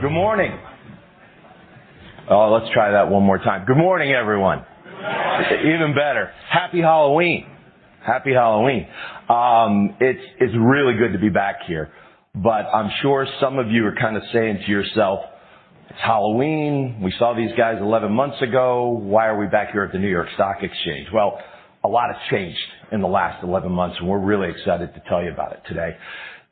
Good morning, everyone. Good morning. Even better. Happy Halloween. It's really good to be back here. I'm sure some of you are kinda saying to yourself, "It's Halloween. We saw these guys 11 months ago. Why are we back here at the New York Stock Exchange?" Well, a lot has changed in the last 11 months, and we're really excited to tell you about it today.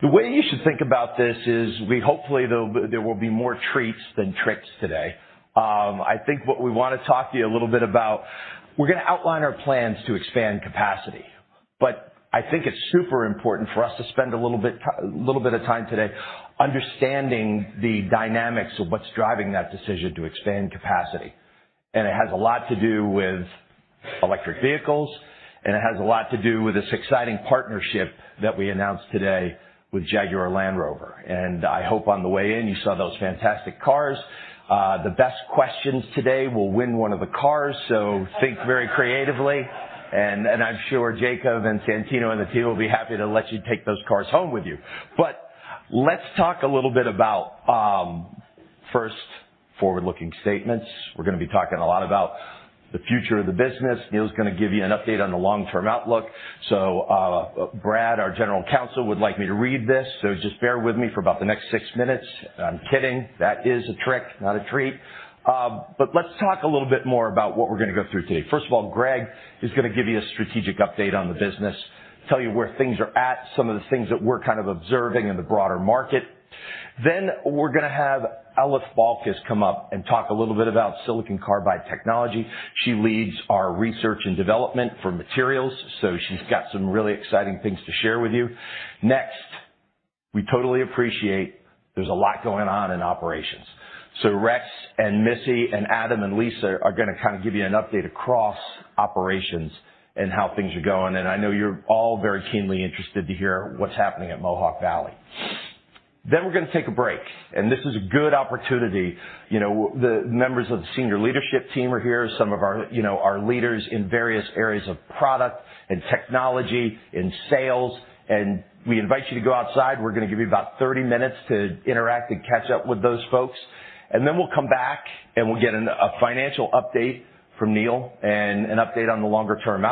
The way you should think about this is hopefully, though, there will be more treats than tricks today. I think what we wanna talk to you a little bit about, we're gonna outline our plans to expand capacity. I think it's super important for us to spend a little bit of time today understanding the dynamics of what's driving that decision to expand capacity. It has a lot to do with electric vehicles, and it has a lot to do with this exciting partnership that we announced today with Jaguar Land Rover. I hope on the way in you saw those fantastic cars. The best questions today will win one of the cars, so think very creatively. I'm sure Jacob and Santino and the team will be happy to let you take those cars home with you. Let's talk a little bit about first, forward-looking statements. We're gonna be talking a lot about the future of the business. Neill's gonna give you an update on the long-term outlook. Brad, our General Counsel, would like me to read this, so just bear with me for about the next six minutes. I'm kidding. That is a trick, not a treat. Let's talk a little bit more about what we're gonna go through today. First of all, Gregg is gonna give you a strategic update on the business, tell you where things are at, some of the things that we're kind of observing in the broader market. We're gonna have Elif Balkas come up and talk a little bit about silicon carbide technology. She leads our Research and Development for Materials, so she's got some really exciting things to share with you. Next, we totally appreciate there's a lot going on in operations. Rex and Missy and Adam and Lisa are gonna kind of give you an update across operations and how things are going, and I know you're all very keenly interested to hear what's happening at Mohawk Valley. We're gonna take a break, and this is a good opportunity. You know, the members of the senior leadership team are here, some of our, you know, our leaders in various areas of product and technology, in sales, and we invite you to go outside. We're gonna give you about 30 minutes to interact and catch up with those folks. We'll come back, and we'll get a financial update from Neill and an update on the longer term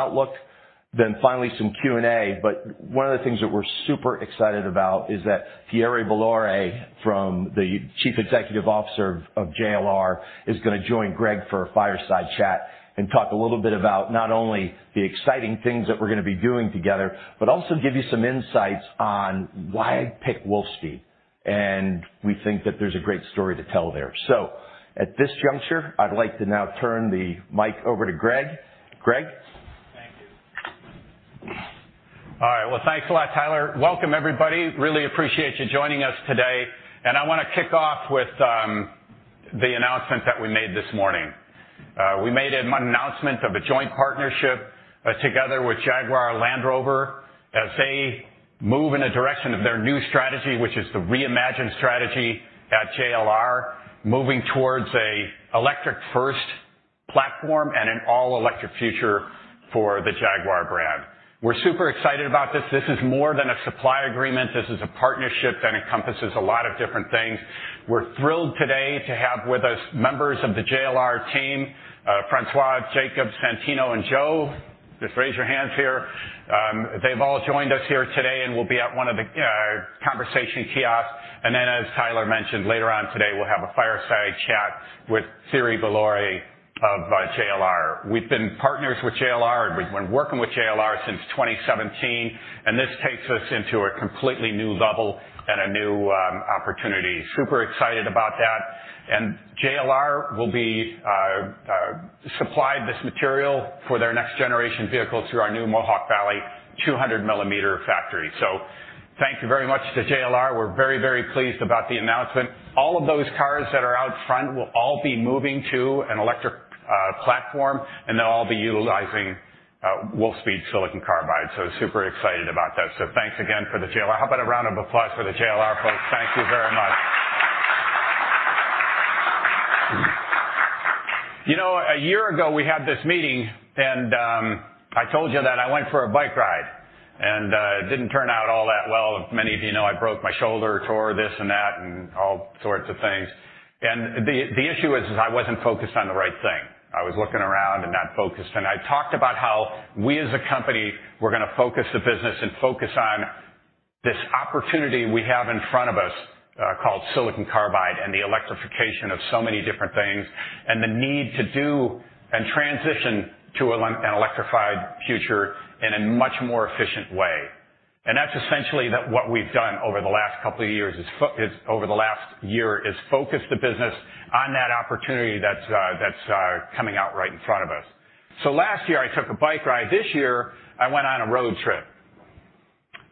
outlook. Finally some Q&A, but one of the things that we're superexcited about is that Thierry Bolloré, Chief Executive Officer of JLR is gonna join Gregg for a fireside chat and talk a little bit about not only the exciting things that we're gonna be doing together, but also give you some insights on why pick Wolfspeed. We think that there's a great story to tell there. At this juncture, I'd like to now turn the mic over to Gregg. Gregg? Thank you. All right, well, thanks a lot, Tyler. Welcome everybody. Really appreciate you joining us today. I wanna kick off with the announcement that we made this morning. We made an announcement of a joint partnership together with Jaguar Land Rover as they move in a direction of their new strategy, which is the Reimagine strategy at JLR, moving towards an electric first platform and an all-electric future for the Jaguar brand. We're super excited about this. This is more than a supply agreement. This is a partnership that encompasses a lot of different things. We're thrilled today to have with us members of the JLR team, Francois, Jacob, Santino, and Joe. Just raise your hands here. They've all joined us here today and will be at one of the conversation kiosks. Then, as Tyler mentioned, later on today we'll have a fireside chat with Thierry Bolloré of JLR. We've been partners with JLR and we've been working with JLR since 2017, and this takes us into a completely new level and a new opportunity. Super excited about that. JLR will be supplied this material for their next generation vehicle through our new Mohawk Valley 200 mm factory. Thank you very much to JLR. We're very, very pleased about the announcement. All of those cars that are out front will all be moving to an electric platform, and they'll all be utilizing Wolfspeed silicon carbide, so super excited about that. Thanks again for JLR. How about a round of applause for the JLR folks? Thank you very much. You know, a year ago we had this meeting, and I told you that I went for a bike ride, and it didn't turn out all that well. As many of you know, I broke my shoulder, tore this and that and all sorts of things. The issue is I wasn't focused on the right thing. I was looking around and not focused. I talked about how we as a company were gonna focus the business and focus on this opportunity we have in front of us, called silicon carbide and the electrification of so many different things, and the need to do and transition to an electrified future in a much more efficient way. That's essentially what we've done over the last year is focus the business on that opportunity that's coming out right in front of us. Last year I took a bike ride. This year I went on a road trip.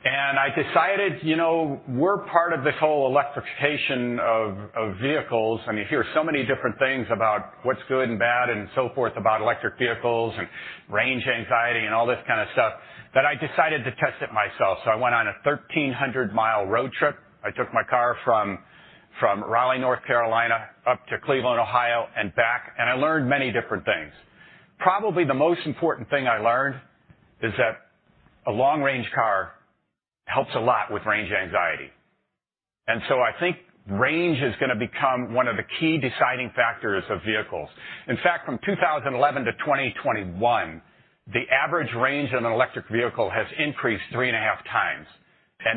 I decided, you know, we're part of this whole electrification of vehicles. I mean, you hear so many different things about what's good and bad and so forth about electric vehicles and range anxiety and all this kind of stuff, that I decided to test it myself. I went on a 1,300 mi road trip. I took my car from Raleigh, North Carolina, up to Cleveland, Ohio, and back, and I learned many different things. Probably the most important thing I learned is that a long range car helps a lot with range anxiety. I think range is gonna become one of the key deciding factors of vehicles. In fact, from 2011-2021, the average range on an electric vehicle has increased three and a half times.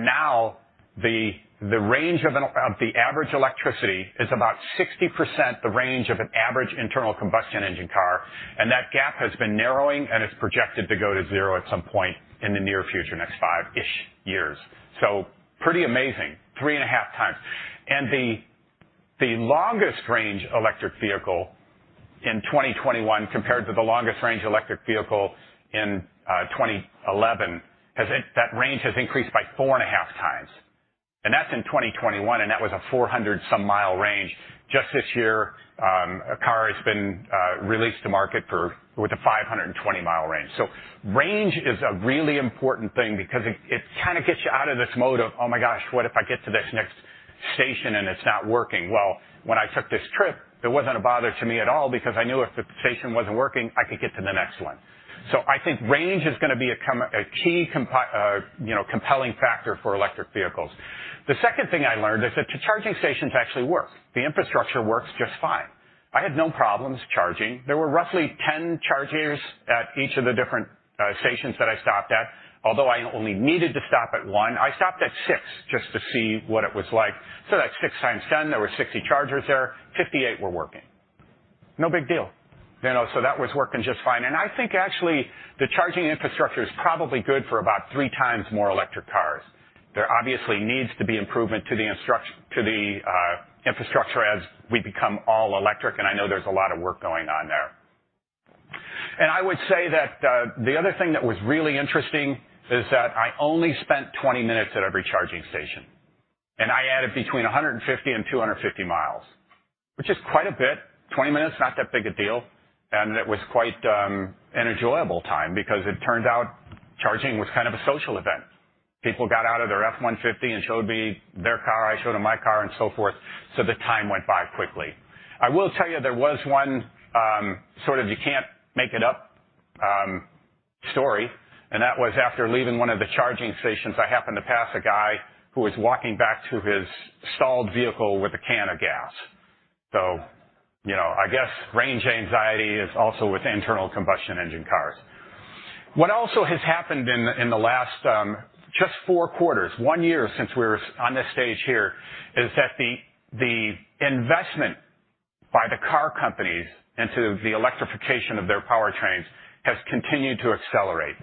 Now the range of the average electric vehicle is about 60% the range of an average internal combustion engine car, and that gap has been narrowing and is projected to go to zero at some point in the near future, next five-ish years. Pretty amazing, 3.5x. The longest range electric vehicle in 2021 compared to the longest range electric vehicle in 2011, that range has increased by four and a half times. That's in 2021, and that was a 400-some mi range. Just this year, a car has been released to market with a 520 mi range. Range is a really important thing because it kinda gets you out of this mode of, "Oh my gosh, what if I get to this next station and it's not working?" Well, when I took this trip, it wasn't a bother to me at all because I knew if the station wasn't working, I could get to the next one. I think range is gonna be a key compelling factor for electric vehicles. The second thing I learned is that the charging stations actually work. The infrastructure works just fine. I had no problems charging. There were roughly 10 chargers at each of the different stations that I stopped at. Although I only needed to stop at one, I stopped at six just to see what it was like. That's six times 10, there were 60 chargers there, 58 were working. No big deal. You know, so that was working just fine. I think actually the charging infrastructure is probably good for about three times more electric cars. There obviously needs to be improvement to the infrastructure as we become all electric, and I know there's a lot of work going on there. I would say that the other thing that was really interesting is that I only spent 20 minutes at every charging station, and I added between 150 mi and 250 mi, which is quite a bit. 20 minutes, not that big a deal, and it was quite an enjoyable time because it turns out charging was kind of a social event. People got out of their F-150 and showed me their car, I showed them my car, and so forth, so the time went by quickly. I will tell you, there was one sort of you can't make it up story, and that was after leaving one of the charging stations, I happened to pass a guy who was walking back to his stalled vehicle with a can of gas. You know, I guess range anxiety is also with internal combustion engine cars. What has happened in the last just four quarters, one year since we were on this stage here, is that the investment by the car companies into the electrification of their powertrains has continued to accelerate.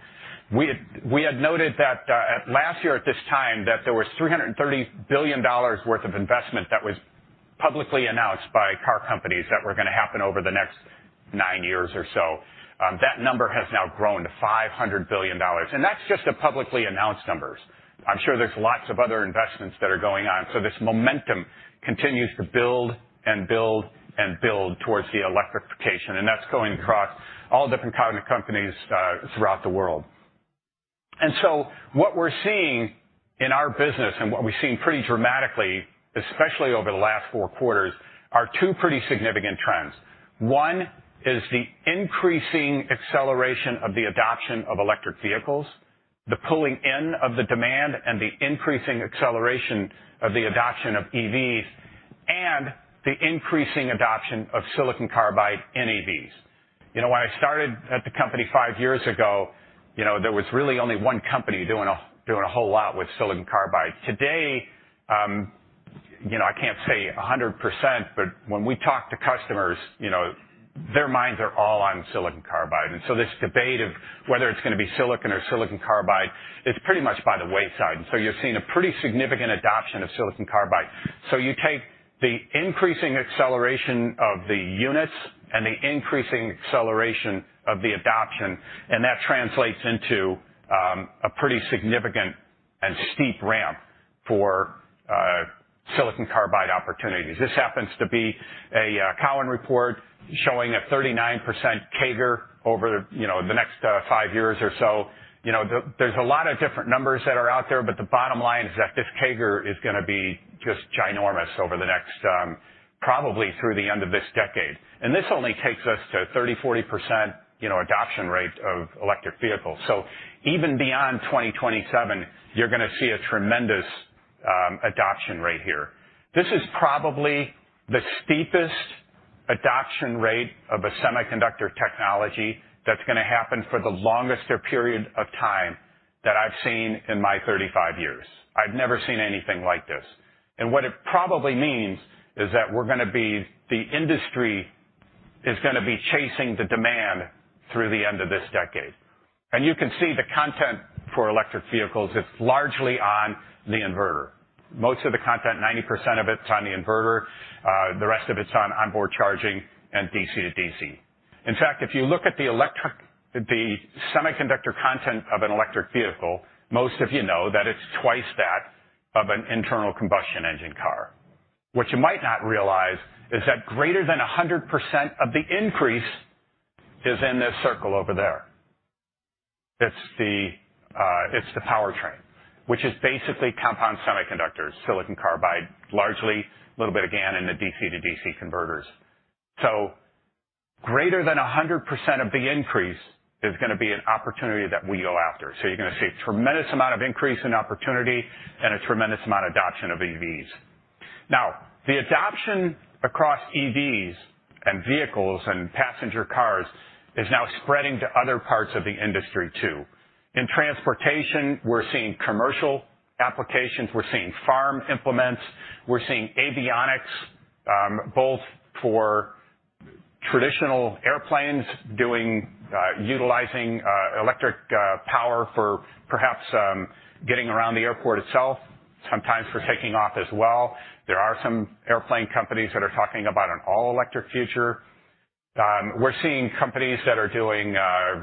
We had noted that at last year at this time, that there was $330 billion worth of investment that was publicly announced by car companies that were gonna happen over the next nine years or so. That number has now grown to $500 billion, and that's just the publicly announced numbers. I'm sure there's lots of other investments that are going on. This momentum continues to build and build and build towards the electrification, and that's going across all different kind of companies throughout the world. What we're seeing in our business and what we've seen pretty dramatically, especially over the last four quarters, are two pretty significant trends. One is the increasing acceleration of the adoption of electric vehicles, the pulling in of the demand and the increasing acceleration of the adoption of EVs, and the increasing adoption of silicon carbide in EVs. You know, when I started at the company five years ago, you know, there was really only one company doing a whole lot with silicon carbide. Today, you know, I can't say 100%, but when we talk to customers, you know, their minds are all on silicon carbide. This debate of whether it's gonna be silicon or silicon carbide, it's pretty much by the wayside. You're seeing a pretty significant adoption of silicon carbide. You take the increasing acceleration of the units and the increasing acceleration of the adoption, and that translates into a pretty significant and steep ramp for silicon carbide opportunities. This happens to be a Cowen report showing a 39% CAGR over, you know, the next five years or so. You know, there's a lot of different numbers that are out there, but the bottom line is that this CAGR is gonna be just ginormous over the next, probably through the end of this decade. This only takes us to 30%-40%, you know, adoption rate of electric vehicles. Even beyond 2027, you're gonna see a tremendous adoption rate here. This is probably the steepest adoption rate of a semiconductor technology that's gonna happen for the longest period of time that I've seen in my 35 years. I've never seen anything like this. What it probably means is that we're gonna be the industry is gonna be chasing the demand through the end of this decade. You can see the content for electric vehicles, it's largely on the inverter. Most of the content, 90% of it's on the inverter. The rest of it's on onboard charging and DC-to-DC. In fact, if you look at the semiconductor content of an electric vehicle, most of you know that it's twice that of an internal combustion engine car. What you might not realize is that greater than 100% of the increase is in this circle over there. It's the powertrain, which is basically compound semiconductors, silicon carbide, largely, a little bit of GaN in the DC-to-DC converters. Greater than 100% of the increase is gonna be an opportunity that we go after. You're gonna see a tremendous amount of increase in opportunity and a tremendous amount of adoption of EVs. Now, the adoption across EVs and vehicles and passenger cars is now spreading to other parts of the industry too. In transportation, we're seeing commercial applications, we're seeing farm implements, we're seeing avionics, both for traditional airplanes utilizing electric power for perhaps getting around the airport itself, sometimes for taking off as well. There are some airplane companies that are talking about an all-electric future. We're seeing companies that are doing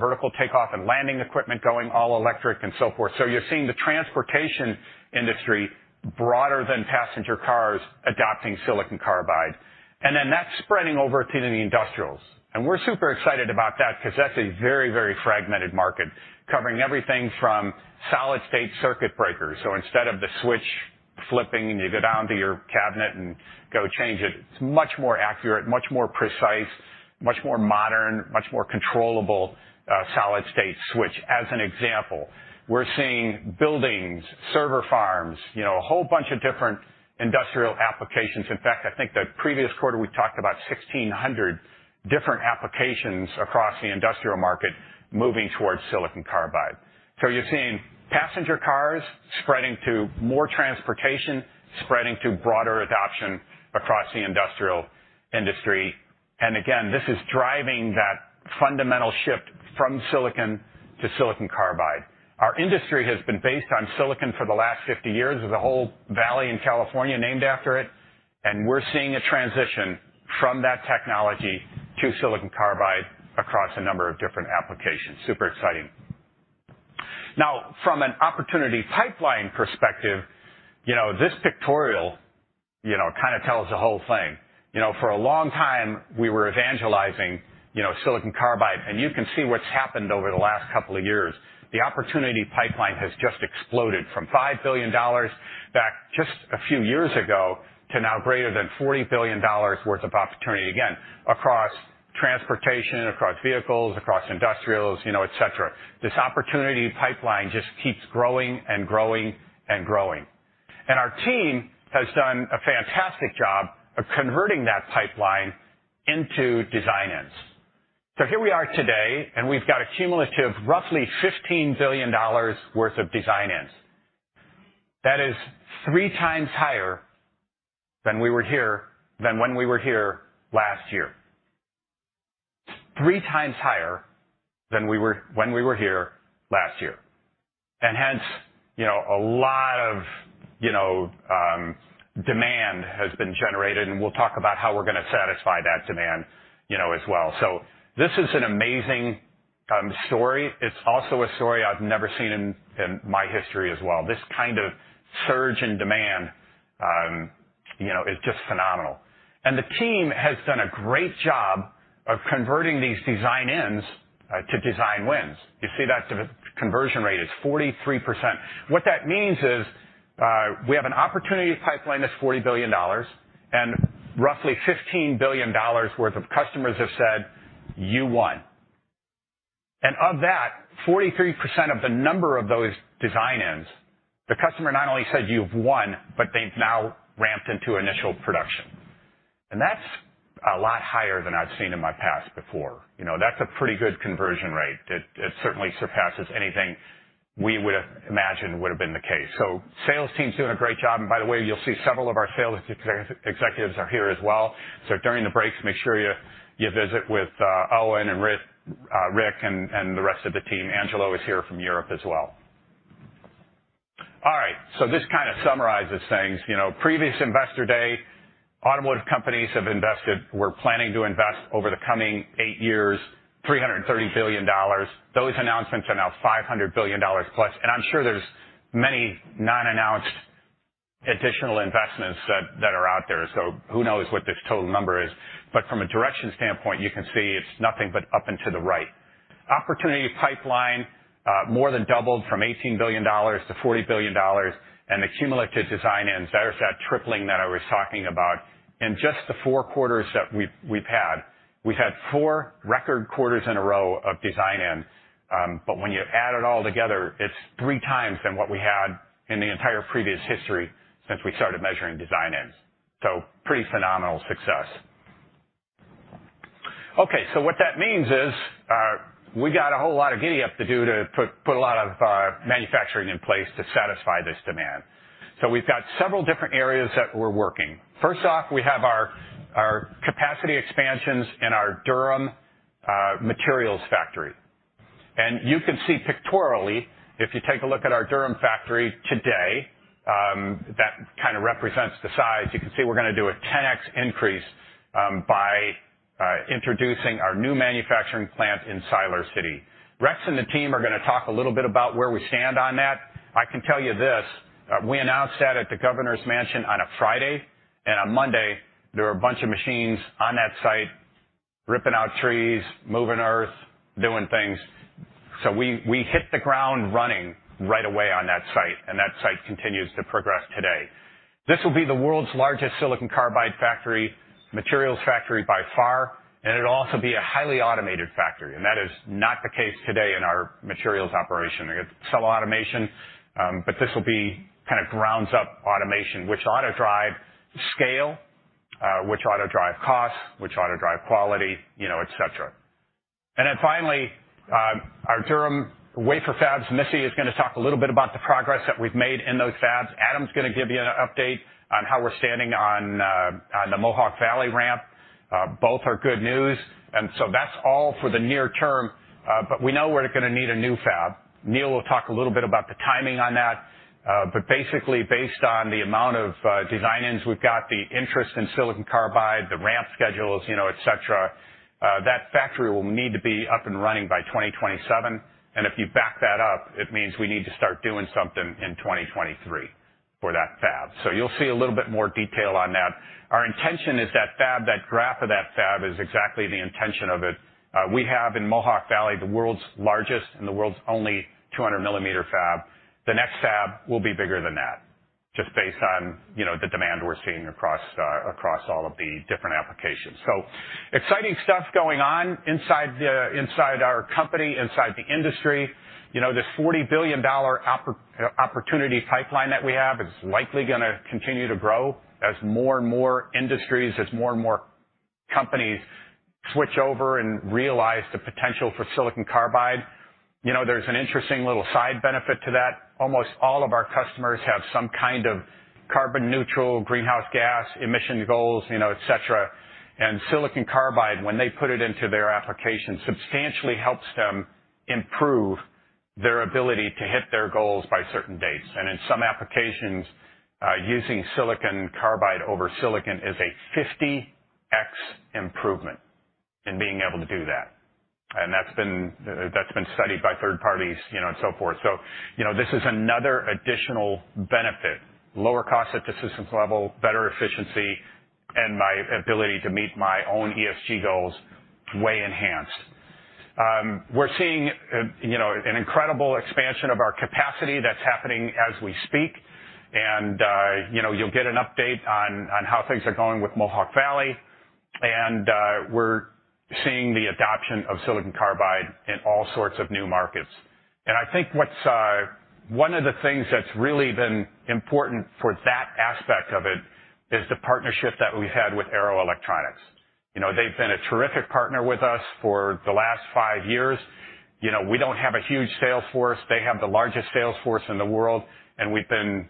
vertical takeoff and landing equipment going all electric and so forth. You're seeing the transportation industry broader than passenger cars adopting silicon carbide. Then that's spreading over to the industrials. We're super excited about that 'cause that's a very, very fragmented market covering everything from solid-state circuit breakers. Instead of the switch flipping and you go down to your cabinet and go change it's much more accurate, much more precise, much more modern, much more controllable, solid-state switch, as an example. We're seeing buildings, server farms, you know, a whole bunch of different industrial applications. In fact, I think the previous quarter we talked about 1,600 different applications across the industrial market moving towards silicon carbide. You're seeing passenger cars spreading to more transportation, spreading to broader adoption across the industrial industry. Again, this is driving that fundamental shift from silicon to silicon carbide. Our industry has been based on silicon for the last 50 years, with the whole valley in California named after it, and we're seeing a transition from that technology to silicon carbide across a number of different applications. Super exciting. Now, from an opportunity pipeline perspective, you know, this pictorial, you know, kind of tells the whole thing. You know, for a long time we were evangelizing, you know, silicon carbide, and you can see what's happened over the last couple of years. The opportunity pipeline has just exploded from $5 billion back just a few years ago to now greater than $40 billion worth of opportunity, again, across transportation, across vehicles, across industrials, you know, et cetera. This opportunity pipeline just keeps growing and growing and growing. Our team has done a fantastic job of converting that pipeline into design-ins. Here we are today, and we've got a cumulative roughly $15 billion worth of design-ins. That is three times higher than when we were here last year. Hence, you know, a lot of, you know, demand has been generated, and we'll talk about how we're gonna satisfy that demand, you know, as well. This is an amazing story. It's also a story I've never seen in my history as well. This kind of surge in demand, you know, is just phenomenal. The team has done a great job of converting these design-ins to design wins. You see that the conversion rate is 43%. What that means is, we have an opportunity pipeline that's $40 billion and roughly $15 billion worth of customers have said, "You won." Of that, 43% of the number of those design-ins, the customer not only said, you've won, but they've now ramped into initial production. That's a lot higher than I've seen in my past before. You know, that's a pretty good conversion rate. It certainly surpasses anything we would have imagined would've been the case. Sales team's doing a great job, and by the way, you'll see several of our sales executives are here as well. During the breaks, make sure you visit with Owen and Rick and the rest of the team. Angelo is here from Europe as well. All right, this kind of summarizes things. You know, previous Investor Day, automotive companies were planning to invest over the coming eight years $330 billion. Those announcements are now $500 billion plus. I'm sure there's many non-announced additional investments that are out there. Who knows what this total number is. From a direction standpoint, you can see it's nothing but up and to the right. Opportunity pipeline more than doubled from $18 billion to $40 billion, and the cumulative design-ins, there's that tripling that I was talking about. In just the four quarters that we've had, we've had four record quarters in a row of design-ins, but when you add it all together, it's three times than what we had in the entire previous history since we started measuring design-ins. Pretty phenomenal success. Okay, what that means is, we got a whole lot of giddy up to do to put a lot of manufacturing in place to satisfy this demand. We've got several different areas that we're working. First off, we have our capacity expansions in our Durham materials factory. You can see pictorially, if you take a look at our Durham factory today, that kind of represents the size. You can see we're gonna do a 10x increase, by introducing our new manufacturing plant in Siler City. Rex and the team are gonna talk a little bit about where we stand on that. I can tell you this, we announced that at the governor's mansion on a Friday, and on Monday, there were a bunch of machines on that site ripping out trees, moving earth, doing things. We hit the ground running right away on that site, and that site continues to progress today. This will be the world's largest silicon carbide factory, materials factory by far, and it'll also be a highly automated factory. That is not the case today in our materials operation. We got some automation, but this will be kind of ground up automation, which ought to drive scale, which ought to drive costs, which ought to drive quality, you know, et cetera. Finally, our Durham wafer fabs, Missy is gonna talk a little bit about the progress that we've made in those fabs. Adam's gonna give you an update on how we're standing on the Mohawk Valley ramp. Both are good news. That's all for the near term, but we know we're gonna need a new fab. Neill will talk a little bit about the timing on that. Basically based on the amount of design-ins we've got, the interest in silicon carbide, the ramp schedules, you know, et cetera, that factory will need to be up and running by 2027. If you back that up, it means we need to start doing something in 2023 for that fab. You'll see a little bit more detail on that. Our intention is that fab, that graph of that fab is exactly the intention of it. We have in Mohawk Valley, the world's largest and the world's only 200 mm fab. The next fab will be bigger than that, just based on, you know, the demand we're seeing across across all of the different applications. Exciting stuff going on inside our company, inside the industry. You know, this $40 billion opportunity pipeline that we have is likely gonna continue to grow as more and more industries, as more and more companies switch over and realize the potential for silicon carbide. You know, there's an interesting little side benefit to that. Almost all of our customers have some kind of carbon neutral greenhouse gas emission goals, you know, et cetera. Silicon carbide, when they put it into their application, substantially helps them improve their ability to hit their goals by certain dates. In some applications, using silicon carbide over silicon is a 50x improvement in being able to do that. That's been studied by third parties, you know, and so forth. You know, this is another additional benefit, lower cost at the systems level, better efficiency, and my ability to meet my own ESG goals way enhanced. We're seeing, you know, an incredible expansion of our capacity that's happening as we speak. You know, you'll get an update on how things are going with Mohawk Valley. We're seeing the adoption of silicon carbide in all sorts of new markets. I think what's one of the things that's really been important for that aspect of it is the partnership that we've had with Arrow Electronics. You know, they've been a terrific partner with us for the last five years. You know, we don't have a huge sales force. They have the largest sales force in the world, and we've been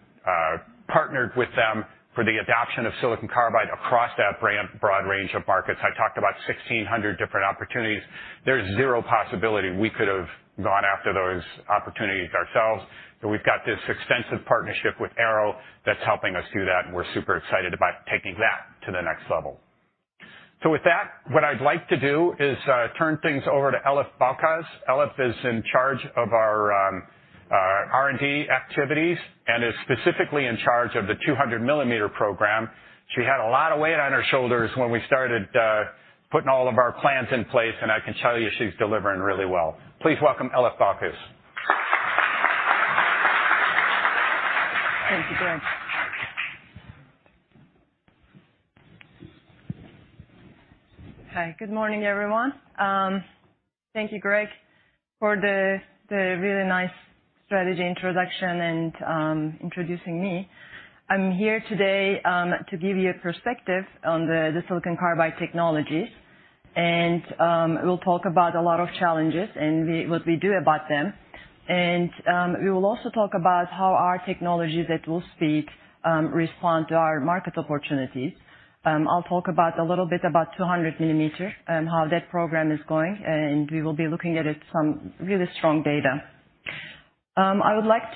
partnered with them for the adoption of silicon carbide across that broad range of markets. I talked about 1,600 different opportunities. There's zero possibility we could have gone after those opportunities ourselves. We've got this extensive partnership with Arrow that's helping us do that, and we're super excited about taking that to the next level. With that, what I'd like to do is turn things over to Elif Balkas. Elif is in charge of our R&D activities and is specifically in charge of the 200 mm program. She had a lot of weight on her shoulders when we started putting all of our plans in place, and I can tell you she's delivering really well. Please welcome Elif Balkas. Thank you, Gregg. Hi, good morning, everyone. Thank you Gregg, for the really nice strategy introduction and introducing me. I'm here today to give you a perspective on the silicon carbide technologies, and we'll talk about a lot of challenges and what we do about them. We will also talk about how our technologies at Wolfspeed respond to our market opportunities. I'll talk about a little bit about 200 mm, how that program is going, and we will be looking at it some really strong data. I would like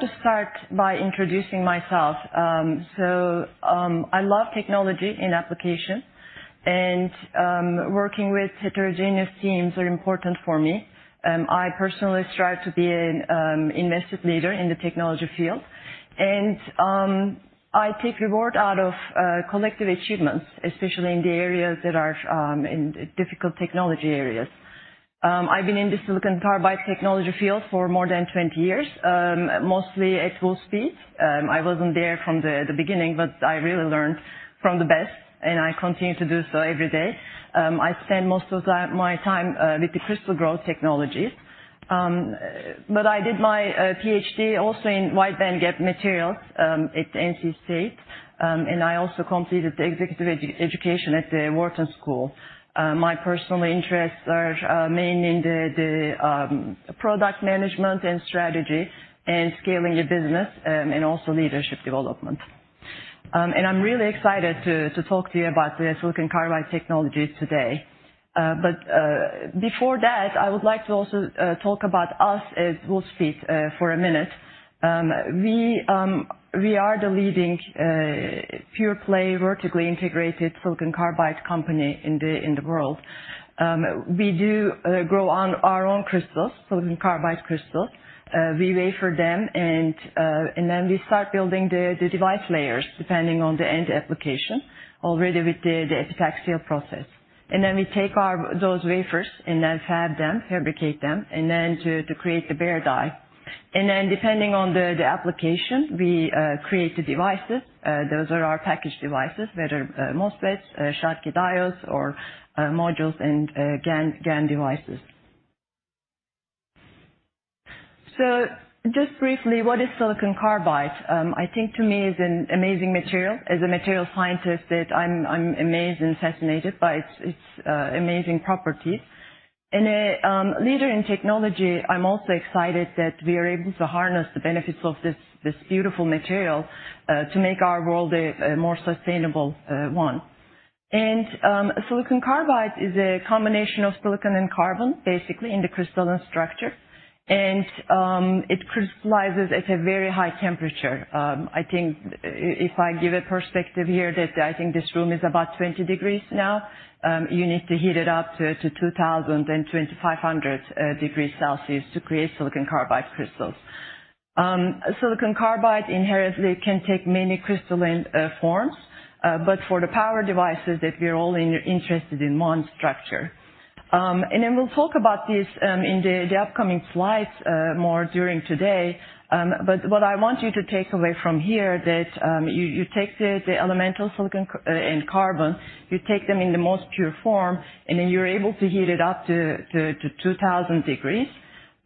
to start by introducing myself. I love technology and application, and working with heterogeneous teams are important for me. I personally strive to be an invested leader in the technology field. I take reward out of collective achievements, especially in the areas that are in difficult technology areas. I've been in the silicon carbide technology field for more than 20 years, mostly at Wolfspeed. I wasn't there from the beginning, but I really learned from the best, and I continue to do so every day. I spend most of my time with the crystal growth technologies. But I did my Ph.D. also in wide bandgap materials at NC State, and I also completed the executive education at the Wharton School. My personal interests are mainly in the product management and strategy and scaling the business, and also leadership development. I'm really excited to talk to you about the silicon carbide technologies today. Before that, I would like to also talk about us at Wolfspeed for a minute. We are the leading pure-play, vertically integrated silicon carbide company in the world. We do grow our own crystals, silicon carbide crystals. We wafer them and then we start building the device layers depending on the end application already with the epitaxial process. Then we take those wafers and then fab them, fabricate them, and then to create the bare die. Then depending on the application, we create the devices. Those are our packaged devices that are MOSFETs, Schottky Diodes or modules and GaN devices. Just briefly, what is silicon carbide? I think to me is an amazing material. As a material scientist, I'm amazed and fascinated by its amazing properties. As a leader in technology, I'm also excited that we are able to harness the benefits of this beautiful material to make our world a more sustainable one. Silicon carbide is a combination of silicon and carbon, basically, in the crystalline structure. It crystallizes at a very high temperature. I think if I give a perspective here that this room is about 20 degrees now, you need to heat it up to 2,000 degrees Celsius-2,500 degrees Celsius to create silicon carbide crystals. Silicon carbide inherently can take many crystalline forms, but for the power devices that we're only interested in one structure. We'll talk about this in the upcoming slides more during today. What I want you to take away from here that you take the elemental silicon and carbon, you take them in the most pure form, and then you're able to heat it up to 2,000 degrees.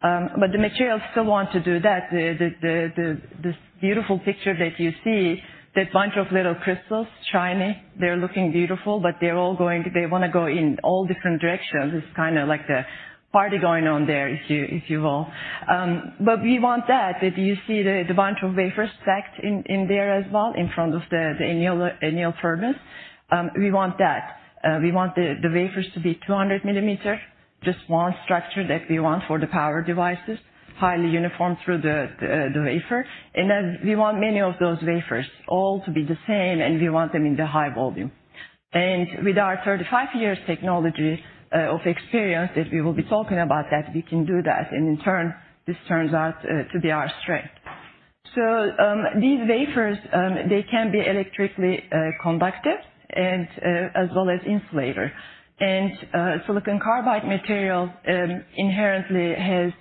The materials still want to do that. The this beautiful picture that you see, that bunch of little crystals, shiny, they're looking beautiful, but they're all going they wanna go in all different directions. It's kinda like the party going on there, if you will. We want that. If you see the bunch of wafers stacked in there as well in front of the annealer, anneal furnace, we want that. We want the wafers to be 200 mm, just one structure that we want for the power devices, highly uniform through the wafer. We want many of those wafers all to be the same, and we want them in the high volume. With our 35 years technology of experience that we will be talking about, we can do that. In turn, this turns out to be our strength. These wafers, they can be electrically conductive and as well as insulator. Silicon carbide material inherently has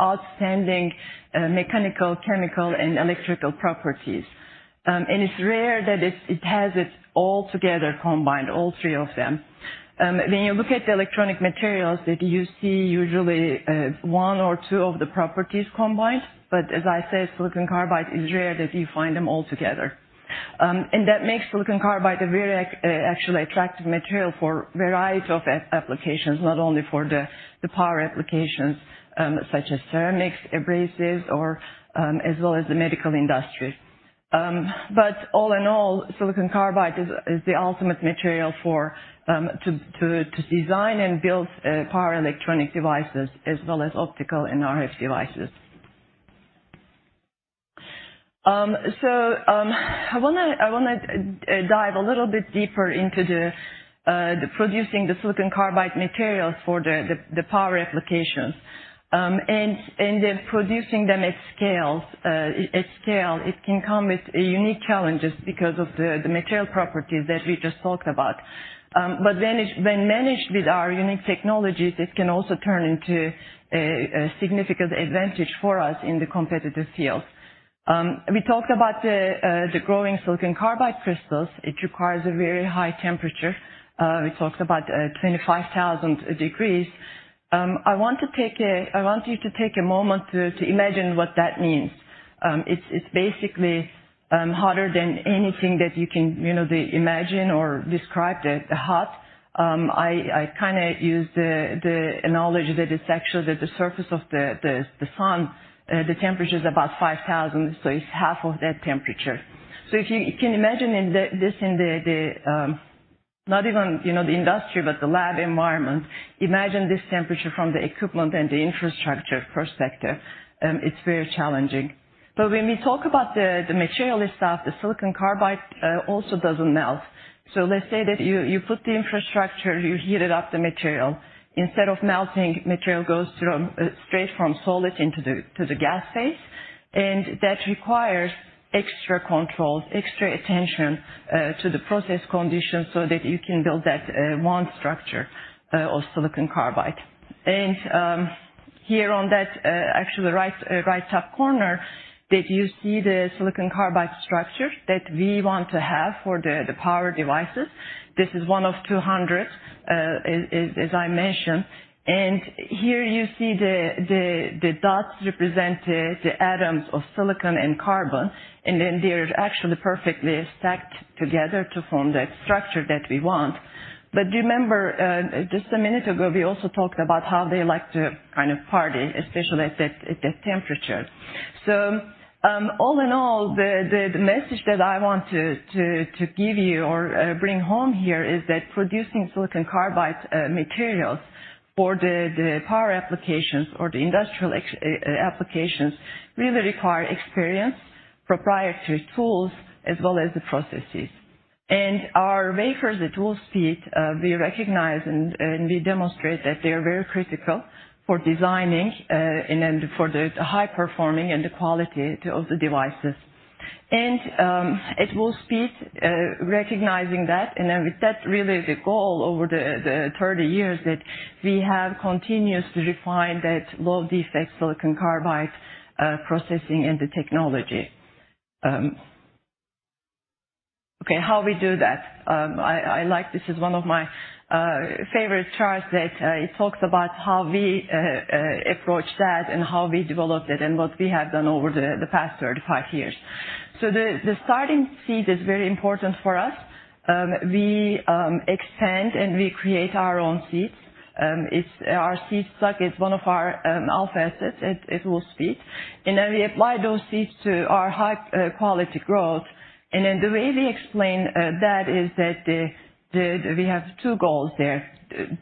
outstanding mechanical, chemical, and electrical properties. It's rare that it has it all together combined, all three of them. When you look at the electronic materials that you see usually, one or two of the properties combined, but as I said, silicon carbide is rare that you find them all together. That makes silicon carbide a very actually attractive material for a variety of applications, not only for the power applications such as ceramics, abrasives or as well as the medical industry. All in all, silicon carbide is the ultimate material for to design and build power electronic devices as well as optical and RF devices. I wanna dive a little bit deeper into the producing the silicon carbide materials for the power applications. Producing them at scale, it can come with unique challenges because of the material properties that we just talked about. When managed with our unique technologies, it can also turn into a significant advantage for us in the competitive field. We talked about the growing silicon carbide crystals. It requires a very high temperature. We talked about 25,000 degrees. I want you to take a moment to imagine what that means. It's basically hotter than anything that you can, you know, imagine or describe that hot. I kinda use the knowledge that it's actually the surface of the sun. The temperature's about 5,000 degrees, so it's half of that temperature. If you can imagine in the not even, you know, the industry, but the lab environment, imagine this temperature from the equipment and the infrastructure perspective, it's very challenging. When we talk about the material itself, the silicon carbide also doesn't melt. Let's say that you put the infrastructure, you heat up the material. Instead of melting, material goes through straight from solid into the gas phase. That requires extra controls, extra attention to the process conditions so that you can build that one structure of silicon carbide. Here, actually, in the right top corner that you see the silicon carbide structure that we want to have for the power devices. This is one of 200, as I mentioned. Here you see the dots represent the atoms of silicon and carbon, and then they're actually perfectly stacked together to form the structure that we want. But remember, just a minute ago, we also talked about how they like to kind of party, especially at that temperature. All in all, the message that I want to give you or bring home here is that producing silicon carbide materials for the power applications or the industrial applications really require experience, proprietary tools, as well as the processes. Our wafers, the tool speed, we recognize and we demonstrate that they are very critical for designing, and then for the high performing and the quality of the devices. At Wolfspeed, recognizing that's really the goal over the 30 years that we have continuously refined that low-defect silicon carbide processing and the technology. Okay, how we do that? I like this as one of my favorite charts that it talks about how we approach that and how we developed it and what we have done over the past 35 years. The starting seed is very important for us. We extend and we create our own seeds. Our seed stock is one of our alpha assets at Wolfspeed. We apply those seeds to our high quality growth. The way we explain that is that we have two goals there.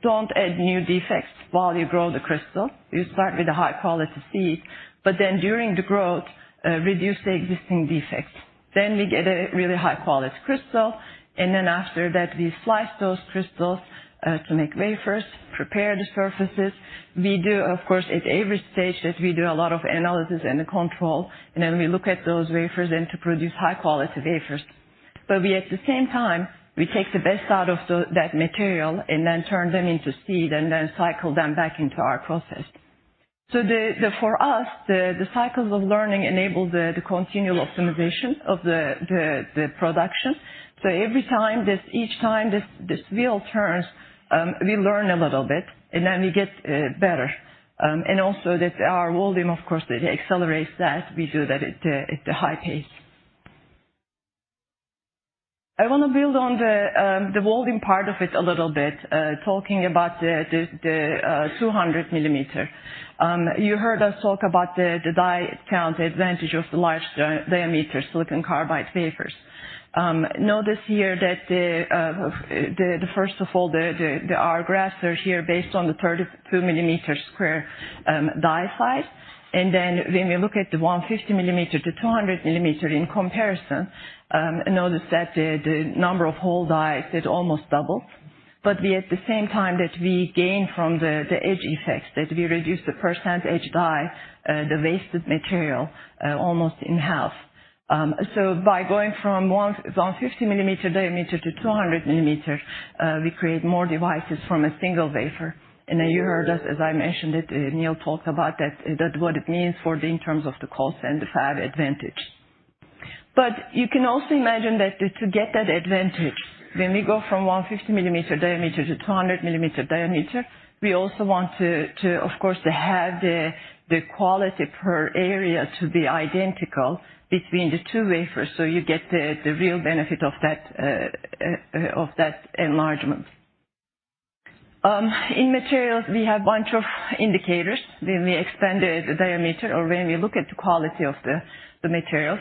Don't add new defects while you grow the crystal. You start with a high-quality seed, but during the growth, reduce the existing defects. We get a really high-quality crystal, and after that, we slice those crystals to make wafers, prepare the surfaces. We do, of course, at every stage a lot of analysis and control, and we look at those wafers to produce high-quality wafers. But at the same time, we take the best out of that material and turn them into seed and cycle them back into our process. For us, the cycles of learning enable the continual optimization of the production. Each time this wheel turns, we learn a little bit, and then we get better. Our volume, of course, accelerates that. We do that at a high pace. I wanna build on the volume part of it a little bit, talking about the 200 mm. You heard us talk about the die count advantage of the large diameter silicon carbide wafers. Notice here that our graphs are here based on the 32 mm square die size. When we look at the 150 mm-200 mm in comparison, notice that the number of whole dies almost double. We, at the same time that we gain from the edge effects, reduce the percent edge die, the wasted material, almost in half. By going from 150 mm diameter to 200 mm, we create more devices from a single wafer. You heard us, as I mentioned it. Neill talked about that, what it means in terms of the cost and the fab advantage. You can also imagine that to get that advantage, when we go from 150 mm diameter-200 mm diameter, we also want to, of course, to have the quality per area to be identical between the two wafers, so you get the real benefit of that enlargement. In materials, we have bunch of indicators when we extend the diameter or when we look at the quality of the materials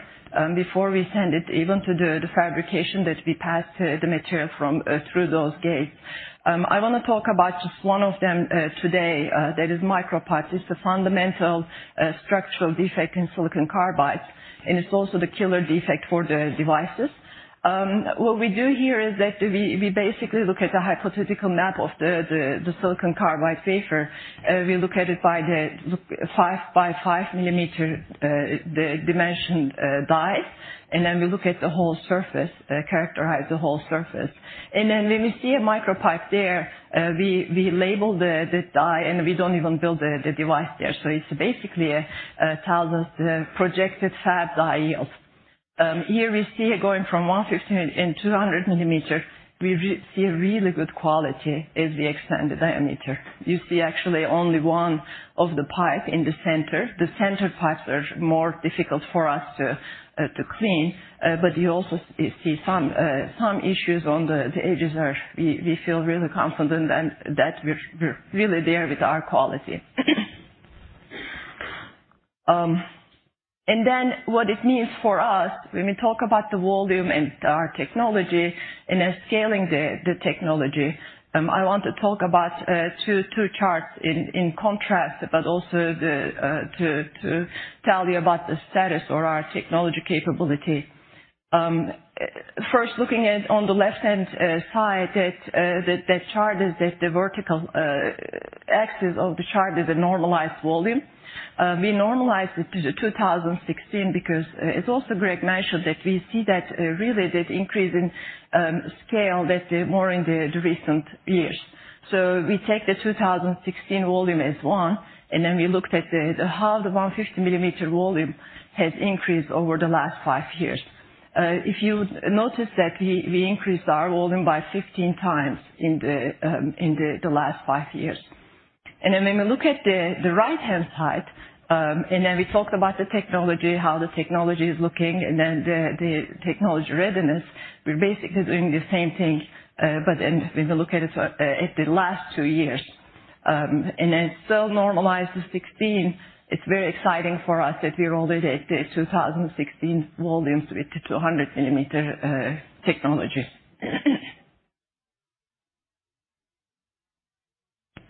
before we send it even to the fabrication that we pass the material from through those gates. I want to talk about just one of them today, that is micropipes. It's a fundamental structural defect in silicon carbide, and it's also the killer defect for the devices. What we do here is that we basically look at the hypothetical map of the silicon carbide wafer. We look at it by the 5 mm by 5 mm dimension die, and then we look at the whole surface, characterize the whole surface. When we see a micropipe there, we label the die, and we don't even build the device there. It's basically a thousandth projected fab die yield. Here we see it going from 150 mm and 200 mm. We see a really good quality as we extend the diameter. You see actually only one micropipe in the center. The center pits are more difficult for us to clean, but you also see some issues on the edges, but we feel really confident and that we're really there with our quality. Then what it means for us when we talk about the volume and our technology and then scaling the technology, I want to talk about two charts in contrast, but also to tell you about the status of our technology capability. First, looking at the chart on the left-hand side, the vertical axis of the chart is the normalized volume. We normalized it to 2016 because, as also Gregg mentioned that we see that, really the increase in scale more in the recent years. We take the 2016 volume as one, and then we looked at how the 150 mm volume has increased over the last five years. If you notice that we increased our volume by 15x in the last five years. When we look at the right-hand side, we talked about the technology, how the technology is looking, and then the technology readiness, we're basically doing the same thing, but then when we look at it at the last two years. It's still normalized to 2016. It's very exciting for us that we're already at the 2016 volume to a 200 mm technology.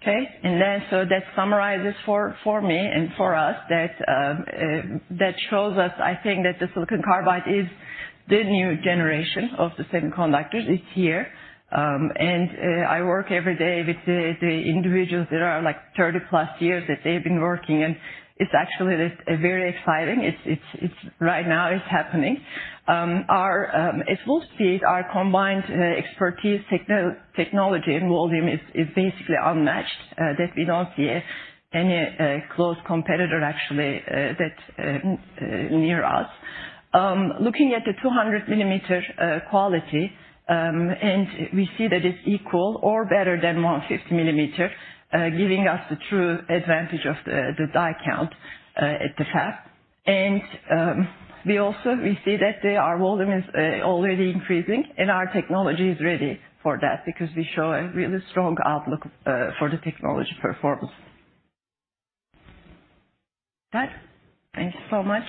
Okay. That summarizes for me and for us that shows us, I think, that the silicon carbide is the new generation of the semiconductors is here. I work every day with the individuals that are, like, 30+ years that they've been working, and it's actually very exciting. It's happening right now. Our, as we'll see, our combined expertise, technology and volume is basically unmatched that we don't see any close competitor actually that near us. Looking at the 200 mm quality, and we see that it's equal or better than 150 mm, giving us the true advantage of the die count at the fab. We see that our volume is already increasing, and our technology is ready for that because we show a really strong outlook for the technology performance. Right. Thank you so much.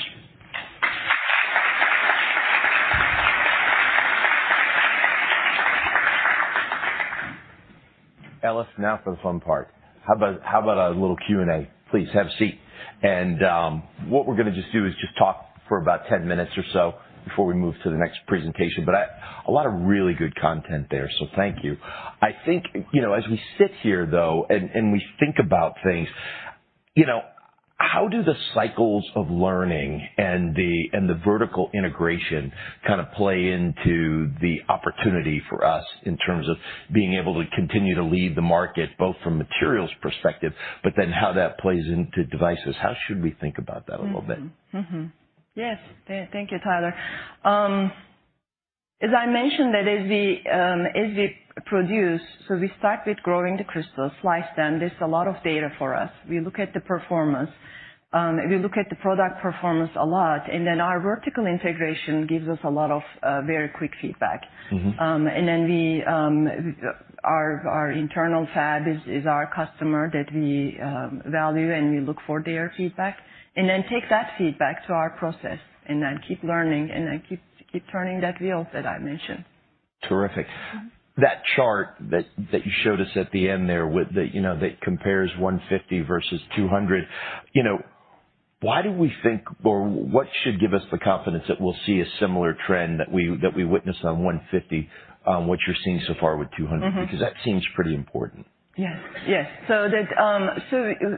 Elif, now for the fun part. How about a little Q&A? Please have a seat. What we're gonna just do is just talk for about 10 minutes or so before we move to the next presentation. But a lot of really good content there, so thank you. I think, you know, as we sit here, though, and we think about things, you know, how do the cycles of learning and the vertical integration kind of play into the opportunity for us in terms of being able to continue to lead the market, both from materials perspective, but then how that plays into devices? How should we think about that a little bit? Thank you, Tyler. As I mentioned, as we produce, we start with growing the crystals, slice them. There's a lot of data for us. We look at the performance. We look at the product performance a lot, and then our vertical integration gives us a lot of very quick feedback. Our internal fab is our customer that we value, and we look for their feedback. Take that feedback to our process and then keep learning, and then keep turning that wheel that I mentioned. Terrific. That chart that you showed us at the end there with the, you know, that compares 150 mm versus 200 mm, you know, why do we think or what should give us the confidence that we'll see a similar trend that we witness on 150 mm, what you're seeing so far with 200 mm? Mm-hmm. Because that seems pretty important. Yes.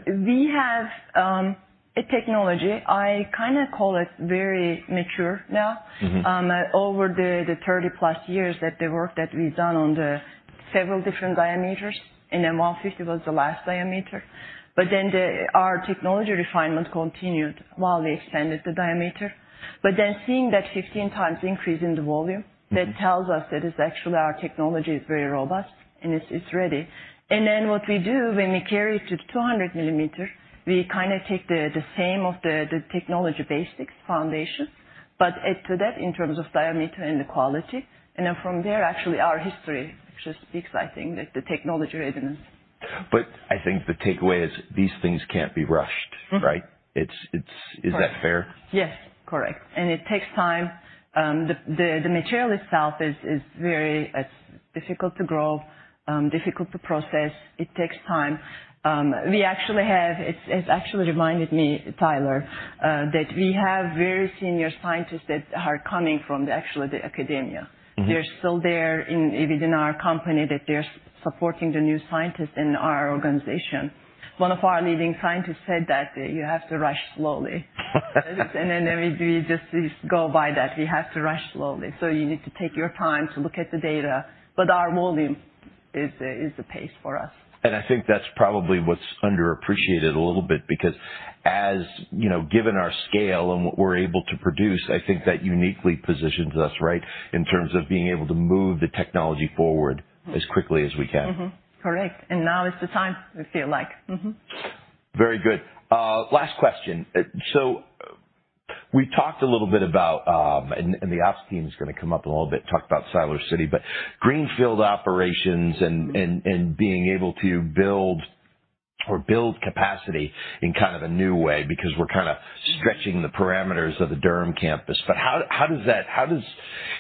We have a technology I kinda call it very mature now. Mm-hmm. Over the 30+ years that the work that we've done on the several different diameters, and then 150 mm was the last diameter. Our technology refinement continued while they extended the diameter. Seeing that 15x increase in the volume. Mm-hmm. That tells us that it's actually our technology is very robust, and it's ready. Then what we do when we carry it to 200 mm, we kinda take the same of the technology basics foundation, but add to that in terms of diameter and the quality. Then from there, actually, our history just speaks, I think, the technology readiness. I think the takeaway is these things can't be rushed, right? Mm-hmm. Is that fair? Yes. Correct. It takes time. The material itself is difficult to grow, difficult to process. It takes time. It's actually reminded me, Tyler, that we have very senior scientists that are coming from the academia. Mm-hmm. They're still there within our company that they're supporting the new scientists in our organization. One of our leading scientists said that you have to rush slowly. We just go by that. We have to rush slowly. You need to take your time to look at the data, but our volume is the pace for us. I think that's probably what's underappreciated a little bit because as, you know, given our scale and what we're able to produce, I think that uniquely positions us, right, in terms of being able to move the technology forward as quickly as we can. Correct. Now is the time, we feel like. Very good. Last question. We talked a little bit about the ops team is gonna come up in a little bit, talk about Siler City, but greenfield operations and being able to build capacity in kind of a new way because we're kinda stretching the parameters of the Durham campus.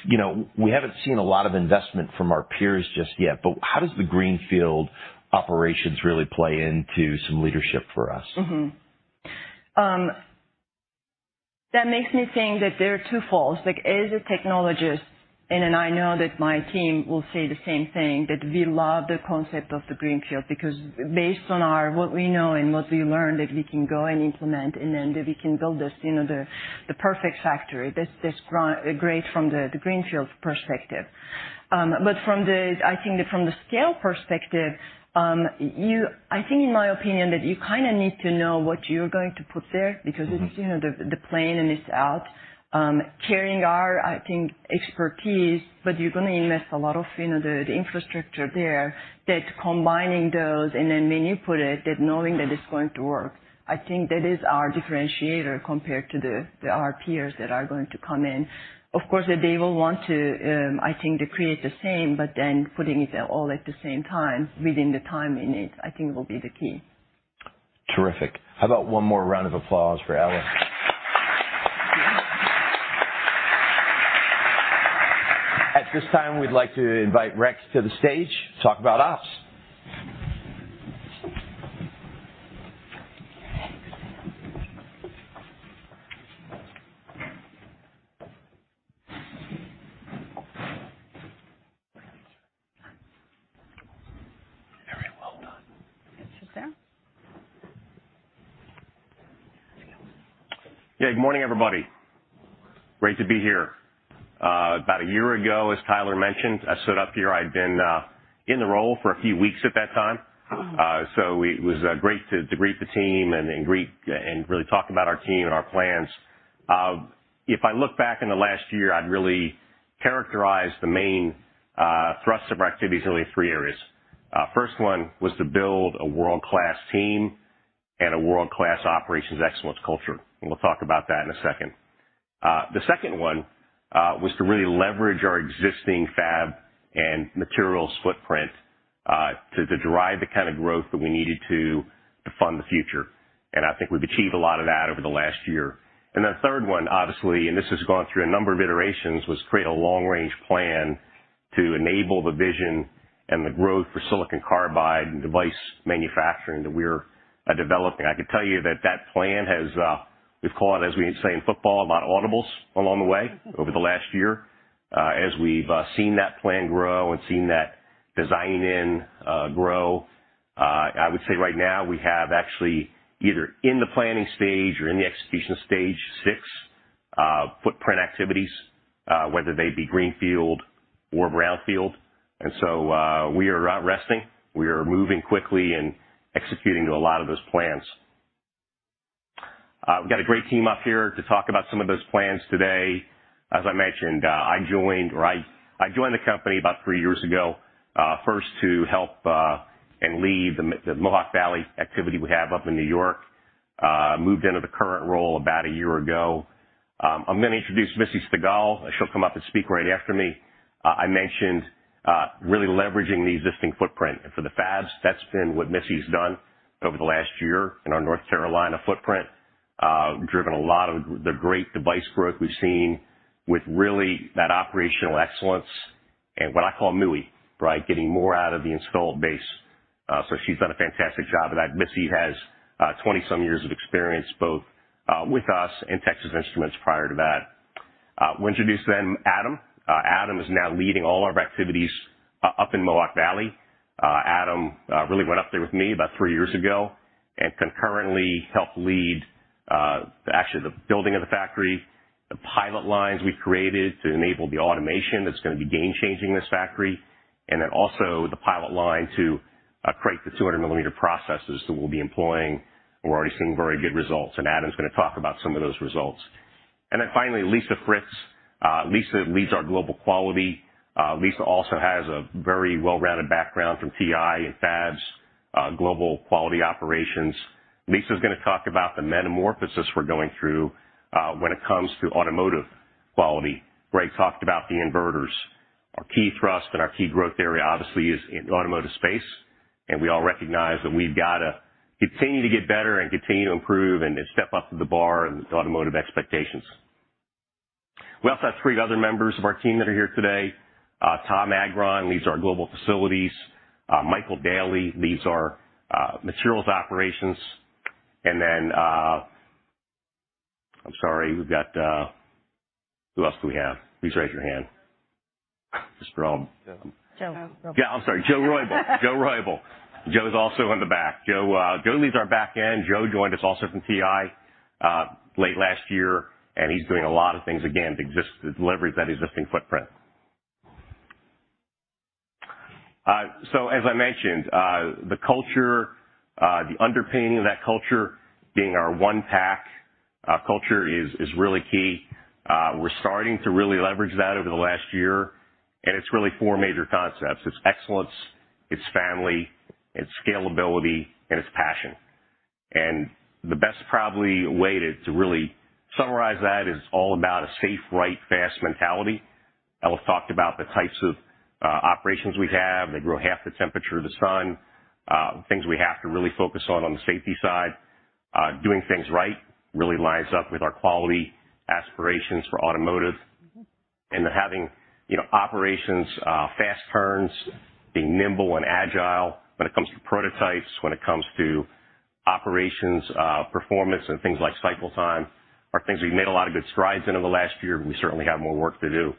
You know, we haven't seen a lot of investment from our peers just yet, but how does the greenfield operations really play into some leadership for us? That makes me think that there are two folds. Like, as a technologist, and then I know that my team will say the same thing, that we love the concept of the greenfield, because based on what we know and what we learned, that we can go and implement, and then we can build this, you know, the perfect factory. That's great from the greenfield perspective. From the scale perspective, I think in my opinion that you kinda need to know what you're going to put there. Mm-hmm. Because it's, you know, the plan and it's about carrying our, I think, expertise, but you're gonna invest a lot of, you know, the infrastructure there that combining those and then manipulate that knowing that it's going to work. I think that is our differentiator compared to the our peers that are going to come in. Of course, they will want to, I think, to create the same, but then putting it all at the same time within the timeline, I think will be the key. Terrific. How about one more round of applause for Elif? At this time, we'd like to invite Rex to the stage to talk about ops. Very well done. It's just there. Yeah, good morning, everybody. Great to be here. About a year ago, as Tyler mentioned, I stood up here. I'd been in the role for a few weeks at that time. It was great to greet the team and really talk about our team and our plans. If I look back in the last year, I'd really characterize the main thrust of our activities in only three areas. First one was to build a world-class team and a world-class operations excellence culture, and we'll talk about that in a second. The second one was to really leverage our existing fab and materials footprint to derive the kind of growth that we needed to fund the future, and I think we've achieved a lot of that over the last year. The third one, obviously, and this has gone through a number of iterations, was create a long-range plan to enable the vision and the growth for silicon carbide and device manufacturing that we're developing. I could tell you that plan has, we've called, as we say in football, a lot of audibles along the way over the last year, as we've seen that plan grow and seen that design-in grow. I would say right now we have actually either in the planning stage or in the execution stage six footprint activities, whether they be greenfield or brownfield. We are not resting. We are moving quickly and executing to a lot of those plans. We've got a great team up here to talk about some of those plans today. As I mentioned, I joined the company about three years ago, first to help and lead the Mohawk Valley activity we have up in New York. Moved into the current role about a year ago. I'm gonna introduce Missy Stigall. She'll come up and speak right after me. I mentioned really leveraging the existing footprint. For the fabs, that's been what Missy's done over the last year in our North Carolina footprint, driven a lot of the great device growth we've seen with really that operational excellence and what I call [MUWI], right? Getting more out of the installed base. She's done a fantastic job of that. Missy has 20-some years of experience, both with us and Texas Instruments prior to that. We'll introduce then Adam. Adam is now leading all of our activities up in Mohawk Valley. Adam really went up there with me about three years ago and concurrently helped lead actually the building of the factory, the pilot lines we've created to enable the automation that's gonna be game-changing this factory, and then also the pilot line to create the 200 mm processes that we'll be employing. We're already seeing very good results, and Adam's gonna talk about some of those results. Finally, Lisa Fritz. Lisa leads our global quality. Lisa also has a very well-rounded background from TI and fabs, global quality operations. Lisa's gonna talk about the metamorphosis we're going through when it comes to automotive quality. Gregg talked about the inverters. Our key thrust and our key growth area obviously is in the automotive space, and we all recognize that we've got to continue to get better and continue to improve and then step up to the bar and automotive expectations. We also have three other members of our team that are here today. Tom Agron leads our Global Facilities. Michael Daly leads our Materials Operations. Sorry, we got.. Who else do we have? Please raise your hand. Joe Roybal. I'm sorry. Joe Roybal. Joe's also in the back. Joe leads our Backend. Joe joined us also from TI late last year, and he's doing a lot of things, again, to leverage that existing footprint. As I mentioned, the culture, the underpinning of that culture being our One Pack culture is really key. We're starting to really leverage that over the last year, and it's really four major concepts. It's excellence, it's family, it's scalability, and it's passion. The best probably way to really summarize that is all about a safe, right, fast mentality. I will talk about the types of operations we have. They glow half the temperature of the sun. Things we have to really focus on the safety side. Doing things right really lines up with our quality aspirations for automotive. Having, you know, operations, fast turns, being nimble and agile when it comes to prototypes, when it comes to operations, performance and things like cycle time are things we've made a lot of good strides in over the last year, but we certainly have more work to do.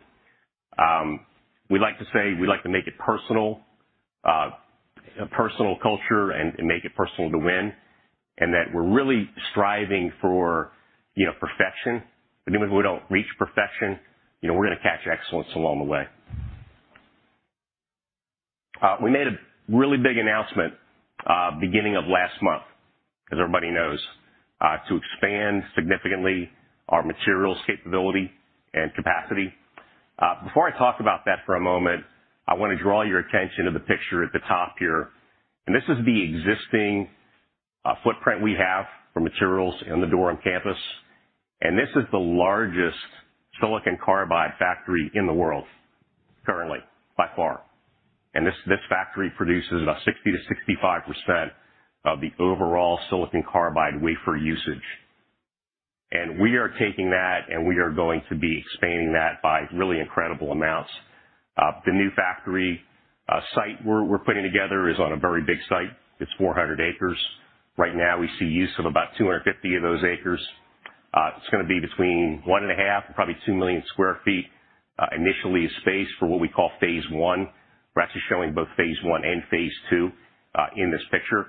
We like to say we like to make it personal, a personal culture and make it personal to win, and that we're really striving for, you know, perfection. Even if we don't reach perfection, you know, we're gonna catch excellence along the way. We made a really big announcement, beginning of last month, as everybody knows, to expand significantly our materials capability and capacity. Before I talk about that for a moment, I want to draw your attention to the picture at the top here. This is the existing footprint we have for materials in the Durham campus, and this is the largest silicon carbide factory in the world currently, by far. We are taking that, and we are going to be expanding that by really incredible amounts. The new factory site we're putting together is on a very big site. It's 400 acres. Right now, we see use of about 250 of those acres. It's gonna be between 1.5 million sq ft, probably 2 million sq ft, initially spaced for what we call phase one. We're actually showing both phase one and phase two in this picture.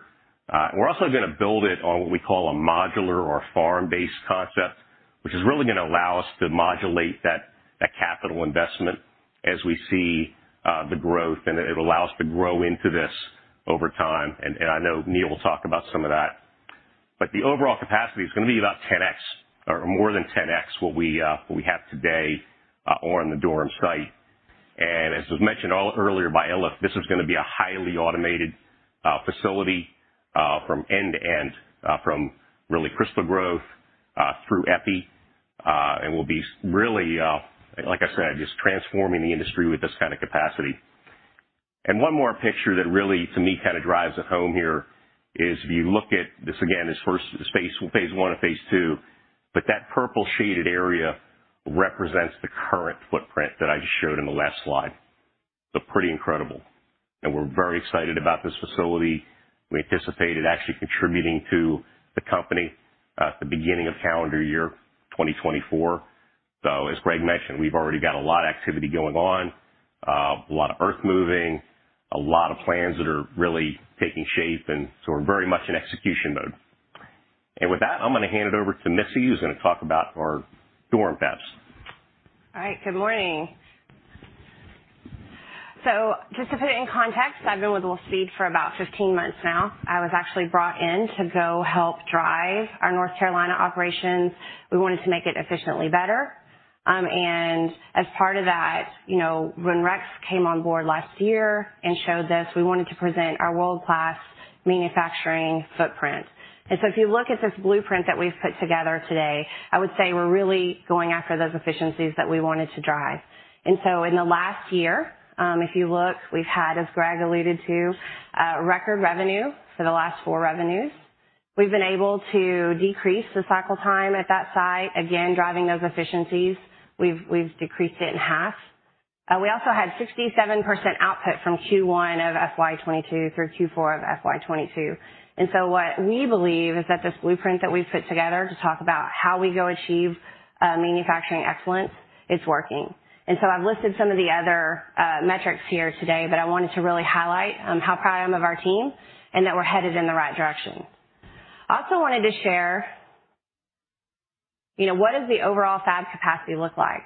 We're also gonna build it on what we call a modular or farm-based concept, which is really gonna allow us to modulate that capital investment as we see the growth, and it allows us to grow into this over time. I know Neill will talk about some of that. The overall capacity is gonna be about 10x or more than 10x what we have today on the Durham site. As was mentioned earlier by Elif, this is gonna be a highly automated facility from end to end, from really crystal growth through epi, and we'll be really, like I said, just transforming the industry with this kind of capacity. One more picture that really, to me, kind of drives it home here is if you look at this again, this first space, phase one and phase two, but that purple shaded area represents the current footprint that I just showed in the last slide. Pretty incredible. We're very excited about this facility. We anticipate it actually contributing to the company at the beginning of calendar year 2024. As Gregg mentioned, we've already got a lot of activity going on, a lot of earth moving, a lot of plans that are really taking shape, and so we're very much in execution mode. With that, I'm gonna hand it over to Missy, who's gonna talk about our Durham fabs. All right. Good morning. Just to put it in context, I've been with Wolfspeed for about 15 months now. I was actually brought in to go help drive our North Carolina operations. We wanted to make it more efficient. As part of that, you know, when Rex came on board last year and showed this, we wanted to present our world-class manufacturing footprint. If you look at this blueprint that we've put together today, I would say we're really going after those efficiencies that we wanted to drive. In the last year, if you look, we've had, as Gregg alluded to, record revenues for the last four quarters. We've been able to decrease the cycle time at that site, again, driving those efficiencies. We've decreased it in half. We also had 67% output from Q1 of FY 2022 through Q4 of FY 2022. What we believe is that this blueprint that we've put together to talk about how we go achieve manufacturing excellence is working. I've listed some of the other metrics here today, but I wanted to really highlight how proud I am of our team and that we're headed in the right direction. I also wanted to share, you know, what does the overall fab capacity look like?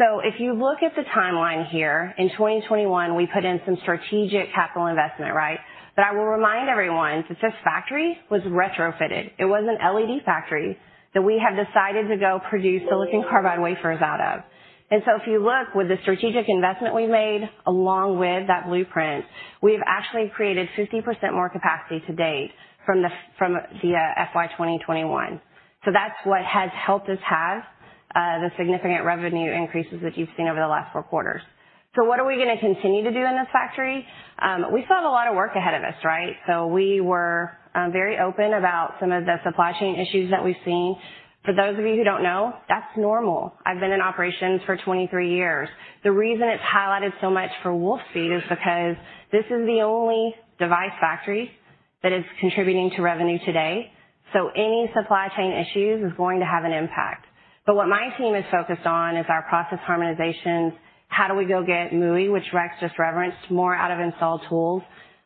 If you look at the timeline here, in 2021, we put in some strategic capital investment, right? I will remind everyone that this factory was retrofitted. It was an LED factory that we have decided to go produce silicon carbide wafers out of. If you look with the strategic investment we've made, along with that blueprint, we've actually created 50% more capacity to date from the FY 2021. That's what has helped us have the significant revenue increases that you've seen over the last four quarters. What are we gonna continue to do in this factory? We still have a lot of work ahead of us, right? We were very open about some of the supply chain issues that we've seen. For those of you who don't know, that's normal. I've been in operations for 23 years. The reason it's highlighted so much for Wolfspeed is because this is the only device factory that is contributing to revenue today. Any supply chain issues is going to have an impact. What my team is focused on is our process harmonization. How do we go get [MUWI], which Rex just referenced, more out of installed tools?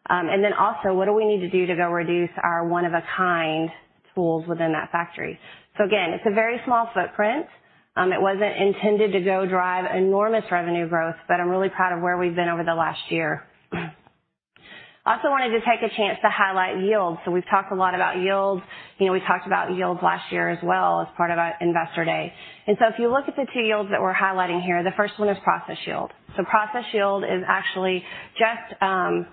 And then also, what do we need to do to go reduce our one-of-a-kind tools within that factory? Again, it's a very small footprint. It wasn't intended to go drive enormous revenue growth, but I'm really proud of where we've been over the last year. I also wanted to take a chance to highlight yield. We've talked a lot about yield. You know, we talked about yield last year as well as part of our investor day. If you look at the two yields that we're highlighting here, the first one is process yield. Process yield is actually just,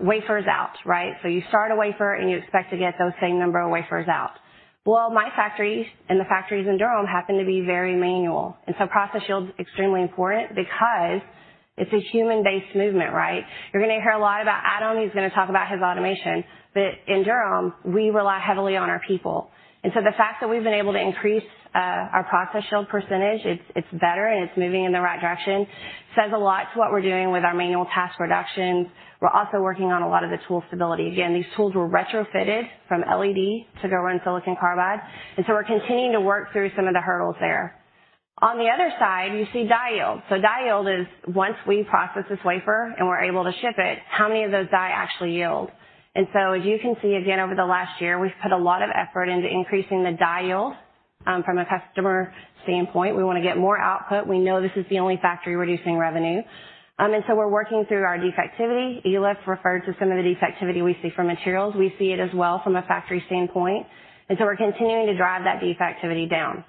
wafers out, right? You start a wafer, and you expect to get those same number of wafers out. Well, my factory and the factories in Durham happen to be very manual, and so process yield's extremely important because it's a human-based movement, right? You're gonna hear a lot about Adam, who's gonna talk about his automation, but in Durham, we rely heavily on our people. The fact that we've been able to increase our process yield percentage, it's better, and it's moving in the right direction, says a lot to what we're doing with our manual task reductions. We're also working on a lot of the tool stability. Again, these tools were retrofitted from LED to go run silicon carbide, and so we're continuing to work through some of the hurdles there. On the other side, you see die yield. Die yield is once we process this wafer and we're able to ship it, how many of those die actually yield? As you can see, again, over the last year, we've put a lot of effort into increasing the die yield from a customer standpoint. We wanna get more output. We know this is the only factory producing revenue. We're working through our defectivity. Elif referred to some of the defectivity we see from materials. We see it as well from a factory standpoint. We're continuing to drive that defectivity down.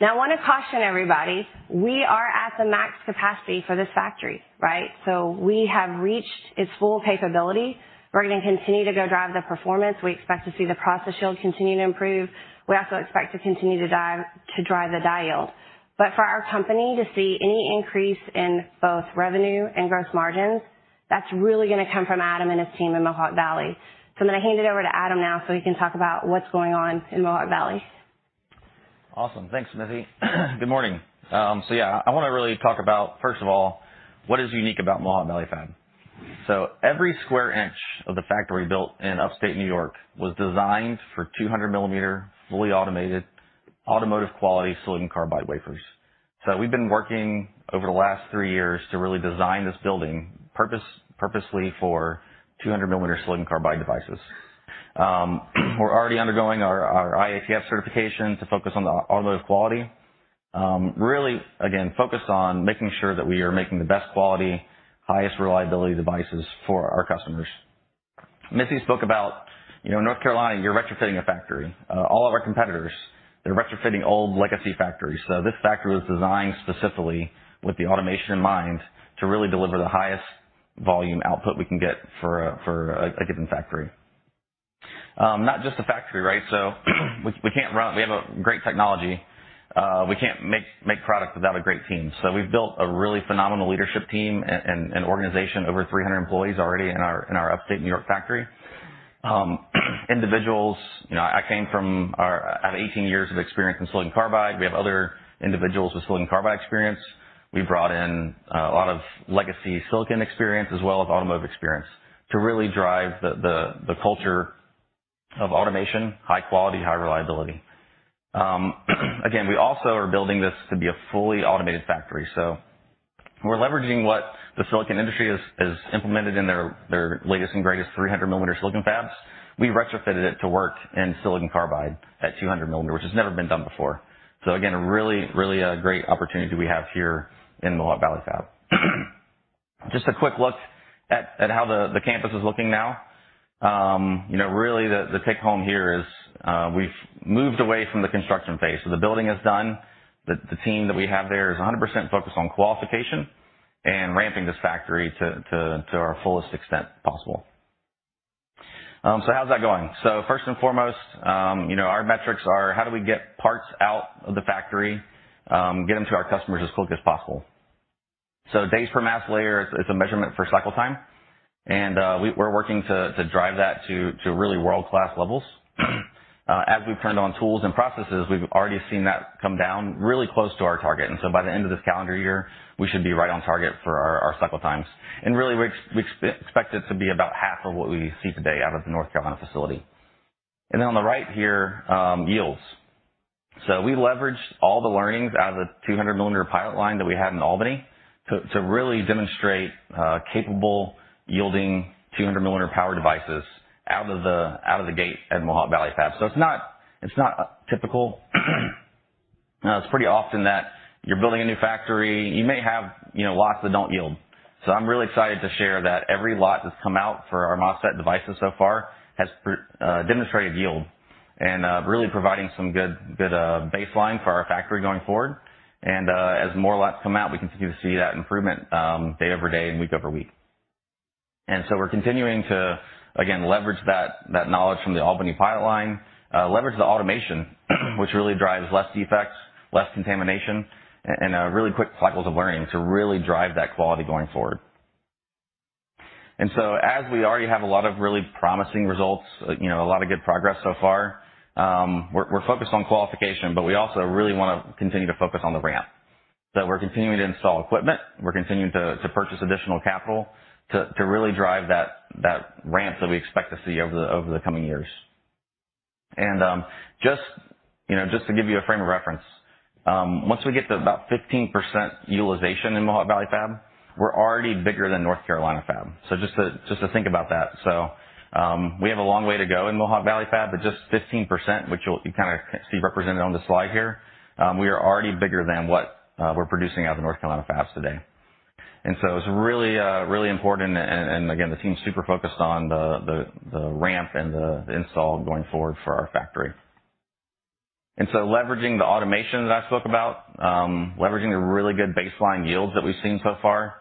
Now, I wanna caution everybody, we are at the max capacity for this factory, right? We have reached its full capability. We're gonna continue to go drive the performance. We expect to see the process yield continue to improve. We also expect to continue to drive the die yield. For our company to see any increase in both revenue and gross margins, that's really gonna come from Adam and his team in Mohawk Valley. I'm gonna hand it over to Adam now so he can talk about what's going on in Mohawk Valley. Awesome. Thanks, Missy. Good morning. Yeah, I wanna really talk about, first of all, what is unique about Mohawk Valley Fab. Every square inch of the factory built in Upstate New York was designed for 200 mm fully automated automotive quality silicon carbide wafers. We've been working over the last three years to really design this building purposely for 200 mm silicon carbide devices. We're already undergoing our IATF certification to focus on the automotive quality. Really, again, focused on making sure that we are making the best quality, highest reliability devices for our customers. Missy spoke about, you know, North Carolina, you're retrofitting a factory. All of our competitors, they're retrofitting old legacy factories. This factory was designed specifically with the automation in mind to really deliver the highest volume output we can get for a given factory. Not just the factory, right? We have a great technology. We can't make products without a great team. We've built a really phenomenal leadership team and organization, over 300 employees already in our Upstate New York factory. Individuals. You know, I have 18 years of experience in silicon carbide. We have other individuals with silicon carbide experience. We brought in a lot of legacy silicon experience as well as automotive experience to really drive the culture of automation, high quality, high reliability. Again, we also are building this to be a fully automated factory, so we're leveraging what the silicon industry has implemented in their latest and greatest 300 mm silicon fabs. We retrofitted it to work in silicon carbide at 200 mm, which has never been done before. Again, really a great opportunity we have here in the Mohawk Valley Fab. Just a quick look at how the campus is looking now. You know, really the take home here is, we've moved away from the construction phase. The building is done. The team that we have there is 100% focused on qualification and ramping this factory to our fullest extent possible. How's that going? First and foremost, you know, our metrics are how do we get parts out of the factory, get them to our customers as quick as possible. Days per mask layer is a measurement for cycle time. We're working to drive that to really world-class levels. As we've turned on tools and processes, we've already seen that come down really close to our target. By the end of this calendar year, we should be right on target for our cycle times. Really, we expect it to be about half of what we see today out of the North Carolina facility. On the right here, yields. We leveraged all the learnings out of the 200 mm pilot line that we had in Albany to really demonstrate capable yielding 200 mm power devices out of the gate at Mohawk Valley Fab. It's not typical. It's pretty often that you're building a new factory, you may have lots that don't yield. I'm really excited to share that every lot that's come out for our MOSFET devices so far has demonstrated yield and really providing some good baseline for our factory going forward. As more lots come out, we continue to see that improvement day over day and week over week. We're continuing to, again, leverage that knowledge from the Albany pilot line, leverage the automation, which really drives less defects, less contamination, and really quick cycles of learning to really drive that quality going forward. As we already have a lot of really promising results, you know, a lot of good progress so far, we're focused on qualification, but we also really wanna continue to focus on the ramp. We're continuing to install equipment, we're continuing to purchase additional capital to really drive that ramp that we expect to see over the coming years. Just, you know, just to give you a frame of reference, once we get to about 15% utilization in Mohawk Valley Fab, we're already bigger than North Carolina Fab. Just to think about that. We have a long way to go in Mohawk Valley Fab, but just 15%, which you kinda see represented on the slide here, we are already bigger than what we're producing out of the North Carolina fabs today. It's really important and again, the team's super focused on the ramp and the install going forward for our factory. Leveraging the automation that I spoke about, leveraging the really good baseline yields that we've seen so far,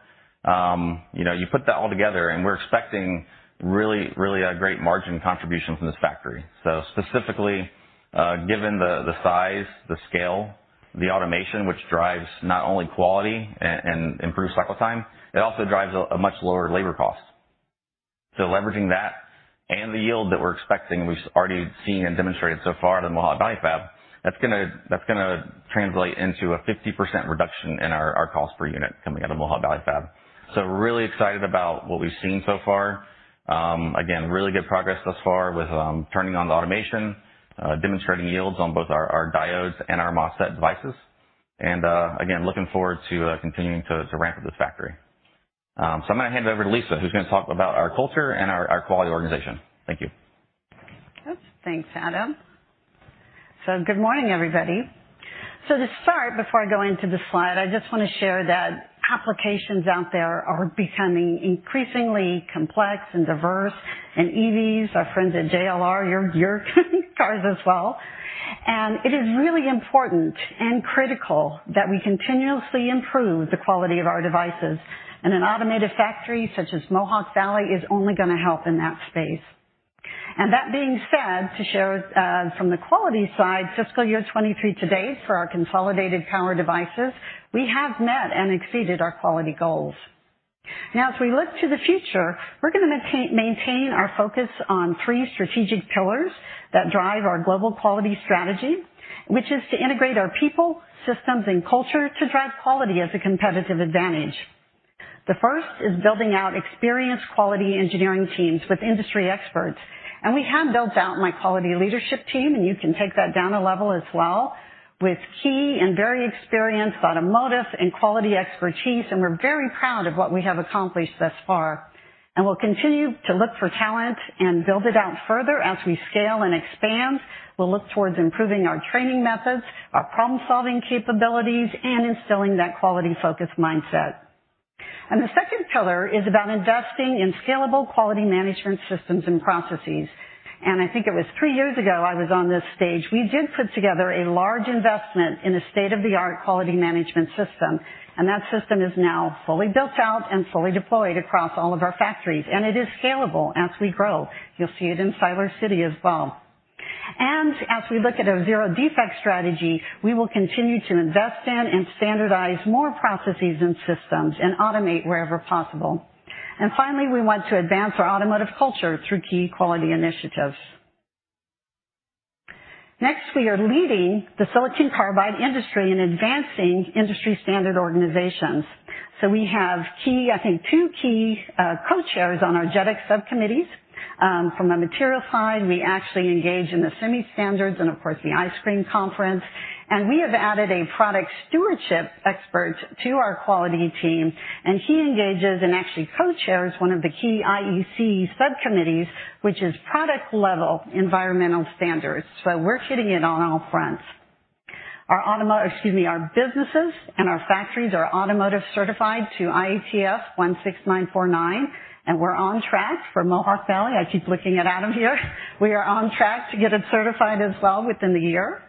you know, you put that all together and we're expecting really a great margin contribution from this factory. Specifically, given the size, the scale, the automation which drives not only quality and improved cycle time, it also drives a much lower labor cost. Leveraging that and the yield that we're expecting, we've already seen and demonstrated so far at the Mohawk Valley Fab, that's gonna translate into a 50% reduction in our cost per unit coming out of Mohawk Valley Fab. We're really excited about what we've seen so far. Again, really good progress thus far with turning on the automation, demonstrating yields on both our diodes and our MOSFET devices. Again, looking forward to continuing to ramp up this factory. I'm gonna hand it over to Lisa, who's gonna talk about our culture and our quality organization. Thank you. Thanks, Adam. Good morning, everybody. To start, before I go into the slide, I just wanna share that applications out there are becoming increasingly complex and diverse. EVs, our friends at JLR, your cars as well. It is really important and critical that we continuously improve the quality of our devices. An automated factory such as Mohawk Valley is only gonna help in that space. That being said, to show from the quality side, fiscal year 2023 to date for our consolidated power devices, we have met and exceeded our quality goals. Now, as we look to the future, we're gonna maintain our focus on three strategic pillars that drive our global quality strategy, which is to integrate our people, systems, and culture to drive quality as a competitive advantage. The first is building out experienced quality engineering teams with industry experts, and we have built out my quality leadership team, and you can take that down a level as well, with key and very experienced automotive and quality expertise, and we're very proud of what we have accomplished thus far. We'll continue to look for talent and build it out further. As we scale and expand, we'll look towards improving our training methods, our problem-solving capabilities, and instilling that quality-focused mindset. The second pillar is about investing in scalable quality management systems and processes. I think it was three years ago, I was on this stage, we did put together a large investment in a state-of-the-art quality management system, and that system is now fully built out and fully deployed across all of our factories. It is scalable as we grow. You'll see it in Siler City as well. As we look at a zero defect strategy, we will continue to invest in and standardize more processes and systems and automate wherever possible. Finally, we want to advance our automotive culture through key quality initiatives. Next, we are leading the silicon carbide industry in advancing industry-standard organizations. We have two key co-chairs on our JEDEC subcommittees. From a material side, we actually engage in the SEMI standards and, of course, the ISPSD conference. We have added a product stewardship expert to our quality team, and he engages and actually co-chairs one of the key IEC subcommittees, which is product-level environmental standards. We're hitting it on all fronts. Our businesses and our factories are automotive certified to IATF 16949, and we're on track for Mohawk Valley. I keep looking at Adam here. We are on track to get it certified as well within the year.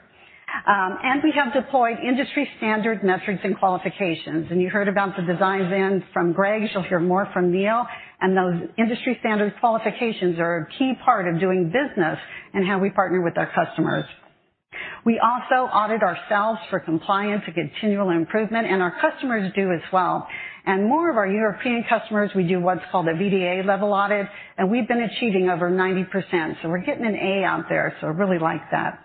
We have deployed industry-standard metrics and qualifications. You heard about the designs in from Gregg. You'll hear more from Neill. Those industry-standard qualifications are a key part of doing business and how we partner with our customers. We also audit ourselves for compliance and continual improvement, and our customers do as well. More of our European customers, we do what's called a VDA level audit, and we've been achieving over 90%, so we're getting an A out there, so I really like that.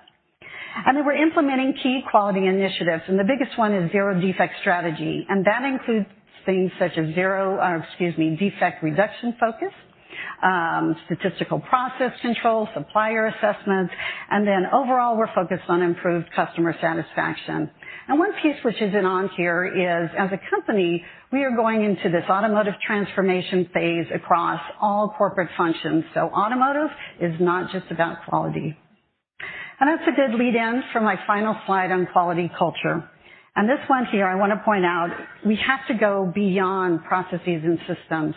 Then we're implementing key quality initiatives, and the biggest one is zero defect strategy, and that includes things such as defect reduction focus, statistical process control, supplier assessments, and then overall, we're focused on improved customer satisfaction. One piece which isn't on here is, as a company, we are going into this automotive transformation phase across all corporate functions, so automotive is not just about quality. That's a good lead in for my final slide on quality culture. This one here, I wanna point out, we have to go beyond processes and systems.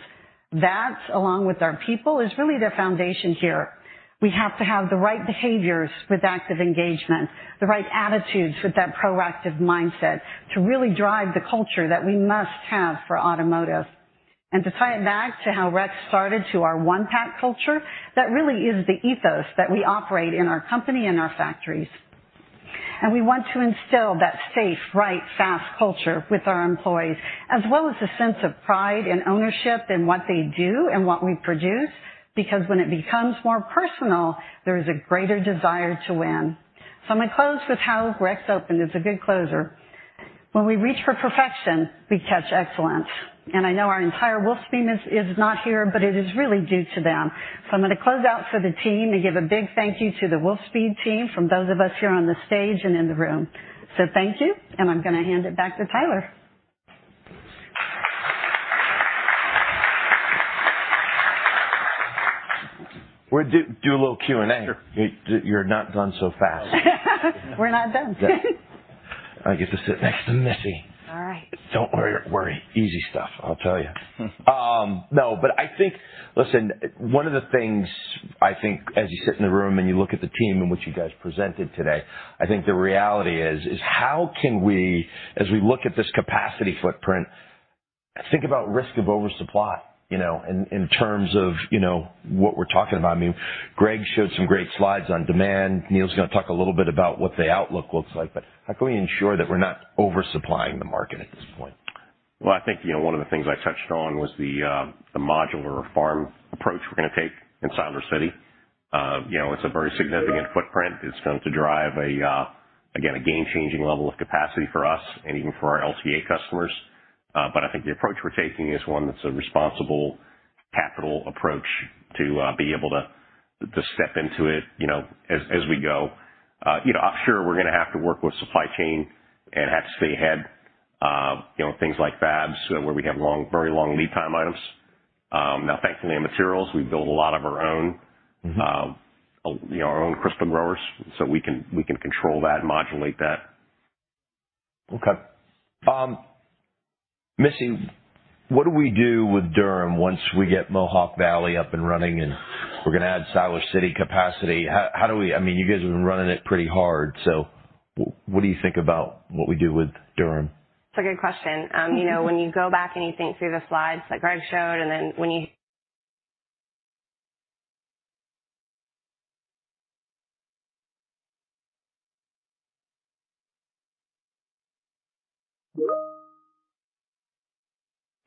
That, along with our people, is really the foundation here. We have to have the right behaviors with active engagement, the right attitudes with that proactive mindset to really drive the culture that we must have for automotive. To tie it back to how Rex started to our One Pack culture, that really is the ethos that we operate in our company and our factories. We want to instill that safe, right, fast culture with our employees, as well as a sense of pride and ownership in what they do and what we produce. Because when it becomes more personal, there is a greater desire to win. I'm gonna close with how Rex opened, it's a good closer. When we reach for perfection, we catch excellence. I know our entire Wolfspeed is not here, but it is really due to them. I'm gonna close out for the team and give a big thank you to the Wolfspeed team from those of us here on the stage and in the room. Thank you, and I'm gonna hand it back to Tyler. We'll do a little Q&A. Sure. You're not done so fast. We're not done. I get to sit next to Missy. All right. Don't worry. Easy stuff, I'll tell you. No, but I think. Listen, one of the things, I think, as you sit in the room and you look at the team and what you guys presented today, I think the reality is how can we, as we look at this capacity footprint, think about risk of oversupply, you know, in terms of, you know, what we're talking about? I mean, Gregg showed some great slides on demand. Neill's gonna talk a little bit about what the outlook looks like, but how can we ensure that we're not oversupplying the market at this point? Well, I think, you know, one of the things I touched on was the modular farm approach we're gonna take in Siler City. You know, it's a very significant footprint. It's going to drive a again a game-changing level of capacity for us and even for our LTA customers. I think the approach we're taking is one that's a responsible capital approach to be able to step into it, you know, as we go. You know, sure, we're gonna have to work with supply chain and have to stay ahead of, you know, things like fabs where we have long, very long lead time items. Now thankfully in materials, we build a lot of our own. Mm-hmm. You know, our own crystal growers, so we can control that, modulate that. Okay, Missy, what do we do with Durham once we get Mohawk Valley up and running and we're gonna add Siler City capacity? How do we I mean, you guys have been running it pretty hard, so what do you think about what we do with Durham? It's a good question. You know, when you go back and you think through the slides that Gregg showed, and then when you-.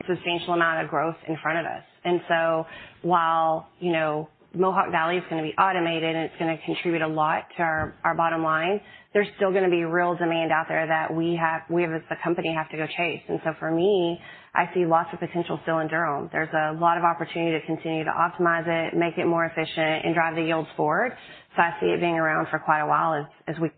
Substantial amount of growth in front of us. While, you know, Mohawk Valley is gonna be automated, and it's gonna contribute a lot to our bottom line, there's still gonna be real demand out there that we have, we as the company have to go chase. For me, I see lots of potential still in Durham. There's a lot of opportunity to continue to optimize it, make it more efficient, and drive the yields forward. I see it being around for quite a while as we-.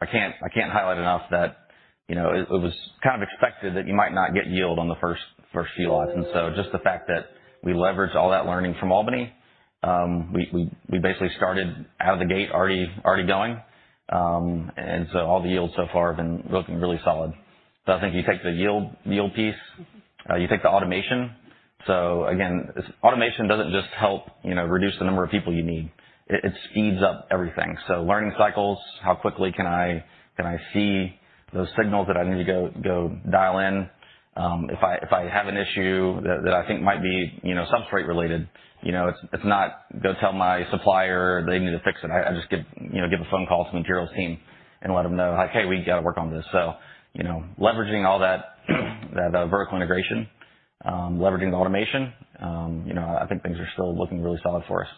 I can't highlight enough that, you know, it was kind of expected that you might not get yield on the first few lots. Just the fact that we leveraged all that learning from Albany, we basically started out of the gate already going. All the yields so far have been looking really solid. I think you take the yield piece, you take the automation. Again, automation doesn't just help, you know, reduce the number of people you need. It speeds up everything. Learning cycles, how quickly can I see those signals that I need to go dial in? If I have an issue that I think might be, you know, substrate related, you know, it's not go tell my supplier they need to fix it. I just give, you know, give a phone call to the materials team and let them know, like, "Hey, we gotta work on this." Leveraging all that vertical integration, leveraging the automation, you know, I think things are still looking really solid for us.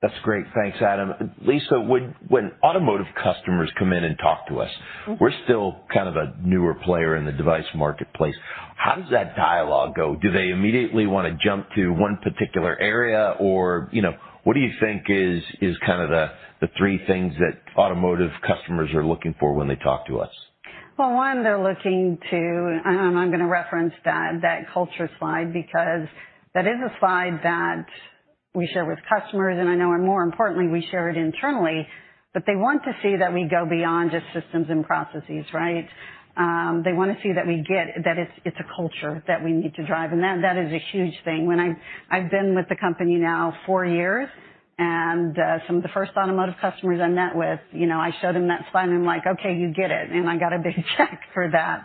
That's great. Thanks, Adam. Lisa, when automotive customers come in and talk to us, we're still kind of a newer player in the device marketplace. How does that dialogue go? Do they immediately wanna jump to one particular area or, you know, what do you think is kind of the three things that automotive customers are looking for when they talk to us? Well, one, they're looking to. I'm gonna reference that culture slide because that is a slide that we share with customers, and I know and more importantly, we share it internally, but they want to see that we go beyond just systems and processes, right? They wanna see that we get that it's a culture that we need to drive, and that is a huge thing. When I've been with the company now four years, and some of the first automotive customers I met with, you know, I showed them that slide, and I'm like, "Okay, you get it." I got a big check for that.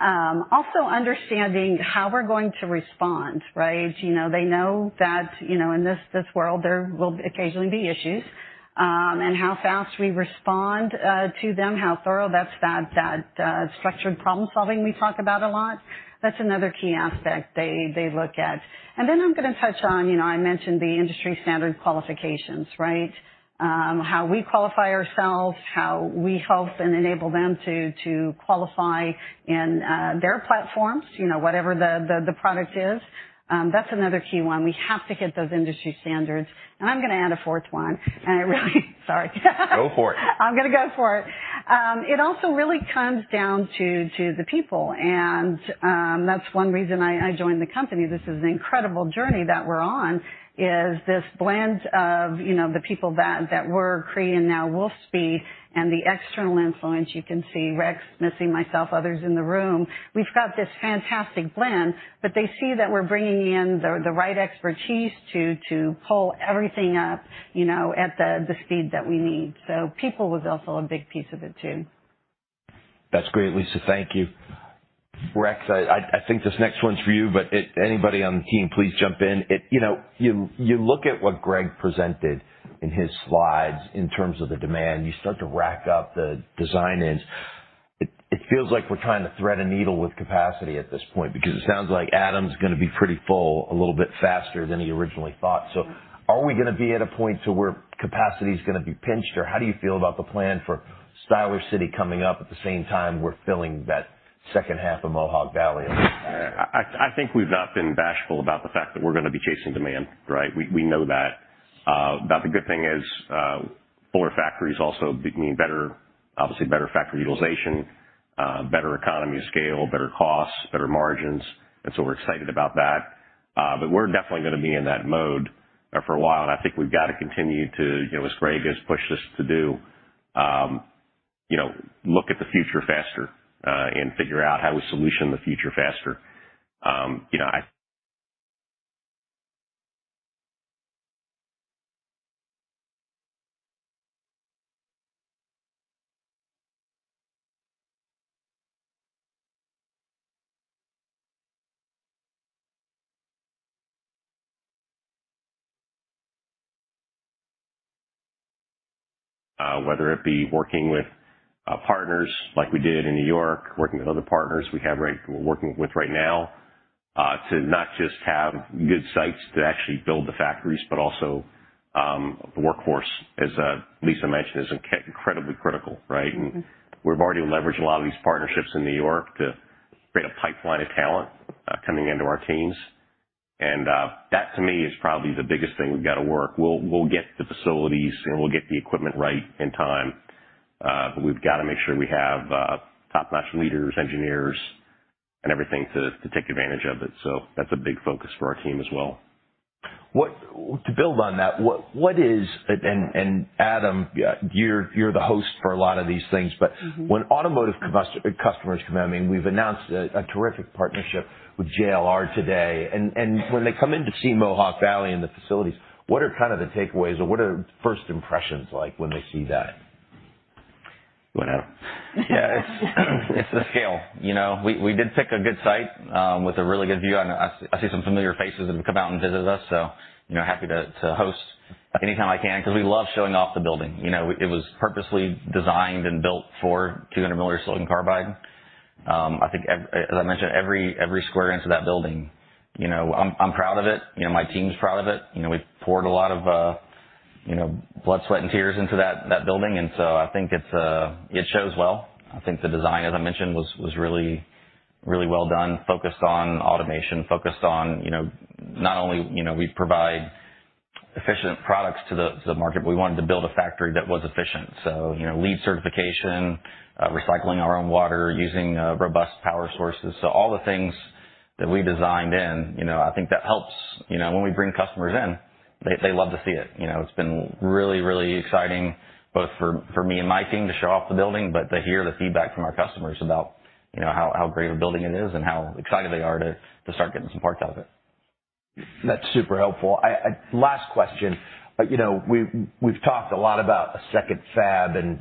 Also understanding how we're going to respond, right? You know, they know that, you know, in this world, there will occasionally be issues, and how fast we respond to them, how thorough that structured problem-solving we talk about a lot, that's another key aspect they look at. Then I'm gonna touch on, you know, I mentioned the industry standard qualifications, right? How we qualify ourselves, how we help and enable them to qualify in their platforms, you know, whatever the product is. That's another key one. We have to hit those industry standards. I'm gonna add a fourth one, and I really- Sorry. Go for it. I'm gonna go for it. It also really comes down to the people, and that's one reason I joined the company. This is an incredible journey that we're on, this blend of, you know, the people that were Cree and now Wolfspeed and the external influence. You can see Rex, Missy, myself, others in the room. We've got this fantastic blend, but they see that we're bringing in the right expertise to pull everything up, you know, at the speed that we need. People was also a big piece of it too. That's great, Lisa. Thank you. Rex, I think this next one's for you, but anybody on the team, please jump in. You know, you look at what Gregg presented in his slides in terms of the demand, you start to rack up the design ins. It feels like we're trying to thread a needle with capacity at this point because it sounds like Adam's gonna be pretty full a little bit faster than he originally thought. Are we gonna be at a point to where capacity is gonna be pinched, or how do you feel about the plan for Siler City coming up at the same time we're filling that second half of Mohawk Valley? I think we've not been bashful about the fact that we're gonna be chasing demand, right? We know that, but the good thing is, fuller factories also mean better, obviously better factory utilization, better economies of scale, better costs, better margins. We're excited about that. We're definitely gonna be in that mode for a while. I think we've got to continue to, you know, as Gregg has pushed us to do, you know, look at the future faster and figure out how we solve the future faster. Whether it be working with partners like we did in New York, working with other partners we have, we're working with right now, to not just have good sites to actually build the factories, but also the workforce, as Lisa mentioned, is incredibly critical, right? Mm-hmm. We've already leveraged a lot of these partnerships in New York to create a pipeline of talent coming into our teams. That, to me, is probably the biggest thing we've got to work. We'll get the facilities and we'll get the equipment right in time, but we've got to make sure we have top-notch leaders, engineers, and everything to take advantage of it. That's a big focus for our team as well. To build on that, Adam, you're the host for a lot of these things. Mm-hmm. When automotive customers come in, I mean, we've announced a terrific partnership with JLR today. When they come in to see Mohawk Valley and the facilities, what are kind of the takeaways or what are first impressions like when they see that? Go ahead, Adam. Yeah, it's the scale. You know, we did pick a good site with a really good view. I see some familiar faces that have come out and visited us, so you know, happy to host anytime I can because we love showing off the building. You know, it was purposely designed and built for 200 mm silicon carbide. As I mentioned, every square inch of that building, you know, I'm proud of it. You know, my team's proud of it. You know, we've poured a lot of you know, blood, sweat, and tears into that building. I think it shows well. I think the design, as I mentioned, was really well done, focused on automation, focused on, you know, not only, you know, we provide efficient products to the market, but we wanted to build a factory that was efficient. You know, LEED certification, recycling our own water, using robust power sources. All the things that we designed in, you know, I think that helps. You know, when we bring customers in, they love to see it. You know, it's been really exciting both for me and my team to show off the building, but to hear the feedback from our customers about, you know, how great of a building it is and how excited they are to start getting some parts out of it. That's super helpful. Last question. You know, we've talked a lot about a second fab, and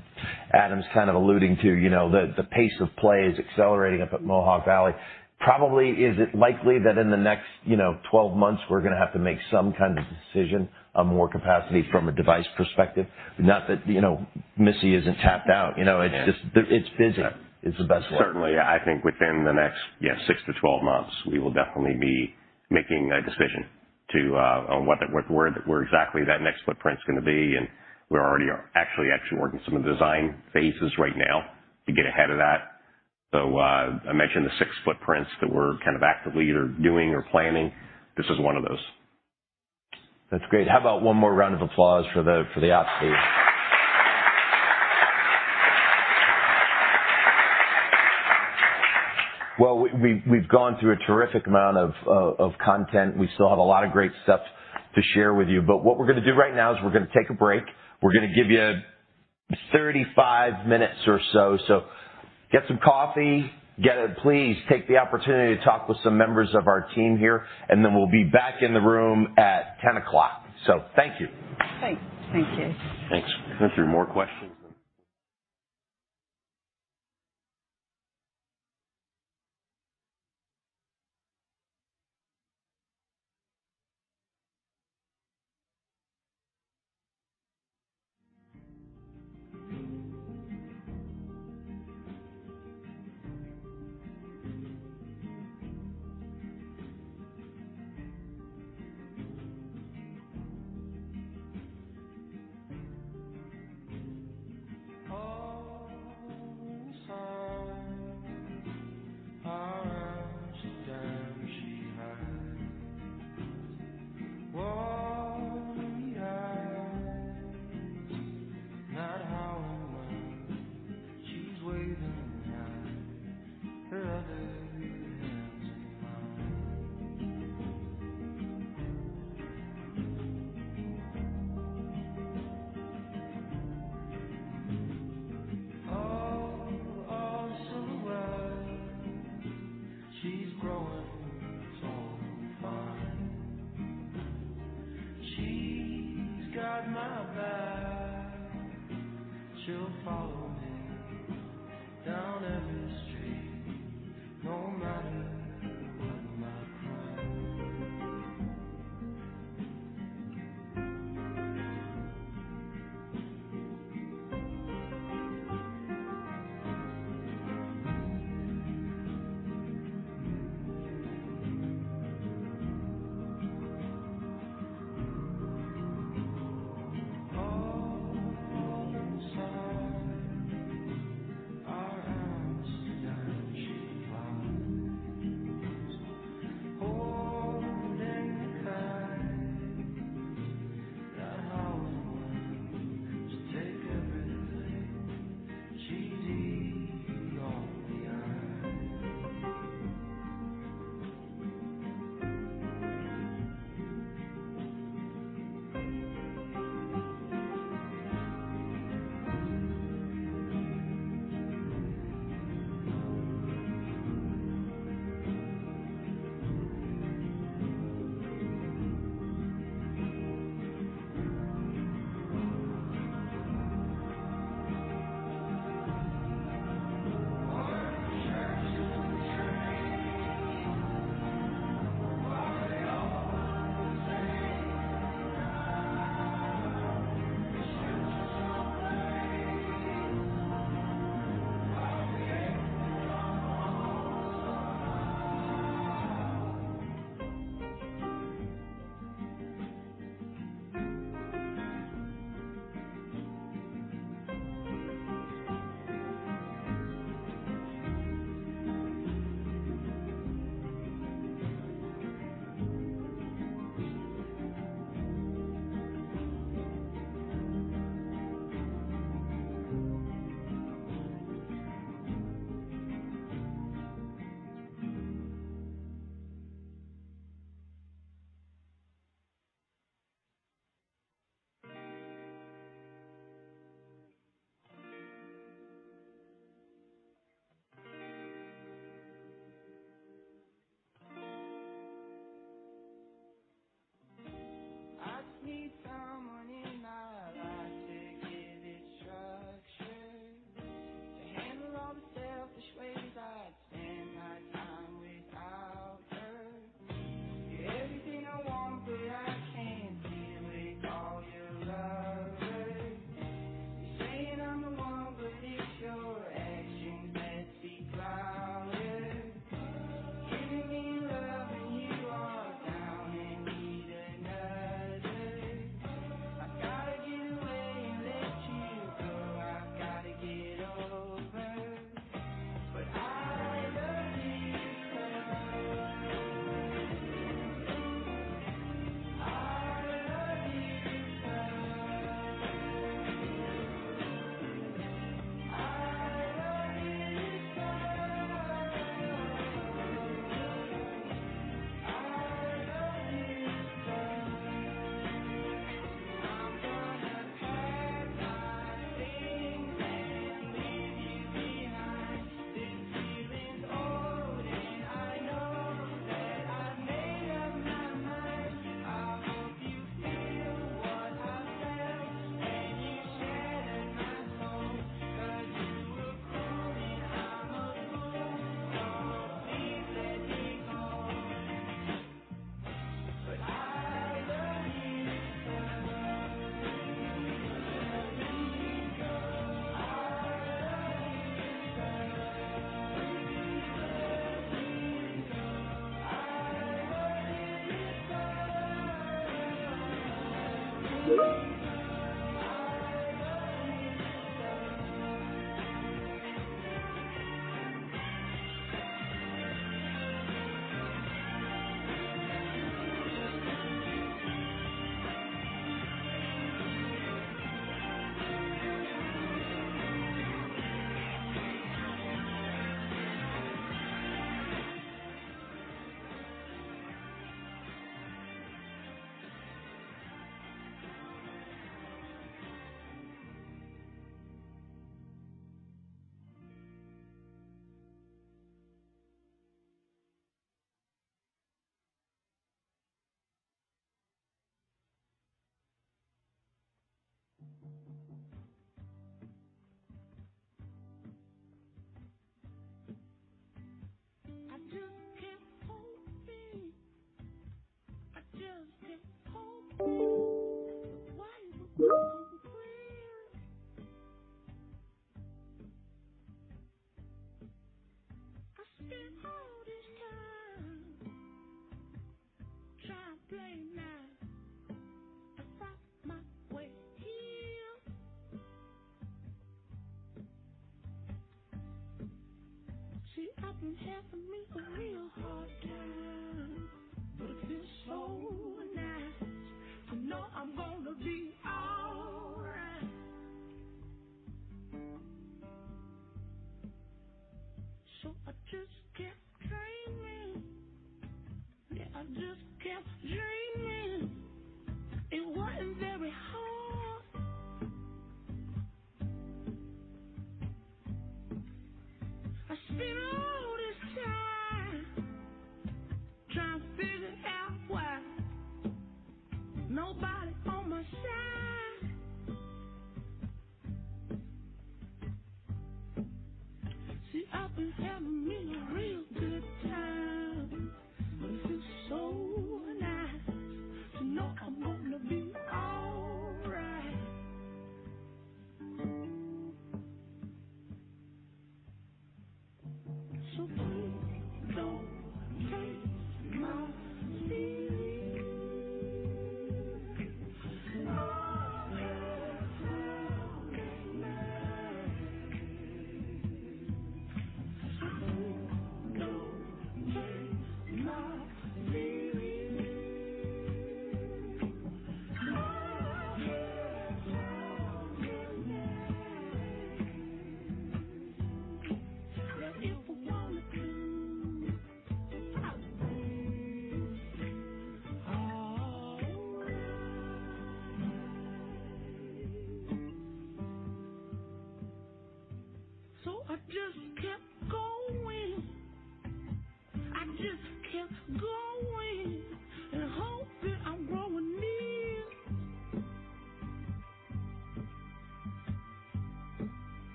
Adam's kind of alluding to, you know, the pace of play is accelerating up at Mohawk Valley. Probably, is it likely that in the next, you know, 12 months, we're gonna have to make some kind of decision on more capacity from a device perspective? Not that, you know, Missy isn't tapped out. You know, it's just. Yeah. It's busy. Yeah. Is the best way. Certainly, I think within the next six to 12 months, we will definitely be making a decision on where exactly that next footprint's gonna be. We already are actually working some of the design phases right now to get ahead of that. I mentioned the 6 footprints that we're kind of actively either doing or planning. This is one of those. That's great. How about one more round of applause for the ops team? Well, we've gone through a terrific amount of content. We still have a lot of great stuff to share with you. What we're gonna do right now is we're gonna take a break. We're gonna give you 35 minutes or so. Get some coffee, please take the opportunity to talk with some members of our team here, and then we'll be back in the room at 10 o'clock. Thank you. Thanks.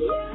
Thank you.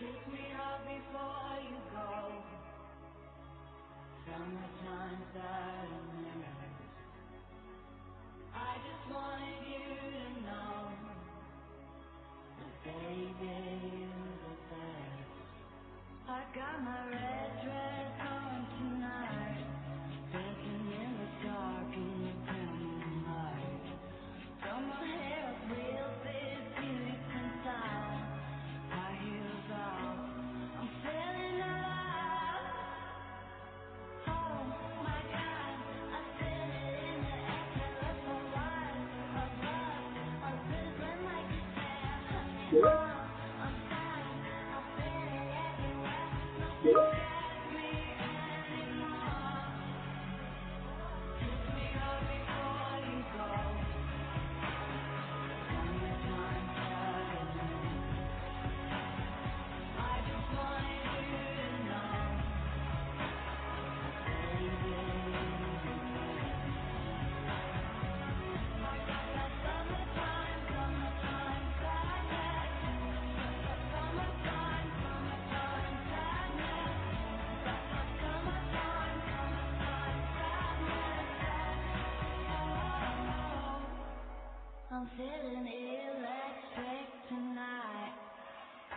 Thanks. Just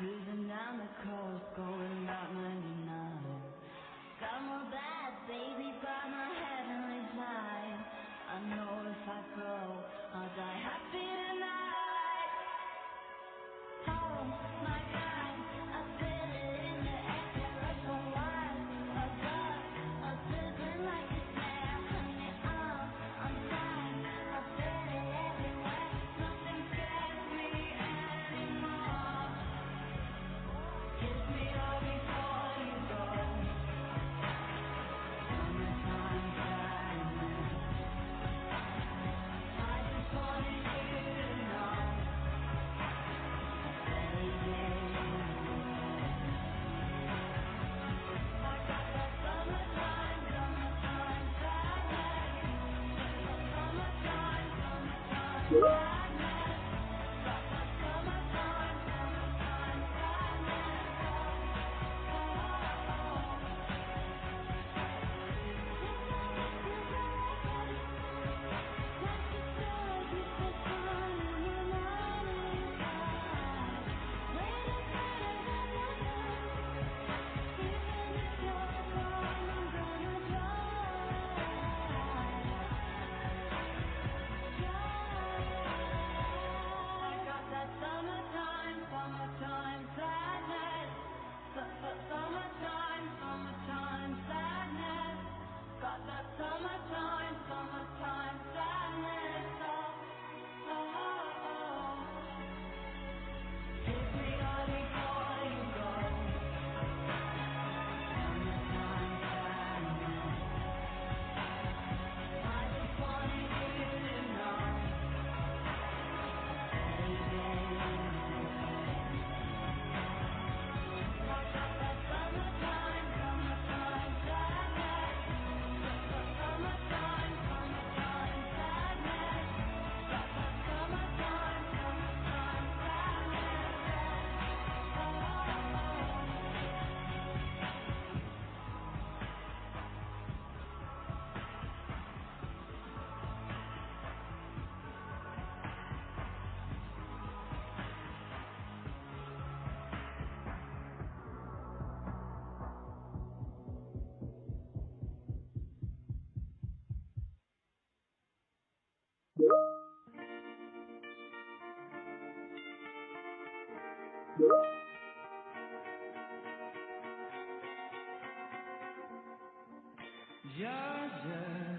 a few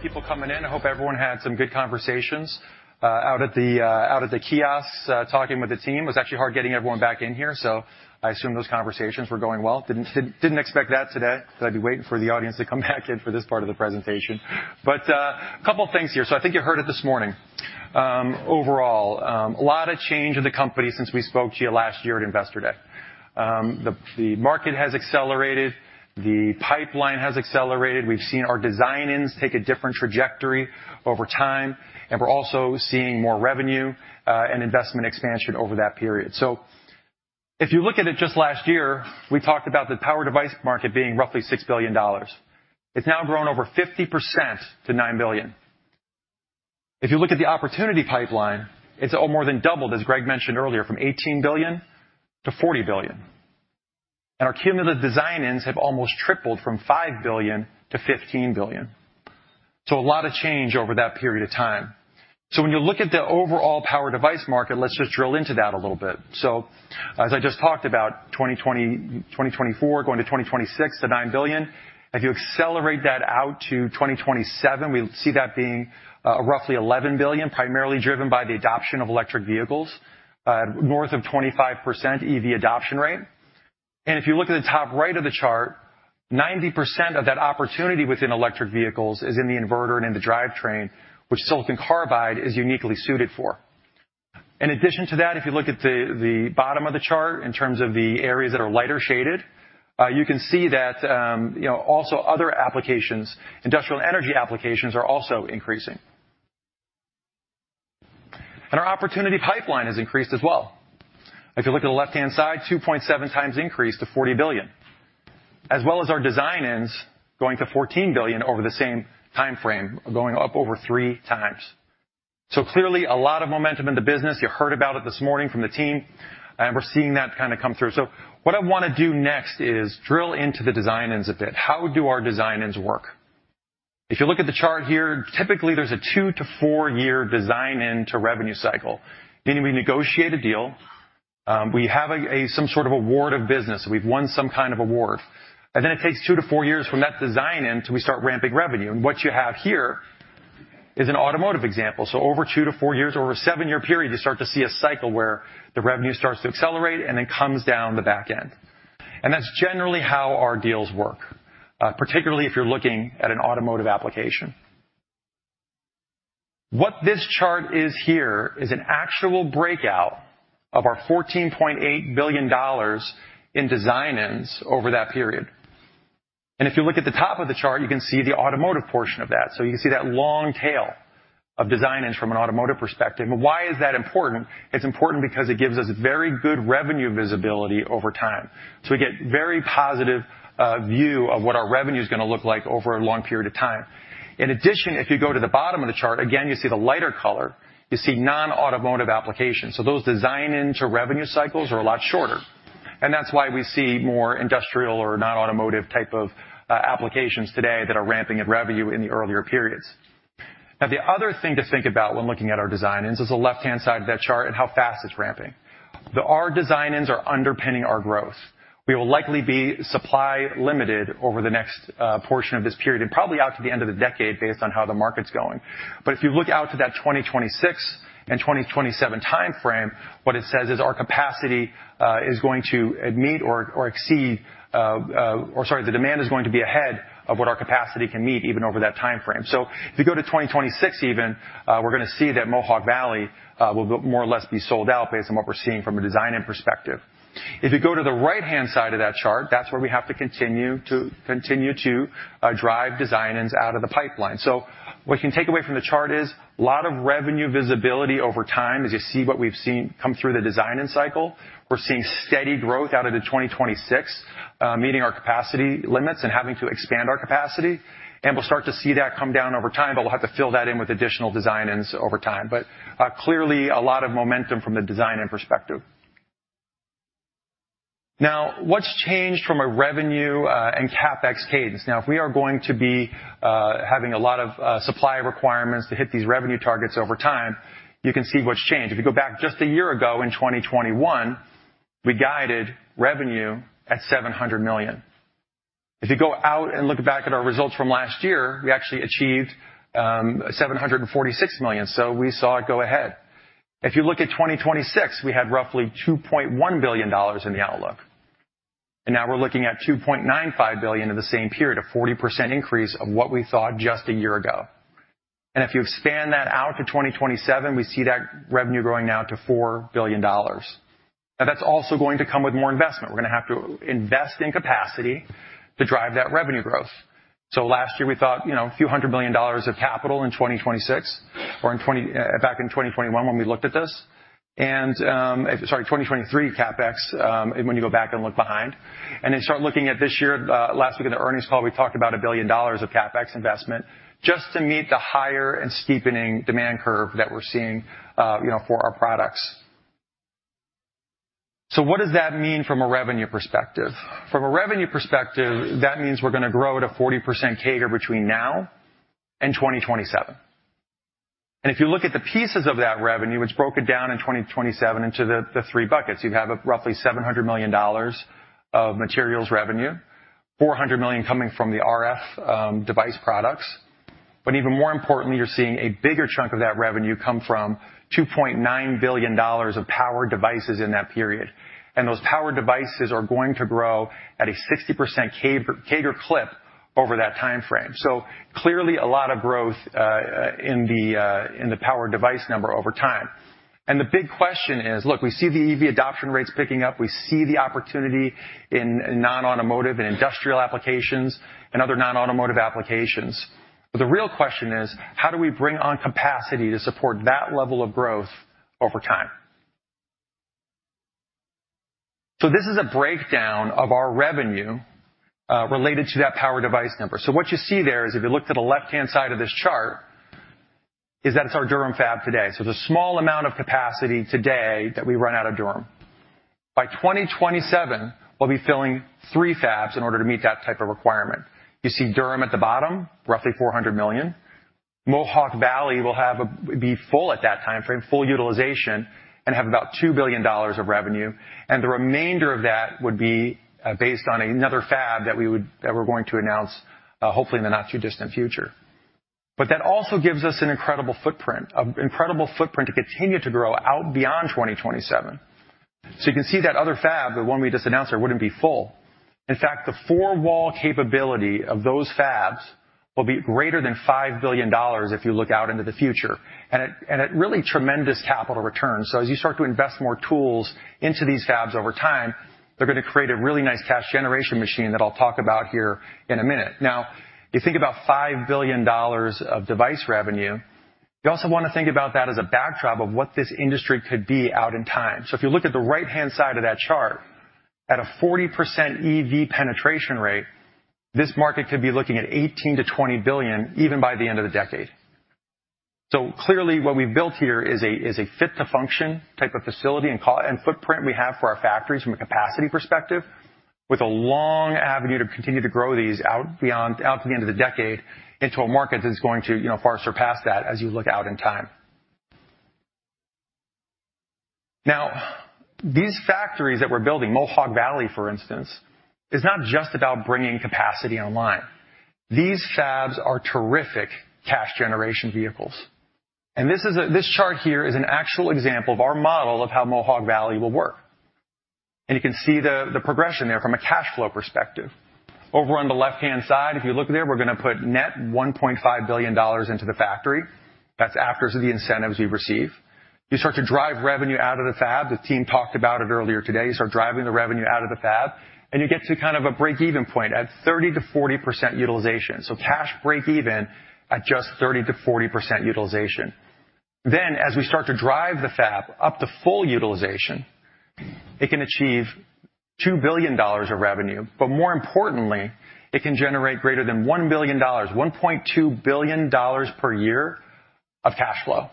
people coming in. I hope everyone had some good conversations out at the kiosk talking with the team. It was actually hard getting everyone back in here, so I assume those conversations were going well. Didn't expect that today, that I'd be waiting for the audience to come back in for this part of the presentation. A couple of things here. I think you heard it this morning. Overall, a lot of change in the company since we spoke to you last year at Investor Day. The market has accelerated, the pipeline has accelerated. We've seen our design-ins take a different trajectory over time, and we're also seeing more revenue and investment expansion over that period. If you look at it just last year, we talked about the power device market being roughly $6 billion. It's now grown over 50% to $9 billion. If you look at the opportunity pipeline, it's more than doubled, as Gregg mentioned earlier, from $18 billion to $40 billion. Our cumulative design-ins have almost tripled from $5 billion-$15 billion. A lot of change over that period of time. When you look at the overall power device market, let's just drill into that a little bit. As I just talked about, 2024 going to 2026 to $9 billion. If you accelerate that out to 2027, we see that being roughly $11 billion, primarily driven by the adoption of electric vehicles north of 25% EV adoption rate. If you look at the top right of the chart, 90% of that opportunity within electric vehicles is in the inverter and in the drivetrain, which silicon carbide is uniquely suited for. In addition to that, if you look at the bottom of the chart in terms of the areas that are lighter shaded, you can see that, you know, also other applications, industrial and energy applications, are also increasing. Our opportunity pipeline has increased as well. If you look at the left-hand side, 2.7x increase to $40 billion, as well as our design-ins going to $14 billion over the same timeframe, going up over 3x. Clearly a lot of momentum in the business. You heard about it this morning from the team, and we're seeing that kind of come through. What I want to do next is drill into the design-ins a bit. How do our design-ins work? If you look at the chart here, typically there's a two to four-year design-in to revenue cycle, meaning we negotiate a deal, we have some sort of award of business, we've won some kind of award, and then it takes two to four years from that design-in till we start ramping revenue. What you have here is an automotive example. Over two to four years or over a seven-year period, you start to see a cycle where the revenue starts to accelerate and then comes down the back end. That's generally how our deals work, particularly if you're looking at an automotive application. What this chart is here is an actual breakout of our $14.8 billion in design-ins over that period. If you look at the top of the chart, you can see the automotive portion of that. You can see that long tail of design-ins from an automotive perspective. Why is that important? It's important because it gives us very good revenue visibility over time. We get very positive view of what our revenue is gonna look like over a long period of time. In addition, if you go to the bottom of the chart, again you see the lighter color, you see non-automotive applications. Those design-in to revenue cycles are a lot shorter, and that's why we see more industrial or non-automotive type of applications today that are ramping at revenue in the earlier periods. Now the other thing to think about when looking at our design-ins is the left-hand side of that chart and how fast it's ramping. Our design-ins are underpinning our growth. We will likely be supply limited over the next portion of this period and probably out to the end of the decade based on how the market's going. If you look out to that 2026 and 2027 timeframe, what it says is our capacity, the demand is going to be ahead of what our capacity can meet even over that timeframe. If you go to 2026 even, we're gonna see that Mohawk Valley will more or less be sold out based on what we're seeing from a design-in perspective. If you go to the right-hand side of that chart, that's where we have to continue to drive design-ins out of the pipeline. What you can take away from the chart is a lot of revenue visibility over time as you see what we've seen come through the design-in cycle. We're seeing steady growth out of 2026, meeting our capacity limits and having to expand our capacity. We'll start to see that come down over time, but we'll have to fill that in with additional design-ins over time. Clearly a lot of momentum from the design-in perspective. Now, what's changed from a revenue and CapEx cadence? Now, if we are going to be having a lot of supply requirements to hit these revenue targets over time, you can see what's changed. If you go back just a year ago in 2021, we guided revenue at $700 million. If you go out and look back at our results from last year, we actually achieved $746 million. We saw it go ahead. If you look at 2026, we had roughly $2.1 billion in the outlook, and now we're looking at $2.95 billion in the same period, a 40% increase of what we thought just a year ago. If you expand that out to 2027, we see that revenue growing now to $4 billion. Now, that's also going to come with more investment. We're gonna have to invest in capacity to drive that revenue growth. Last year we thought, you know, a few hundred million dollars of capital in 2026 or back in 2021 when we looked at this. Sorry, 2023 CapEx, when you go back and look behind. Then start looking at this year, last week in the earnings call, we talked about $1 billion of CapEx investment just to meet the higher and steepening demand curve that we're seeing, you know, for our products. What does that mean from a revenue perspective? From a revenue perspective, that means we're gonna grow at a 40% CAGR between now and 2027. If you look at the pieces of that revenue, it's broken down in 2027 into the three buckets. You'd have a roughly $700 million of materials revenue, $400 million coming from the RF device products. But even more importantly, you're seeing a bigger chunk of that revenue come from $2.9 billion of power devices in that period. Those power devices are going to grow at a 60% CAGR clip over that timeframe. Clearly a lot of growth in the power device number over time. The big question is, look, we see the EV adoption rates picking up. We see the opportunity in non-automotive and industrial applications and other non-automotive applications. The real question is: how do we bring on capacity to support that level of growth over time? This is a breakdown of our revenue related to that power device number. What you see there is if you look to the left-hand side of this chart, is that it's our Durham fab today. There's a small amount of capacity today that we run out of Durham. By 2027, we'll be filling three fabs in order to meet that type of requirement. You see Durham at the bottom, roughly $400 million. Mohawk Valley will be full at that time frame, full utilization, and have about $2 billion of revenue. The remainder of that would be based on another fab that we're going to announce, hopefully in the not too distant future. That also gives us an incredible footprint to continue to grow out beyond 2027. You can see that other fab, the one we just announced there, wouldn't be full. In fact, the four-wall capability of those fabs will be greater than $5 billion if you look out into the future. It really tremendous capital returns. As you start to invest more tools into these fabs over time, they're gonna create a really nice cash generation machine that I'll talk about here in a minute. Now, you think about $5 billion of device revenue, you also wanna think about that as a backdrop of what this industry could be out in time. If you look at the right-hand side of that chart, at a 40% EV penetration rate, this market could be looking at $18 billion-$20 billion even by the end of the decade. Clearly, what we've built here is a fit-to-function type of facility and footprint we have for our factories from a capacity perspective, with a long avenue to continue to grow these out to the end of the decade into a market that's going to, you know, far surpass that as you look out in time. Now, these factories that we're building, Mohawk Valley, for instance, is not just about bringing capacity online. These fabs are terrific cash generation vehicles. This chart here is an actual example of our model of how Mohawk Valley will work. You can see the progression there from a cash flow perspective. Over on the left-hand side, if you look there, we're gonna put net $1.5 billion into the factory. That's after the incentives we receive. You start to drive revenue out of the fab. The team talked about it earlier today. You start driving the revenue out of the fab, and you get to kind of a break-even point at 30%-40% utilization. Cash breakeven at just 30%-40% utilization. As we start to drive the fab up to full utilization, it can achieve $2 billion of revenue, but more importantly, it can generate greater than $1 billion, $1.2 billion per year of cash flow.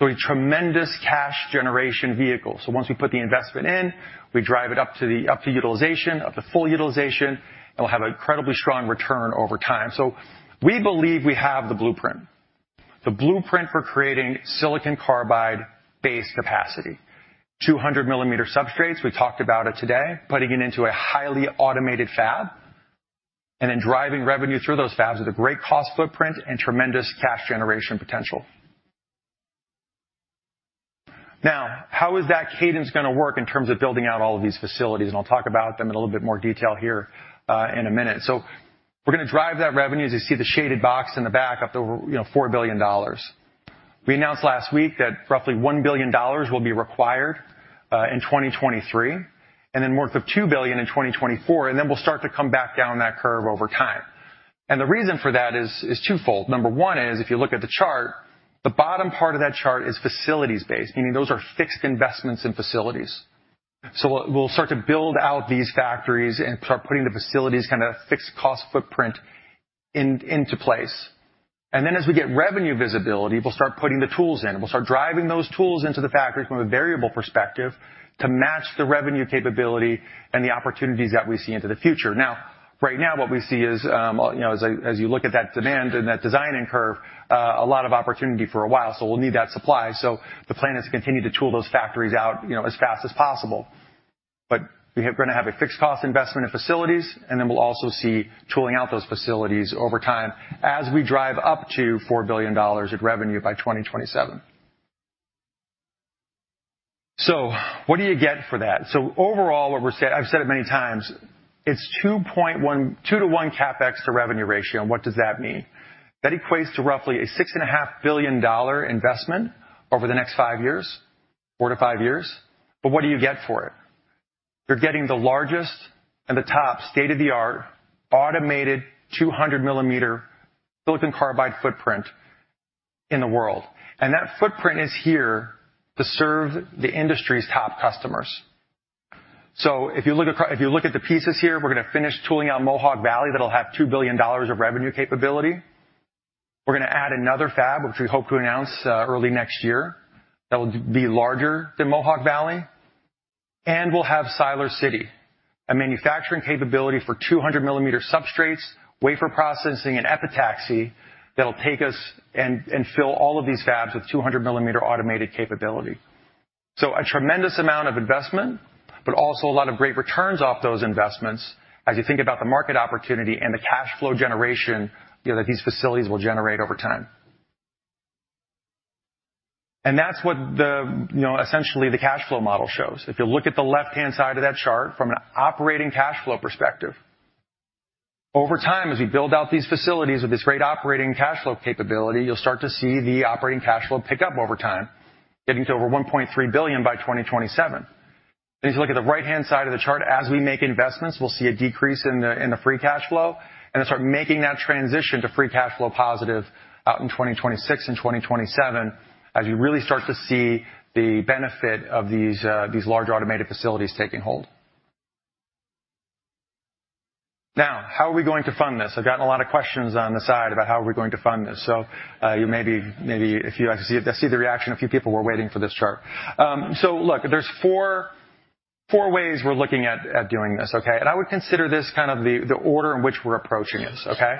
A tremendous cash generation vehicle. Once we put the investment in, we drive it up to utilization, up to full utilization, it will have an incredibly strong return over time. We believe we have the blueprint for creating silicon carbide-based capacity. 200 mm substrates, we talked about it today, putting it into a highly automated fab, and then driving revenue through those fabs with a great cost footprint and tremendous cash generation potential. Now, how is that cadence gonna work in terms of building out all of these facilities? I'll talk about them in a little bit more detail here, in a minute. We're gonna drive that revenue, as you see the shaded box in the back, up to, you know, $4 billion. We announced last week that roughly $1 billion will be required in 2023, and then north of $2 billion in 2024, and then we'll start to come back down that curve over time. The reason for that is twofold. Number one is, if you look at the chart, the bottom part of that chart is facilities-based, meaning those are fixed investments in facilities. We'll start to build out these factories and start putting the facilities kinda fixed cost footprint in, into place. As we get revenue visibility, we'll start putting the tools in. We'll start driving those tools into the factories from a variable perspective to match the revenue capability and the opportunities that we see into the future. Now, right now what we see is, you know, as you look at that demand and that demand curve, a lot of opportunity for a while, so we'll need that supply. The plan is to continue to tool those factories out, you know, as fast as possible. We have gonna have a fixed cost investment in facilities, and then we'll also see tooling out those facilities over time as we drive up to $4 billion of revenue by 2027. What do you get for that? Overall, what we're saying, I've said it many times, it's a 2:1 CapEx to revenue ratio, and what does that mean? That equates to roughly a $6.5 billion investment over the next five years, four to five years. What do you get for it? You're getting the largest and the top state-of-the-art automated 200 mm silicon carbide footprint in the world. That footprint is here to serve the industry's top customers. If you look at the pieces here, we're gonna finish tooling out Mohawk Valley that'll have $2 billion of revenue capability. We're gonna add another fab, which we hope to announce early next year, that will be larger than Mohawk Valley. We'll have Siler City, a manufacturing capability for 200 mm substrates, wafer processing, and epitaxy that'll take us and fill all of these fabs with 200 mm automated capability. A tremendous amount of investment, but also a lot of great returns off those investments as you think about the market opportunity and the cash flow generation, you know, that these facilities will generate over time. That's what the, you know, essentially the cash flow model shows. If you look at the left-hand side of that chart from an operating cash flow perspective, over time, as we build out these facilities with this great operating cash flow capability, you'll start to see the operating cash flow pick up over time, getting to over $1.3 billion by 2027. If you look at the right-hand side of the chart, as we make investments, we'll see a decrease in the free cash flow and then start making that transition to free cash flow positive out in 2026 and 2027 as you really start to see the benefit of these large automated facilities taking hold. Now, how are we going to fund this? I've gotten a lot of questions on the side about how are we going to fund this. I see the reaction, a few people were waiting for this chart. Look, there's four ways we're looking at doing this, okay? I would consider this kind of the order in which we're approaching this, okay?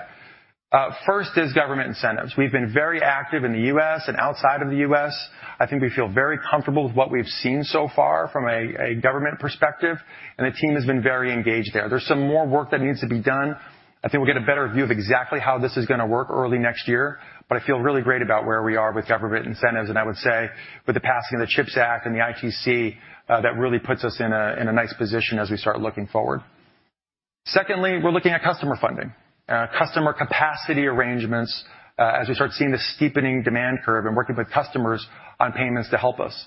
First is government incentives. We've been very active in the U.S. and outside of the U.S. I think we feel very comfortable with what we've seen so far from a government perspective, and the team has been very engaged there. There's some more work that needs to be done. I think we'll get a better view of exactly how this is gonna work early next year, but I feel really great about where we are with government incentives. I would say, with the passing of the CHIPS Act and the ITC, that really puts us in a nice position as we start looking forward. Secondly, we're looking at customer funding, customer capacity arrangements, as we start seeing the steepening demand curve and working with customers on payments to help us.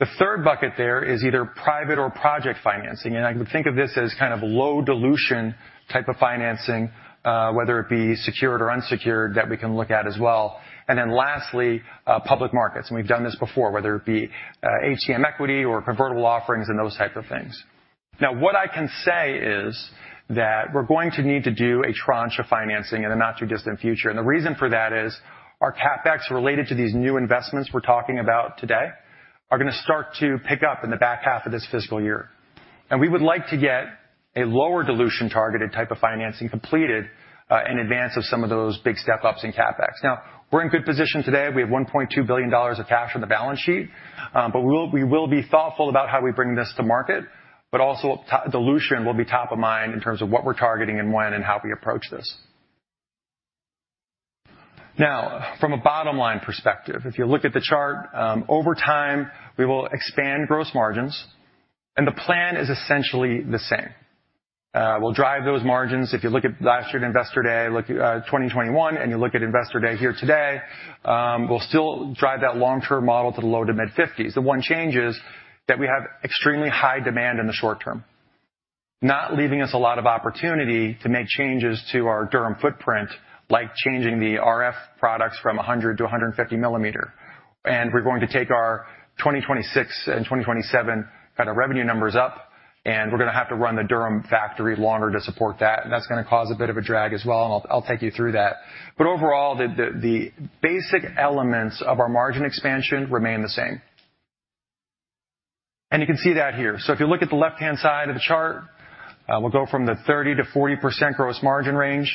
The third bucket there is either private or project financing, and I would think of this as kind of low dilution type of financing, whether it be secured or unsecured, that we can look at as well. Then lastly, public markets, and we've done this before, whether it be ATM equity or convertible offerings and those types of things. Now, what I can say is that we're going to need to do a tranche of financing in the not-too-distant future. The reason for that is our CapEx related to these new investments we're talking about today are gonna start to pick up in the back half of this fiscal year. We would like to get a lower dilution targeted type of financing completed in advance of some of those big step-ups in CapEx. Now, we're in good position today. We have $1.2 billion of cash on the balance sheet, but we will be thoughtful about how we bring this to market, but also the dilution will be top of mind in terms of what we're targeting and when and how we approach this. Now, from a bottom-line perspective, if you look at the chart, over time, we will expand gross margins, and the plan is essentially the same. We'll drive those margins. If you look at last year's Investor Day, 2021, and you look at Investor Day here today, we'll still drive that long-term model to the low- to mid-50s. The one change is that we have extremely high demand in the short term, not leaving us a lot of opportunity to make changes to our Durham footprint, like changing the RF products from 100 mm to 150 mm. We're going to take our 2026 and 2027 kind of revenue numbers up, and we're gonna have to run the Durham factory longer to support that. That's gonna cause a bit of a drag as well, and I'll take you through that. But overall, the basic elements of our margin expansion remain the same. You can see that here. If you look at the left-hand side of the chart, we'll go from the 30%-40% gross margin range.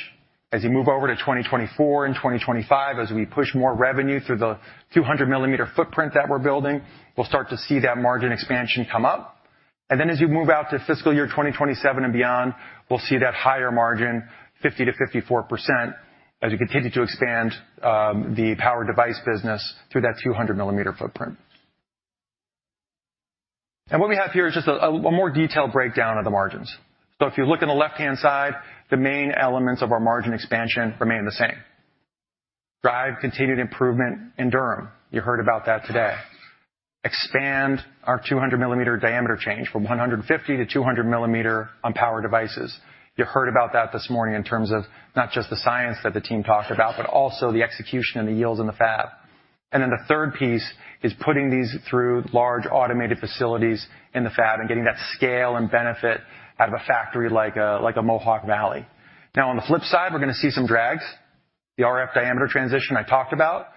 As you move over to 2024 and 2025, as we push more revenue through the 200 mm footprint that we're building, we'll start to see that margin expansion come up. As you move out to fiscal year 2027 and beyond, we'll see that higher margin, 50%-54%, as we continue to expand the power device business through that 200 mm footprint. What we have here is just a more detailed breakdown of the margins. If you look in the left-hand side, the main elements of our margin expansion remain the same. Drive continued improvement in Durham. You heard about that today. Expand our 200 mm diameter change from 150 mm to 200 mm on power devices. You heard about that this morning in terms of not just the science that the team talked about, but also the execution and the yields in the fab. The third piece is putting these through large automated facilities in the fab and getting that scale and benefit out of a factory like a Mohawk Valley. Now on the flip side, we're gonna see some drags. The RF diameter transition I talked about.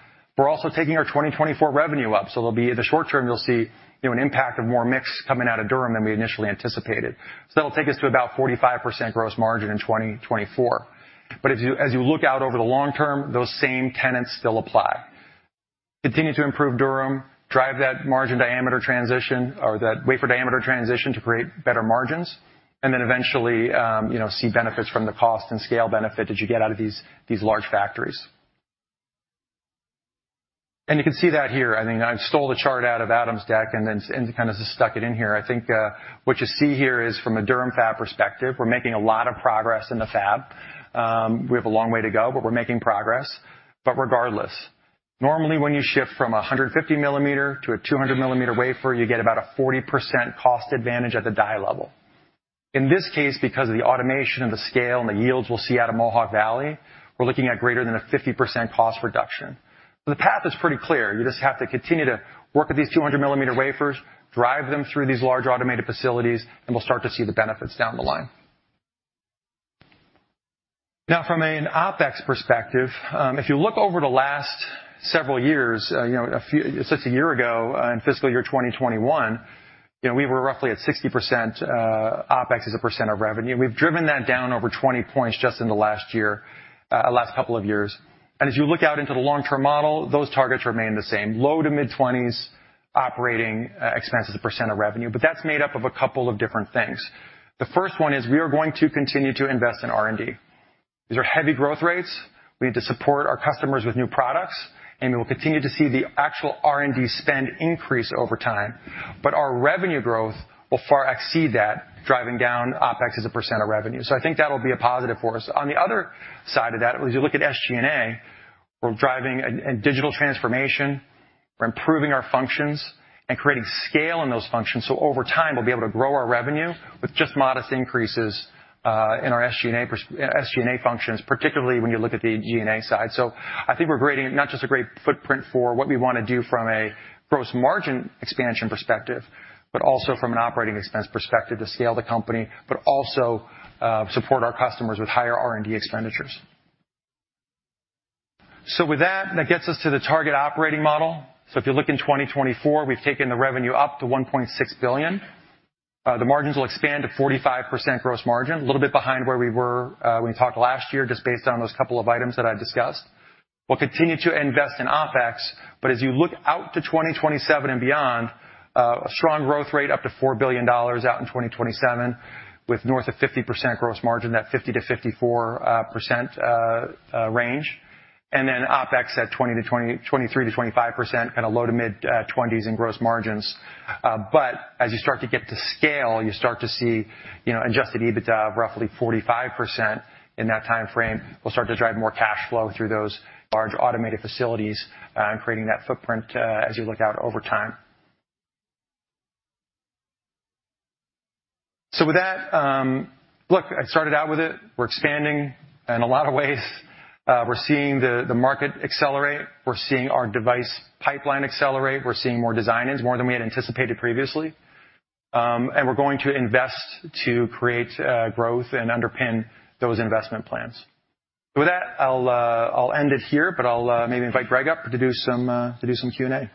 We're also taking our 2024 revenue up, so there'll be in the short term you'll see, you know, an impact of more mix coming out of Durham than we initially anticipated. That'll take us to about 45% gross margin in 2024. As you look out over the long term, those same tenets still apply. Continue to improve Durham, drive that 150 mm diameter transition or that wafer diameter transition to create better margins, and then eventually, you know, see benefits from the cost and scale benefit that you get out of these large factories. You can see that here. I mean, I stole the chart out of Adam's deck and then kind of just stuck it in here. I think what you see here is from a Durham fab perspective, we're making a lot of progress in the fab. We have a long way to go, but we're making progress. Regardless, normally, when you shift from a 150 mm to a 200 mm wafer, you get about a 40% cost advantage at the die level. In this case, because of the automation and the scale and the yields we'll see out of Mohawk Valley, we're looking at greater than a 50% cost reduction. The path is pretty clear. You just have to continue to work with these 200 mm wafers, drive them through these large automated facilities, and we'll start to see the benefits down the line. Now from an OpEx perspective, if you look over the last several years, you know, just a year ago in fiscal year 2021, you know, we were roughly at 60% OpEx as a percent of revenue. We've driven that down over 20 points just in the last year, last couple of years. As you look out into the long-term model, those targets remain the same, low to mid-20s operating expense as a percent of revenue. That's made up of a couple of different things. The first one is we are going to continue to invest in R&D. These are heavy growth rates. We need to support our customers with new products, and we will continue to see the actual R&D spend increase over time. Our revenue growth will far exceed that, driving down OpEx as a percent of revenue. I think that'll be a positive for us. On the other side of that, as you look at SG&A, we're driving a digital transformation. We're improving our functions and creating scale in those functions, so over time, we'll be able to grow our revenue with just modest increases in our SG&A functions, particularly when you look at the G&A side. I think we're creating not just a great footprint for what we wanna do from a gross margin expansion perspective, but also from an operating expense perspective to scale the company, but also support our customers with higher R&D expenditures. With that gets us to the target operating model. If you look in 2024, we've taken the revenue up to $1.6 billion. The margins will expand to 45% gross margin, a little bit behind where we were when we talked last year, just based on those couple of items that I've discussed. We'll continue to invest in OpEx, but as you look out to 2027 and beyond, a strong growth rate up to $4 billion out in 2027 with north of 50% gross margin, that 50%-54% range. OpEx at 23%-25%, kind of low to mid-twenties in gross margins. As you start to get to scale, you start to see, you know, adjusted EBITDA of roughly 45% in that timeframe. We'll start to drive more cash flow through those large automated facilities, and creating that footprint, as you look out over time. With that, look, I started out with it. We're expanding in a lot of ways. We're seeing the market accelerate. We're seeing our device pipeline accelerate. We're seeing more design-ins, more than we had anticipated previously. We're going to invest to create growth and underpin those investment plans. With that, I'll end it here, but I'll maybe invite Gregg up to do some Q&A. All right.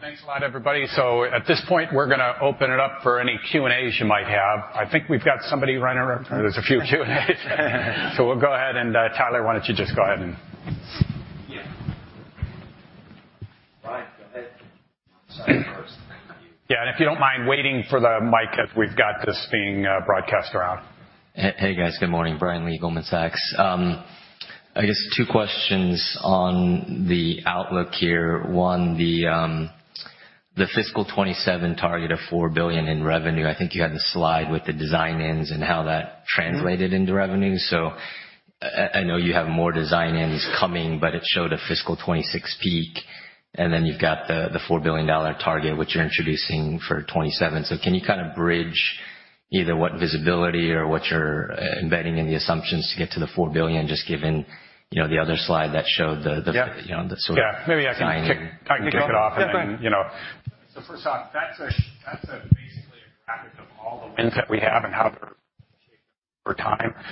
Thanks a lot, everybody. At this point, we're gonna open it up for any Q&As you might have. I think we've got somebody running around. There's a few Q&A. We'll go ahead, and Tyler, why don't you just go ahead and... Yeah. Brian, go ahead. Yeah, if you don't mind waiting for the mic as we've got this being broadcast around. Hey, guys. Good morning. Brian Lee, Goldman Sachs. I guess two questions on the outlook here. One, the fiscal 2027 target of $4 billion in revenue. I think you had the slide with the design-ins and how that translated into revenue. I know you have more design-ins coming, but it showed a fiscal 2026 peak, and then you've got the $4 billion target, which you're introducing for 2027. Can you kind of bridge either what visibility or what you're embedding in the assumptions to get to the $4 billion, just given, you know, the other slide that showed the- Yeah. You know, the sort of- Yeah. Maybe I can kick it off. Yeah, go ahead. First off, that's basically a graphic of all the wins that we have and how over time. As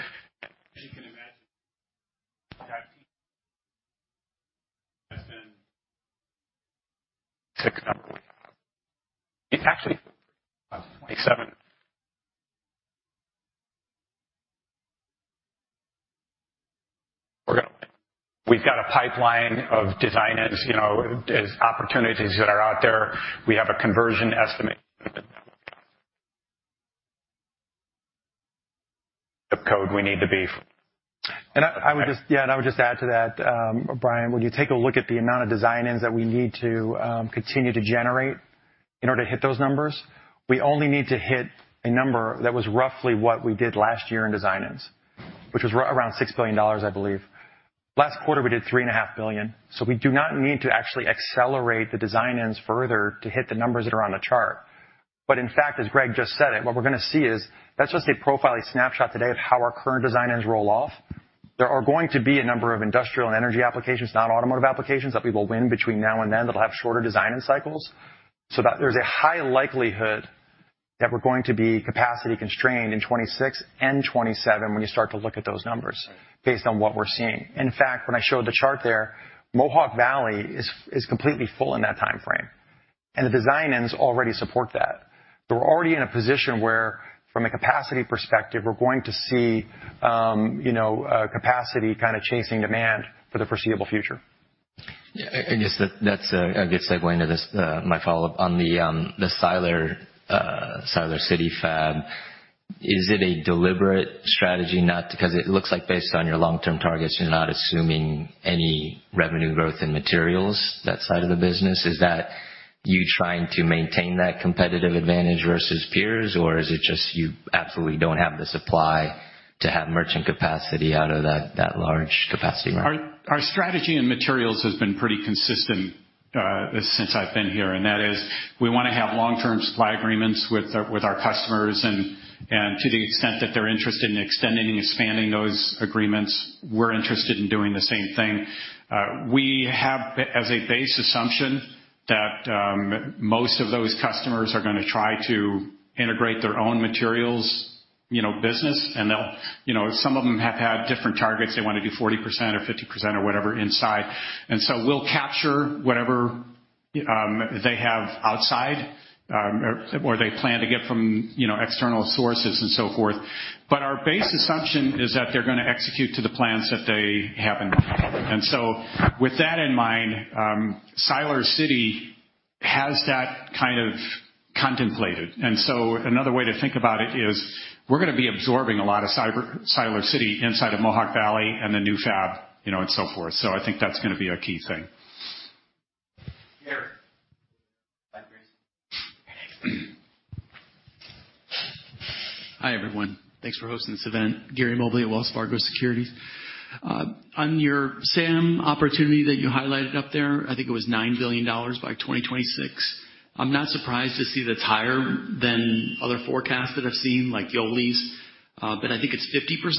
you can imagine. We've got a pipeline of design-ins, you know. There's opportunities that are out there. We have a convertion estimate. Yeah, I would just add to that, Brian. When you take a look at the amount of design-ins that we need to continue to generate in order to hit those numbers, we only need to hit a number that was roughly what we did last year in design-ins, which was around $6 billion, I believe. Last quarter, we did $3.5 billion. We do not need to actually accelerate the design-ins further to hit the numbers that are on the chart. In fact, as Gregg just said it, what we're gonna see is that's just a profile, a snapshot today of how our current design-ins roll off. There are going to be a number of industrial and energy applications, not automotive applications, that we will win between now and then that'll have shorter design-in cycles. So that there's a high likelihood that we're going to be capacity constrained in 2026 and 2027 when you start to look at those numbers based on what we're seeing. In fact, when I showed the chart there, Mohawk Valley is completely full in that timeframe, and the design-ins already support that. We're already in a position where, from a capacity perspective, we're going to see, you know, capacity kind of chasing demand for the foreseeable future. Yeah. That's a good segue into this, my follow-up on the Siler City fab. Is it a deliberate strategy not to? Because it looks like based on your long-term targets, you're not assuming any revenue growth in materials, that side of the business. Is that you trying to maintain that competitive advantage versus peers, or is it just you absolutely don't have the supply to have merchant capacity out of that large capacity market? Our strategy in materials has been pretty consistent since I've been here, and that is we wanna have long-term supply agreements with our customers and to the extent that they're interested in extending and expanding those agreements, we're interested in doing the same thing. We have a base assumption that most of those customers are gonna try to integrate their own materials, you know, business, and they'll, you know, some of them have had different targets. They wanna do 40% or 50% or whatever inside. We'll capture whatever they have outside or they plan to get from, you know, external sources and so forth. Our base assumption is that they're gonna execute to the plans that they have in. With that in mind, Siler City has that kind of contemplated. Another way to think about it is we're gonna be absorbing a lot of SiC, Siler City inside of Mohawk Valley and the new fab, you know, and so forth. I think that's gonna be a key thing. Gary. Hi, everyone. Thanks for hosting this event. Gary Mobley at Wells Fargo Securities. On your SAM opportunity that you highlighted up there, I think it was $9 billion by 2026. I'm not surprised to see that's higher than other forecasts that I've seen, like Yole's, but I think it's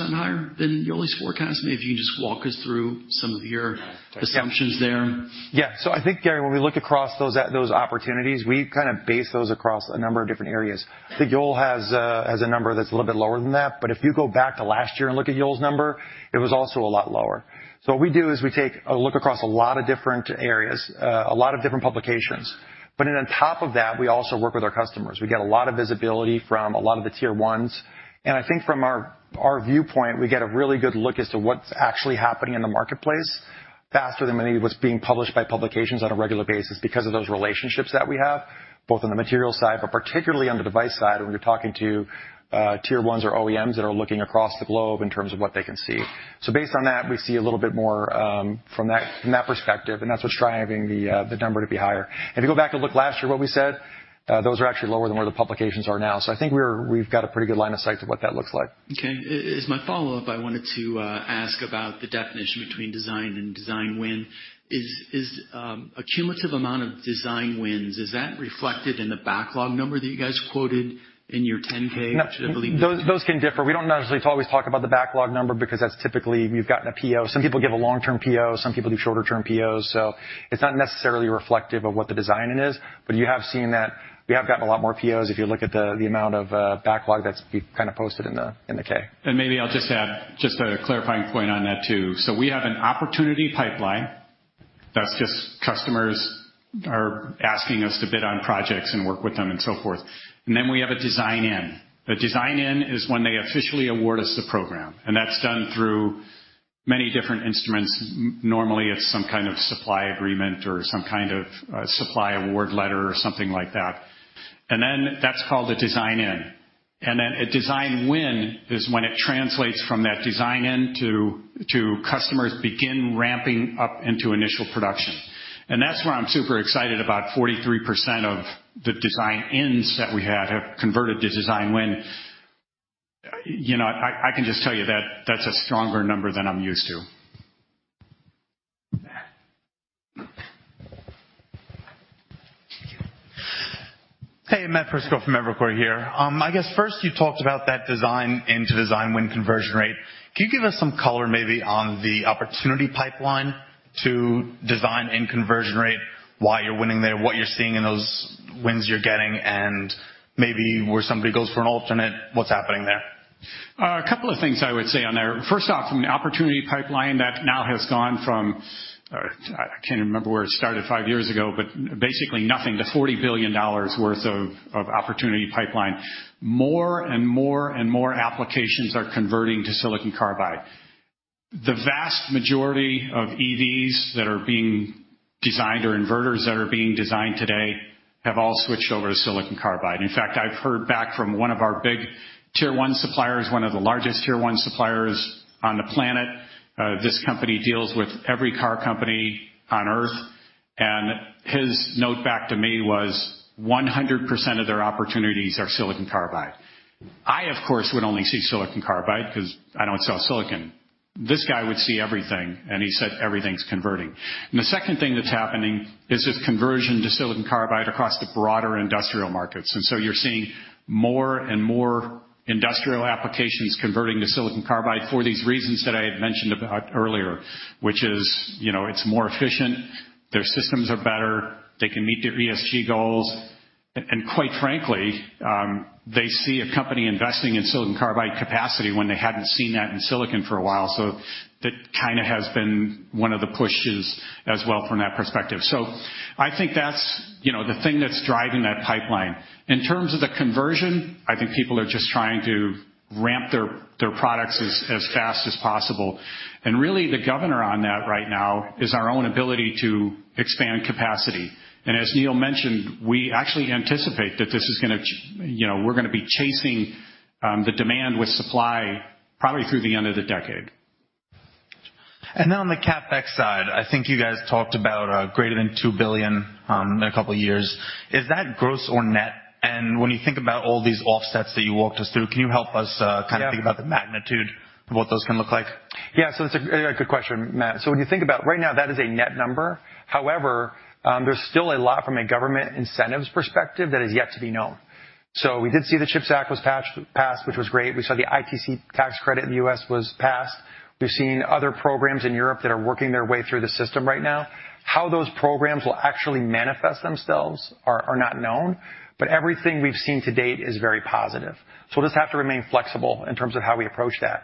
50% higher than Yole's forecast. Maybe if you can just walk us through some of your assumptions there. Yeah. I think, Gary, when we look across those opportunities, we kind of base those across a number of different areas. I think Yole has a number that's a little bit lower than that. If you go back to last year and look at Yole's number, it was also a lot lower. What we do is we take a look across a lot of different areas, a lot of different publications. Then on top of that, we also work with our customers. We get a lot of visibility from a lot of the tier ones, and I think from our viewpoint, we get a really good look as to what's actually happening in the marketplace faster than maybe what's being published by publications on a regular basis because of those relationships that we have, both on the material side, but particularly on the device side, when you're talking to tier ones or OEMs that are looking across the globe in terms of what they can see. Based on that, we see a little bit more from that perspective, and that's what's driving the number to be higher. If you go back and look last year what we said, those are actually lower than where the publications are now. I think we've got a pretty good line of sight to what that looks like. Okay. As my follow-up, I wanted to ask about the definition between design and design win. Is a cumulative amount of design wins, is that reflected in the backlog number that you guys quoted in your 10-K? No. Those can differ. We don't necessarily always talk about the backlog number because that's typically you've gotten a PO. Some people give a long-term PO, some people do shorter term POs. It's not necessarily reflective of what the design is, but you have seen that we have gotten a lot more POs if you look at the amount of backlog that's been kind of posted in the 10-K. Maybe I'll just add just a clarifying point on that too. We have an opportunity pipeline. That's just customers are asking us to bid on projects and work with them and so forth. Then we have a design in. A design in is when they officially award us the program, and that's done through many different instruments. Normally, it's some kind of supply agreement or some kind of a supply award letter or something like that. Then that's called a design in. Then a design win is when it translates from that design in to customers begin ramping up into initial production. That's why I'm super excited about 43% of the design ins that we had have converted to design win. You know, I can just tell you that that's a stronger number than I'm used to. Hey, Matt Prisco from Evercore here. I guess first you talked about that design into design win conversion rate. Can you give us some color maybe on the opportunity pipeline to design and conversion rate, why you're winning there, what you're seeing in those wins you're getting, and maybe where somebody goes for an alternate, what's happening there? A couple of things I would say on there. First off, from the opportunity pipeline that now has gone from, I can't even remember where it started five years ago, but basically nothing to $40 billion worth of opportunity pipeline. More and more applications are converting to silicon carbide. The vast majority of EVs that are being designed or inverters that are being designed today have all switched over to silicon carbide. In fact, I've heard back from one of our big tier one suppliers, one of the largest tier one suppliers on the planet. This company deals with every car company on Earth, and his note back to me was 100% of their opportunities are silicon carbide. I, of course, would only see silicon carbide because I don't sell silicon. This guy would see everything, and he said everything's converting. The second thing that's happening is this conversion to silicon carbide across the broader industrial markets. You're seeing more and more industrial applications converting to silicon carbide for these reasons that I had mentioned about earlier, which is, you know, it's more efficient, their systems are better, they can meet their ESG goals. And quite frankly, they see a company investing in silicon carbide capacity when they hadn't seen that in silicon for a while. That kinda has been one of the pushes as well from that perspective. I think that's, you know, the thing that's driving that pipeline. In terms of the conversion, I think people are just trying to ramp their products as fast as possible. Really the governor on that right now is our own ability to expand capacity. As Neill mentioned, you know, we're gonna be chasing the demand with supply probably through the end of the decade. On the CapEx side, I think you guys talked about greater than $2 billion in a couple of years. Is that gross or net? When you think about all these offsets that you walked us through, can you help us? Yeah. Kind of think about the magnitude of what those can look like? Yeah. It's a good question, Matt. When you think about right now, that is a net number. However, there's still a lot from a government incentives perspective that is yet to be known. We did see the CHIPS Act was passed, which was great. We saw the ITC tax credit in the U.S. was passed. We've seen other programs in Europe that are working their way through the system right now. How those programs will actually manifest themselves are not known, but everything we've seen to date is very positive. We'll just have to remain flexible in terms of how we approach that.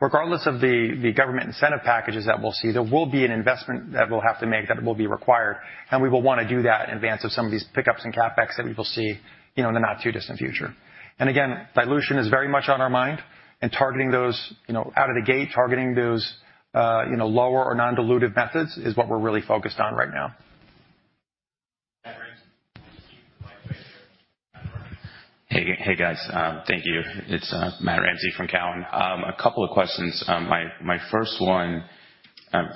However, regardless of the government incentive packages that we'll see, there will be an investment that we'll have to make that will be required, and we will wanna do that in advance of some of these pickups in CapEx that we will see, you know, in the not too distant future. Again, dilution is very much on our mind and targeting those, you know, out of the gate, targeting those lower or non-dilutive methods is what we're really focused on right now. Matt Ramsay. Hey, hey, guys. Thank you. It's Matt Ramsay from Cowen. A couple of questions. My first one,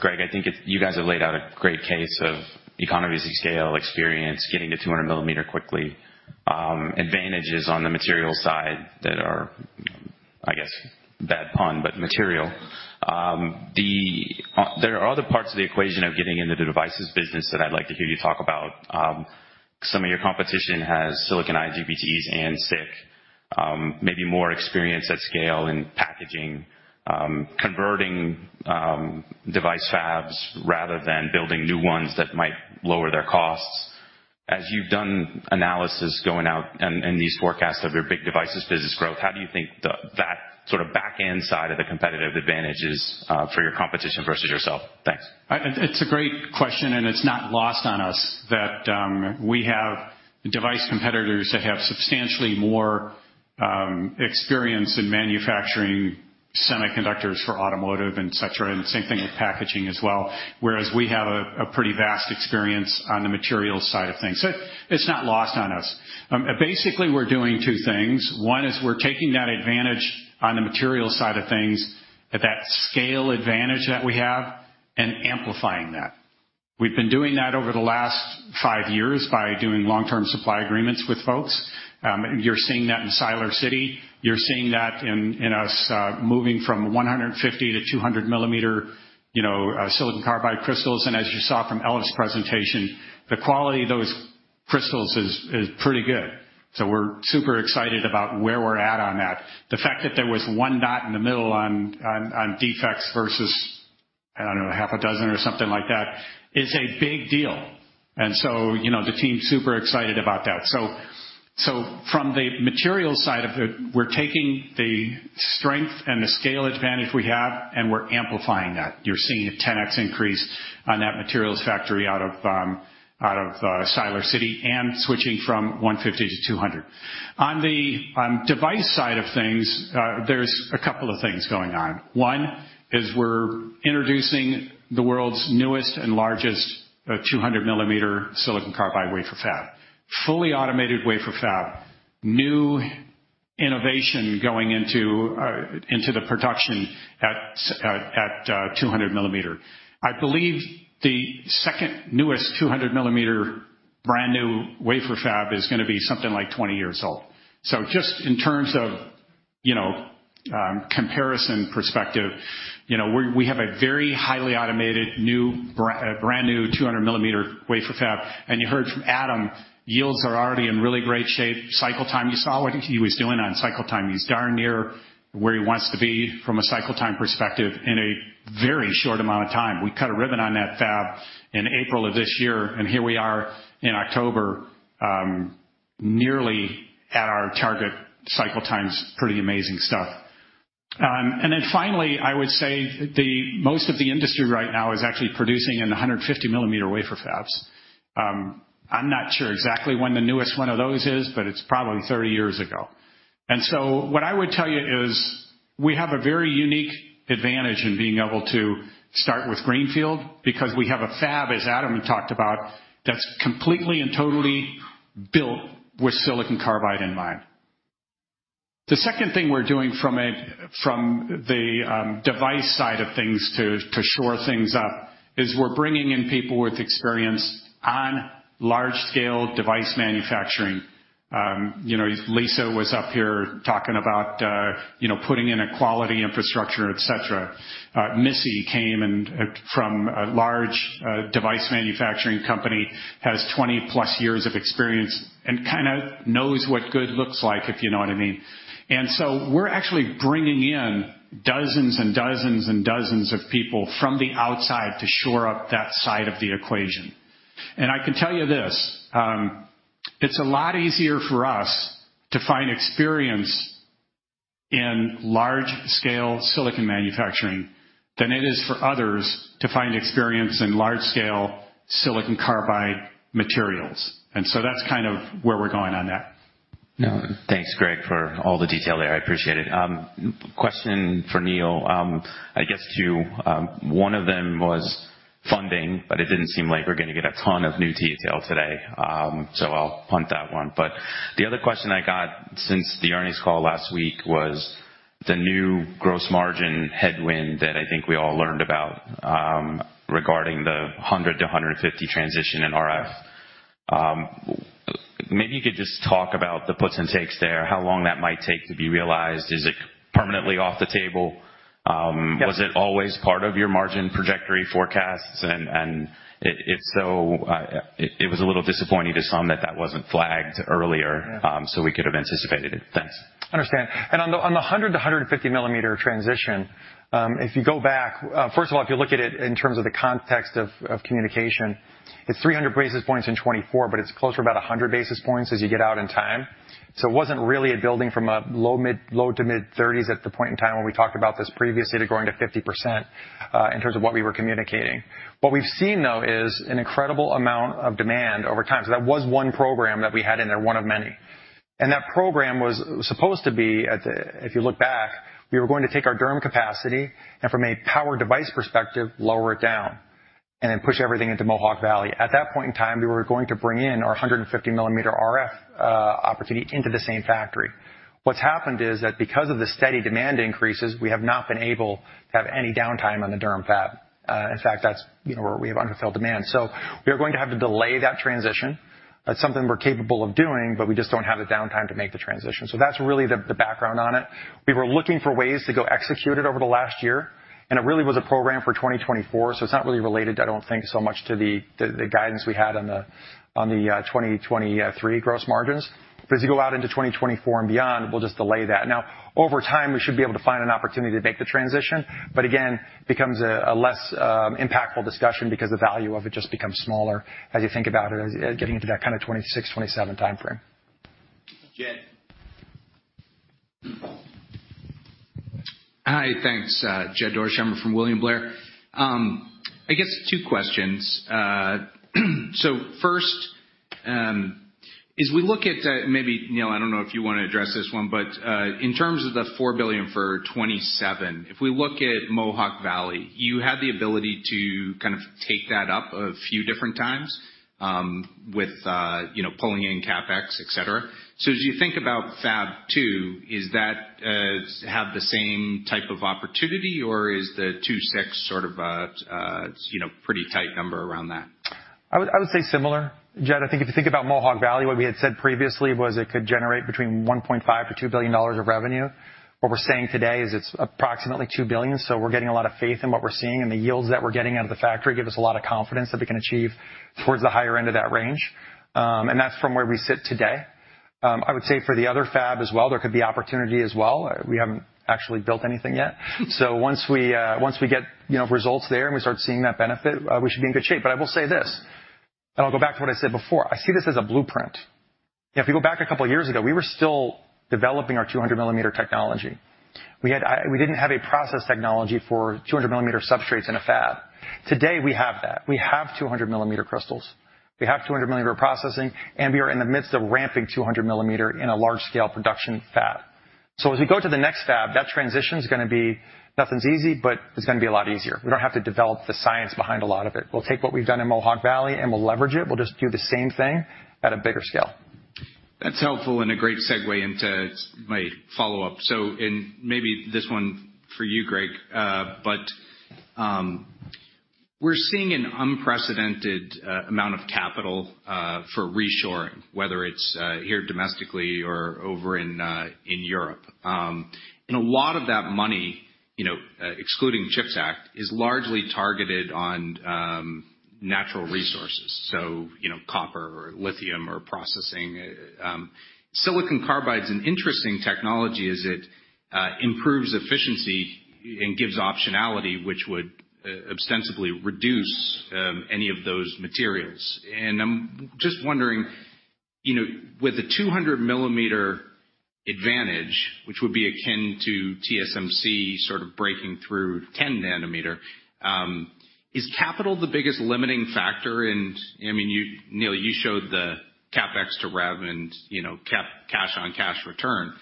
Gregg, I think you guys have laid out a great case of economies of scale, experience getting to 200 mm quickly, advantages on the material side that are, I guess, bad pun, but material. There are other parts of the equation of getting into the devices business that I'd like to hear you talk about. Some of your competition has silicon IGBTs and SiC, maybe more experience at scale in packaging, converting, device fabs rather than building new ones that might lower their costs. As you've done analysis going out and these forecasts of your big devices business growth, how do you think that sort of back end side of the competitive advantage is for your competition versus yourself? Thanks. It's a great question, and it's not lost on us that we have device competitors that have substantially more experience in manufacturing semiconductors for automotive and et cetera, and the same thing with packaging as well, whereas we have a pretty vast experience on the materials side of things. It's not lost on us. Basically, we're doing two things. One is we're taking that advantage on the materials side of things, that scale advantage that we have, and amplifying that. We've been doing that over the last five years by doing long-term supply agreements with folks. You're seeing that in Siler City. You're seeing that in us moving from 150 mm to 200 mm, you know, silicon carbide crystals. As you saw from Elif's presentation, the quality of those crystals is pretty good. We're super excited about where we're at on that. The fact that there was one dot in the middle on defects versus, I don't know, half a dozen or something like that is a big deal. You know, the team's super excited about that. From the materials side of it, we're taking the strength and the scale advantage we have, and we're amplifying that. You're seeing a 10x increase on that materials factory out of Siler City and switching from 150 mm to 200 mm. On the device side of things, there's a couple of things going on. One is we're introducing the world's newest and largest 200 mm silicon carbide wafer fab. Fully automated wafer fab, new innovation going into the production at 200 mm. I believe the second newest 200 mm brand new wafer fab is gonna be something like 20 years old. Just in terms of, you know, comparison perspective, you know, we have a very highly automated, brand new 200 mm wafer fab. You heard from Adam, yields are already in really great shape. Cycle time, you saw what he was doing on cycle time. He's darn near where he wants to be from a cycle time perspective in a very short amount of time. We cut a ribbon on that fab in April of this year, and here we are in October, nearly at our target cycle times. Pretty amazing stuff. Finally, I would say the most of the industry right now is actually producing in the 150 mm wafer fabs. I'm not sure exactly when the newest one of those is, but it's probably 30 years ago. What I would tell you is we have a very unique advantage in being able to start with greenfield because we have a fab, as Adam talked about, that's completely and totally built with silicon carbide in mind. The second thing we're doing from the device side of things to shore things up is we're bringing in people with experience on large scale device manufacturing. You know, Lisa was up here talking about, you know, putting in a quality infrastructure, et cetera. Missy came and from a large device manufacturing company, has 20+ years of experience and kinda knows what good looks like, if you know what I mean. We're actually bringing in dozens and dozens and dozens of people from the outside to shore up that side of the equation. I can tell you this, it's a lot easier for us to find experience in large scale silicon manufacturing than it is for others to find experience in large scale silicon carbide materials. That's kind of where we're going on that. Thanks, Gregg, for all the detail there. I appreciate it. Question for Neill. One of them was funding, but it didn't seem like we're gonna get a ton of new detail today. I'll punt that one. The other question I got since the earnings call last week was the new gross margin headwind that I think we all learned about, regarding the 100 mm-150 mm transition in RF. Maybe you could just talk about the puts and takes there, how long that might take to be realized. Is it permanently off the table? Was it always part of your margin trajectory forecasts? If so, it was a little disappointing to some that that wasn't flagged earlier, so we could have anticipated it. Thanks. Understand. On the 100 to 150 mm transition, if you go back. First of all, if you look at it in terms of the context of communication, it's 300 basis points in 2024, but it's closer to about 100 basis points as you get out in time. It wasn't really a building from a low to mid-30s at the point in time when we talked about this previously to growing to 50%, in terms of what we were communicating. What we've seen, though, is an incredible amount of demand over time. That was one program that we had in there, one of many. That program was supposed to be, at the. If you look back, we were going to take our Durham capacity and from a power device perspective, lower it down. Then push everything into Mohawk Valley. At that point in time, we were going to bring in our 150 mm RF opportunity into the same factory. What's happened is that because of the steady demand increases, we have not been able to have any downtime on the Durham fab. In fact, that's, you know, where we have unfulfilled demand. So we are going to have to delay that transition. That's something we're capable of doing, but we just don't have the downtime to make the transition. So that's really the background on it. We were looking for ways to go execute it over the last year, and it really was a program for 2024. It's not really related, I don't think, so much to the guidance we had on the 2023 gross margins. As you go out into 2024 and beyond, we'll just delay that. Now, over time, we should be able to find an opportunity to make the transition, but again, becomes a less impactful discussion because the value of it just becomes smaller as you think about it as getting into that kind of 2026, 2027 timeframe. Jed. Hi, thanks. Jed Dorsheimer from William Blair. I guess two questions. First, as we look at, maybe, Neill, I don't know if you wanna address this one, but in terms of the $4 billion for 2027, if we look at Mohawk Valley, you had the ability to kind of take that up a few different times, with you know, pulling in CapEx, et cetera. As you think about fab two, is that have the same type of opportunity, or is the $2.6 billion sort of a you know, pretty tight number around that? I would say similar. Jed, I think if you think about Mohawk Valley, what we had said previously was it could generate between $1.5 billion-$2 billion of revenue. What we're saying today is it's approximately $2 billion, so we're getting a lot of faith in what we're seeing, and the yields that we're getting out of the factory give us a lot of confidence that we can achieve towards the higher end of that range. That's from where we sit today. I would say for the other fab as well, there could be opportunity as well. We haven't actually built anything yet. Once we get, you know, results there, and we start seeing that benefit, we should be in good shape. I will say this, and I'll go back to what I said before, I see this as a blueprint. You know, if you go back a couple of years ago, we were still developing our 200 mm technology. We didn't have a process technology for 200 mm substrates in a fab. Today, we have that. We have 200 mm crystals. We have 200 mm processing, and we are in the midst of ramping 200 mm in a large-scale production fab. As we go to the next fab, that transition's gonna be, nothing's easy, but it's gonna be a lot easier. We don't have to develop the science behind a lot of it. We'll take what we've done in Mohawk Valley, and we'll leverage it. We'll just do the same thing at a bigger scale. That's helpful and a great segue into my follow-up. Maybe this one for you, Gregg. We're seeing an unprecedented amount of capital for reshoring, whether it's here domestically or over in Europe. A lot of that money, you know, excluding CHIPS Act, is largely targeted on natural resources, so, you know, copper or lithium or processing. Silicon carbide's an interesting technology as it improves efficiency and gives optionality, which would ostensibly reduce any of those materials. I'm just wondering, you know, with the 200 mm advantage, which would be akin to TSMC sort of breaking through 10 nm, is capital the biggest limiting factor? I mean, Neil, you showed the CapEx to rev and, you know, cash-on-cash return,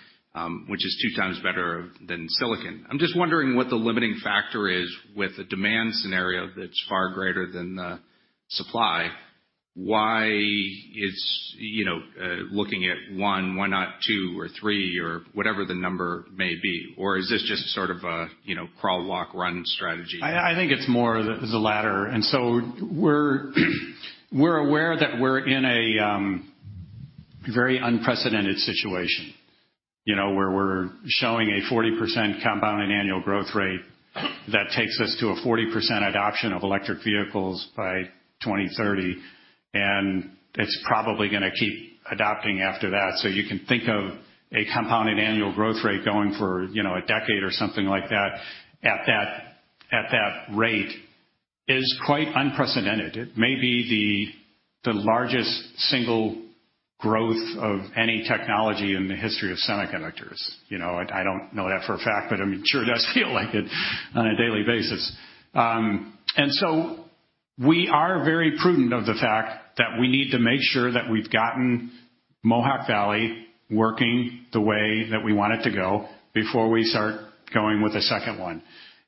which is two times better than silicon. I'm just wondering what the limiting factor is with a demand scenario that's far greater than the supply. Why is, you know, looking at one, why not two or three or whatever the number may be? Or is this just sort of a, you know, crawl, walk, run strategy? I think it's more the latter. We're aware that we're in a very unprecedented situation, you know, where we're showing a 40% compounded annual growth rate that takes us to a 40% adoption of electric vehicles by 2030, and it's probably gonna keep adopting after that. You can think of a compounded annual growth rate going for, you know, a decade or something like that, at that rate is quite unprecedented. It may be the largest single growth of any technology in the history of semiconductors. You know, I don't know that for a fact, but I mean, sure does feel like it on a daily basis. We are very prudent of the fact that we need to make sure that we've gotten Mohawk Valley working the way that we want it to go before we start going with a second one.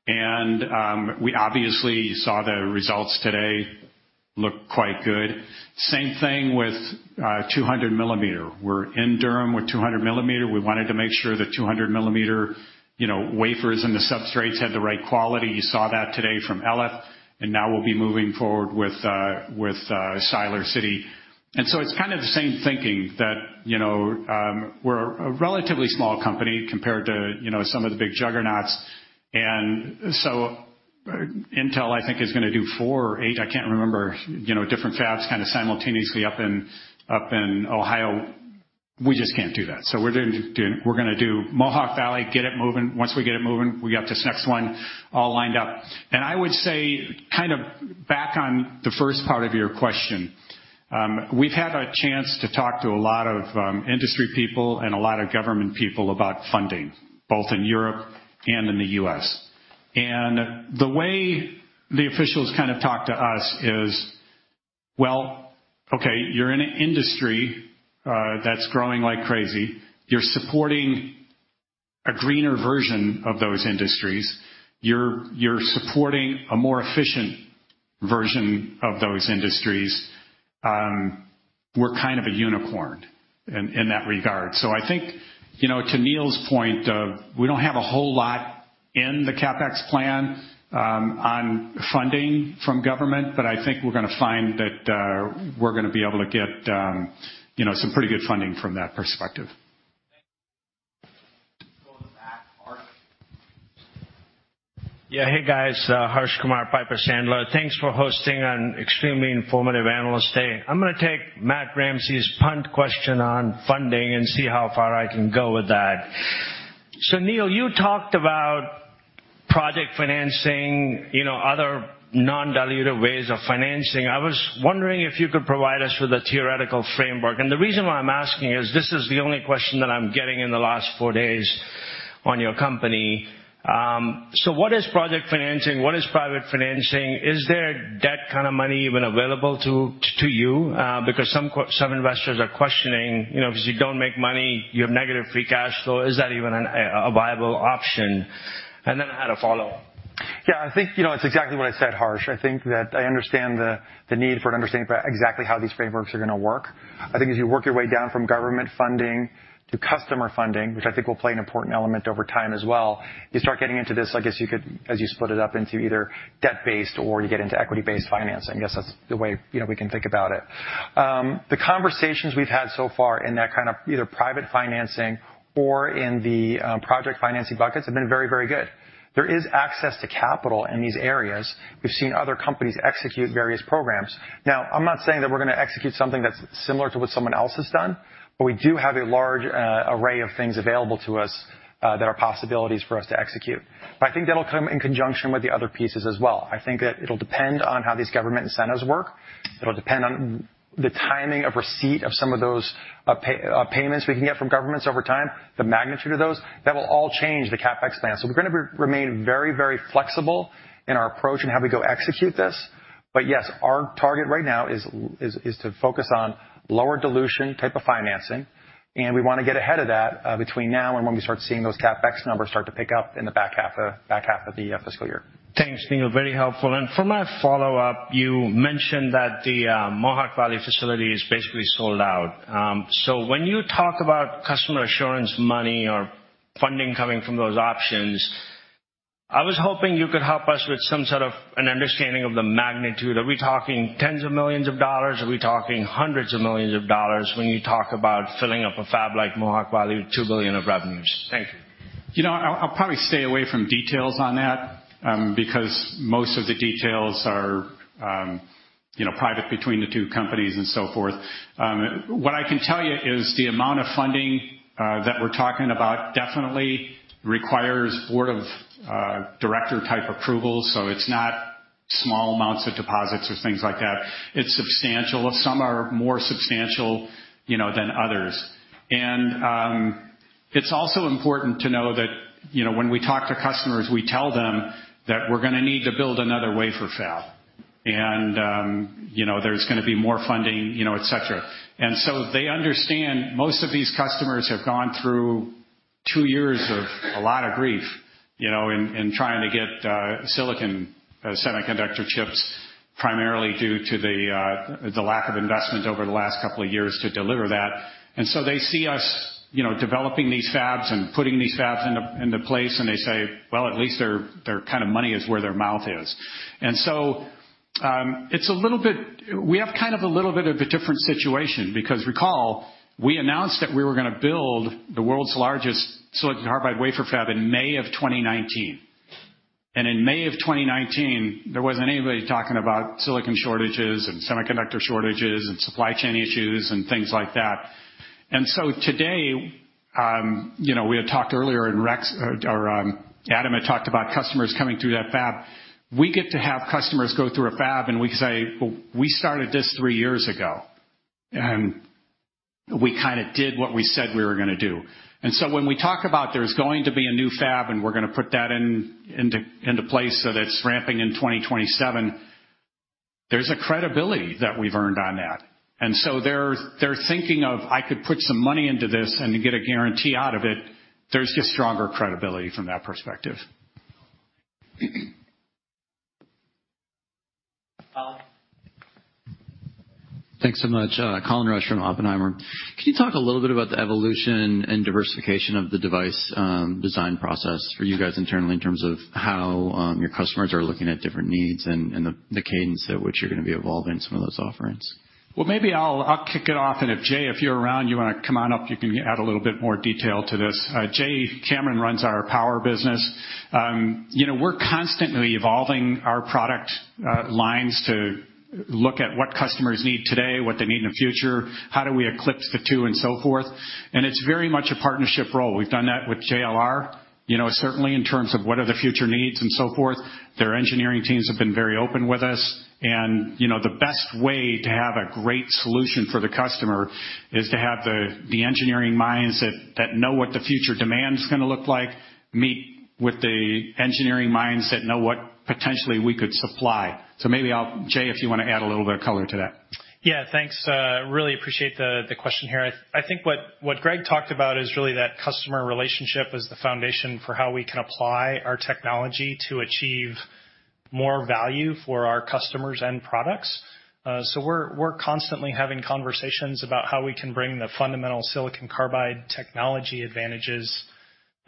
We obviously saw the results today look quite good. Same thing with 200 mm. We're in Durham with 200 mm. We wanted to make sure the 200 mm, you know, wafers and the substrates had the right quality. You saw that today from Elif, and now we'll be moving forward with Siler City. It's kind of the same thinking that, you know, we're a relatively small company compared to, you know, some of the big juggernauts. Intel, I think, is gonna do four or eight, I can't remember, different fabs kinda simultaneously up in Ohio. We just can't do that. We're doing—we're gonna do Mohawk Valley, get it moving. Once we get it moving, we got this next one all lined up. I would say kind of back on the first part of your question, we've had a chance to talk to a lot of industry people and a lot of government people about funding, both in Europe and in the U.S. The way the officials kind of talk to us is, "Well, okay, you're in an industry that's growing like crazy. You're supporting a greener version of those industries. You're supporting a more efficient version of those industries. We're kind of a unicorn in that regard. I think, you know, to Neill's point of, we don't have a whole lot in the CapEx plan, on funding from government, but I think we're gonna find that, we're gonna be able to get, you know, some pretty good funding from that perspective. Go to the back, Harsh. Yeah. Hey, guys, Harsh Kumar, Piper Sandler. Thanks for hosting an extremely informative analyst day. I'm gonna take Matt Ramsay's punt question on funding and see how far I can go with that. Neill, you talked about project financing, you know, other non-dilutive ways of financing. I was wondering if you could provide us with a theoretical framework, and the reason why I'm asking is, this is the only question that I'm getting in the last four days on your company. What is project financing? What is private financing? Is there debt kind of money even available to you? Because some investors are questioning, you know, 'cause you don't make money, you have negative free cash flow. Is that even a viable option? I had a follow-up. Yeah, I think, you know, it's exactly what I said, Harsh. I think that I understand the need for an understanding about exactly how these frameworks are gonna work. I think as you work your way down from government funding to customer funding, which I think will play an important element over time as well, you start getting into this, I guess you could, as you split it up into either debt-based or you get into equity-based financing. Yes, that's the way, you know, we can think about it. The conversations we've had so far in that kind of either private financing or in the project financing buckets have been very, very good. There is access to capital in these areas. We've seen other companies execute various programs. Now, I'm not saying that we're gonna execute something that's similar to what someone else has done, but we do have a large array of things available to us that are possibilities for us to execute. I think that'll come in conjunction with the other pieces as well. I think that it'll depend on how these government incentives work. It'll depend on the timing of receipt of some of those payments we can get from governments over time, the magnitude of those. That will all change the CapEx plan. We're gonna remain very, very flexible in our approach in how we go execute this. Yes, our target right now is to focus on lower dilution type of financing, and we wanna get ahead of that, between now and when we start seeing those CapEx numbers start to pick up in the back half of the fiscal year. Thanks, Neill. Very helpful. For my follow-up, you mentioned that the Mohawk Valley facility is basically sold out. When you talk about customer assurance money or funding coming from those options, I was hoping you could help us with some sort of an understanding of the magnitude. Are we talking tens of millions of dollars? Are we talking hundreds of millions of dollars when you talk about filling up a fab like Mohawk Valley with $2 billion of revenues? Thank you. You know, I'll probably stay away from details on that, because most of the details are, you know, private between the two companies and so forth. What I can tell you is the amount of funding that we're talking about definitely requires board of director type approval, so it's not small amounts of deposits or things like that. It's substantial. Some are more substantial, you know, than others. It's also important to know that, you know, when we talk to customers, we tell them that we're gonna need to build another wafer fab. You know, there's gonna be more funding, you know, et cetera. They understand. Most of these customers have gone through two years of a lot of grief, you know, in trying to get silicon semiconductor chips, primarily due to the lack of investment over the last couple of years to deliver that. They see us, you know, developing these fabs and putting these fabs into place, and they say, "Well, at least their kind of money is where their mouth is." It's a little bit. We have kind of a little bit of a different situation because recall, we announced that we were gonna build the world's largest silicon carbide wafer fab in May of 2019. In May of 2019, there wasn't anybody talking about silicon shortages and semiconductor shortages and supply chain issues and things like that. Today, you know, we had talked earlier and Rex or Adam had talked about customers coming through that fab. We get to have customers go through a fab, and we can say, "Well, we started this three years ago, and we kinda did what we said we were gonna do." When we talk about there's going to be a new fab, and we're gonna put that into place, so that's ramping in 2027, there's a credibility that we've earned on that. They're thinking of, I could put some money into this and get a guarantee out of it. There's just stronger credibility from that perspective. Colin. Thanks so much. Colin Rusch from Oppenheimer. Can you talk a little bit about the evolution and diversification of the device design process for you guys internally in terms of how your customers are looking at different needs and the cadence at which you're gonna be evolving some of those offerings? Maybe I'll kick it off, and if Jay, if you're around, you wanna come on up, you can add a little bit more detail to this. Jay Cameron runs our Power business. You know, we're constantly evolving our product lines to look at what customers need today, what they need in the future, how do we eclipse the two, and so forth. It's very much a partnership role. We've done that with JLR, you know, certainly in terms of what are the future needs and so forth. Their engineering teams have been very open with us. You know, the best way to have a great solution for the customer is to have the engineering minds that know what the future demand's gonna look like, meet with the engineering minds that know what potentially we could supply. Maybe I'll Jay, if you wanna add a little bit of color to that. Yeah, thanks. Really appreciate the question here. I think what Gregg talked about is really that customer relationship is the foundation for how we can apply our technology to achieve more value for our customers and products. We're constantly having conversations about how we can bring the fundamental silicon carbide technology advantages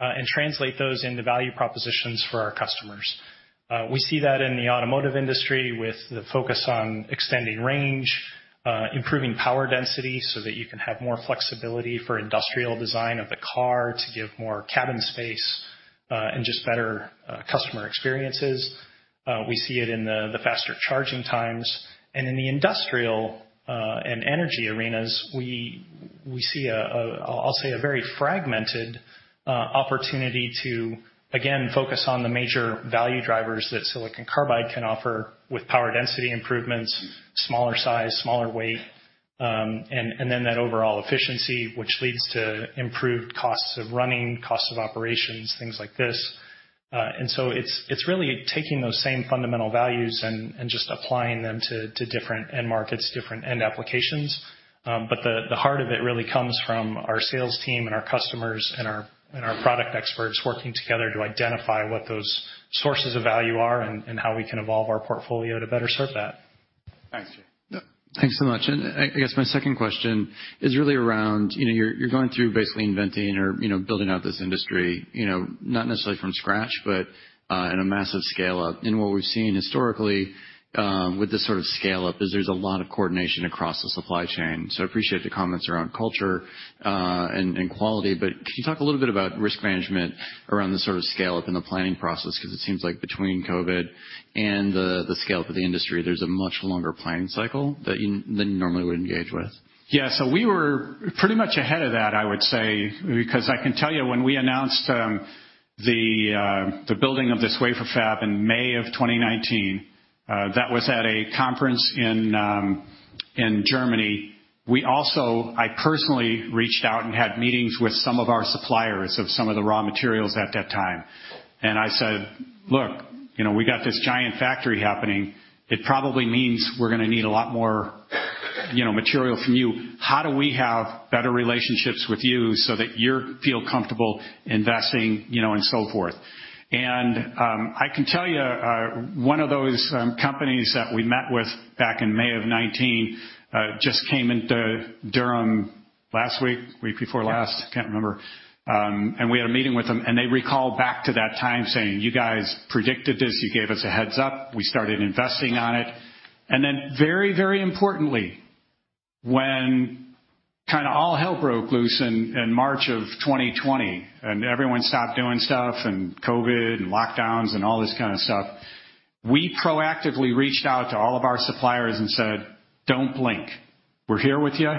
and translate those into value propositions for our customers. We see that in the automotive industry with the focus on extending range, improving power density so that you can have more flexibility for industrial design of the car to give more cabin space and just better customer experiences. We see it in the faster charging times. In the industrial and energy arenas, we see a.. I'll say a very fragmented opportunity to, again, focus on the major value drivers that silicon carbide can offer with power density improvements, smaller size, smaller weight, and then that overall efficiency, which leads to improved costs of running, costs of operations, things like this. It's really taking those same fundamental values and just applying them to different end markets, different end applications. The heart of it really comes from our sales team and our customers and our product experts working together to identify what those sources of value are and how we can evolve our portfolio to better serve that. Thanks. Thanks so much. I guess my second question is really around, you know, you're going through basically inventing or, you know, building out this industry, you know, not necessarily from scratch, but at a massive scale up. What we've seen historically with this sort of scale up is there's a lot of coordination across the supply chain. I appreciate the comments around culture and quality, but can you talk a little bit about risk management around the sort of scale up in the planning process? 'Cause it seems like between COVID and the scale up of the industry, there's a much longer planning cycle that you than you normally would engage with. Yeah. We were pretty much ahead of that, I would say, because I can tell you, when we announced the building of this wafer fab in May 2019, that was at a conference in Germany. We also, I personally reached out and had meetings with some of our suppliers of some of the raw materials at that time. I said, "Look, you know, we got this giant factory happening. It probably means we're gonna need a lot more, you know, material from you. How do we have better relationships with you so that you feel comfortable investing, you know, and so forth?" I can tell you, one of those companies that we met with back in May 2019 just came into Durham last week before last, can't remember. We had a meeting with them, and they recalled back to that time saying, "You guys predicted this. You gave us a heads up. We started investing on it." Then very, very importantly, when kinda all hell broke loose in March 2020 and everyone stopped doing stuff and COVID and lockdowns and all this kind of stuff, we proactively reached out to all of our suppliers and said, "Don't blink. We're here with you.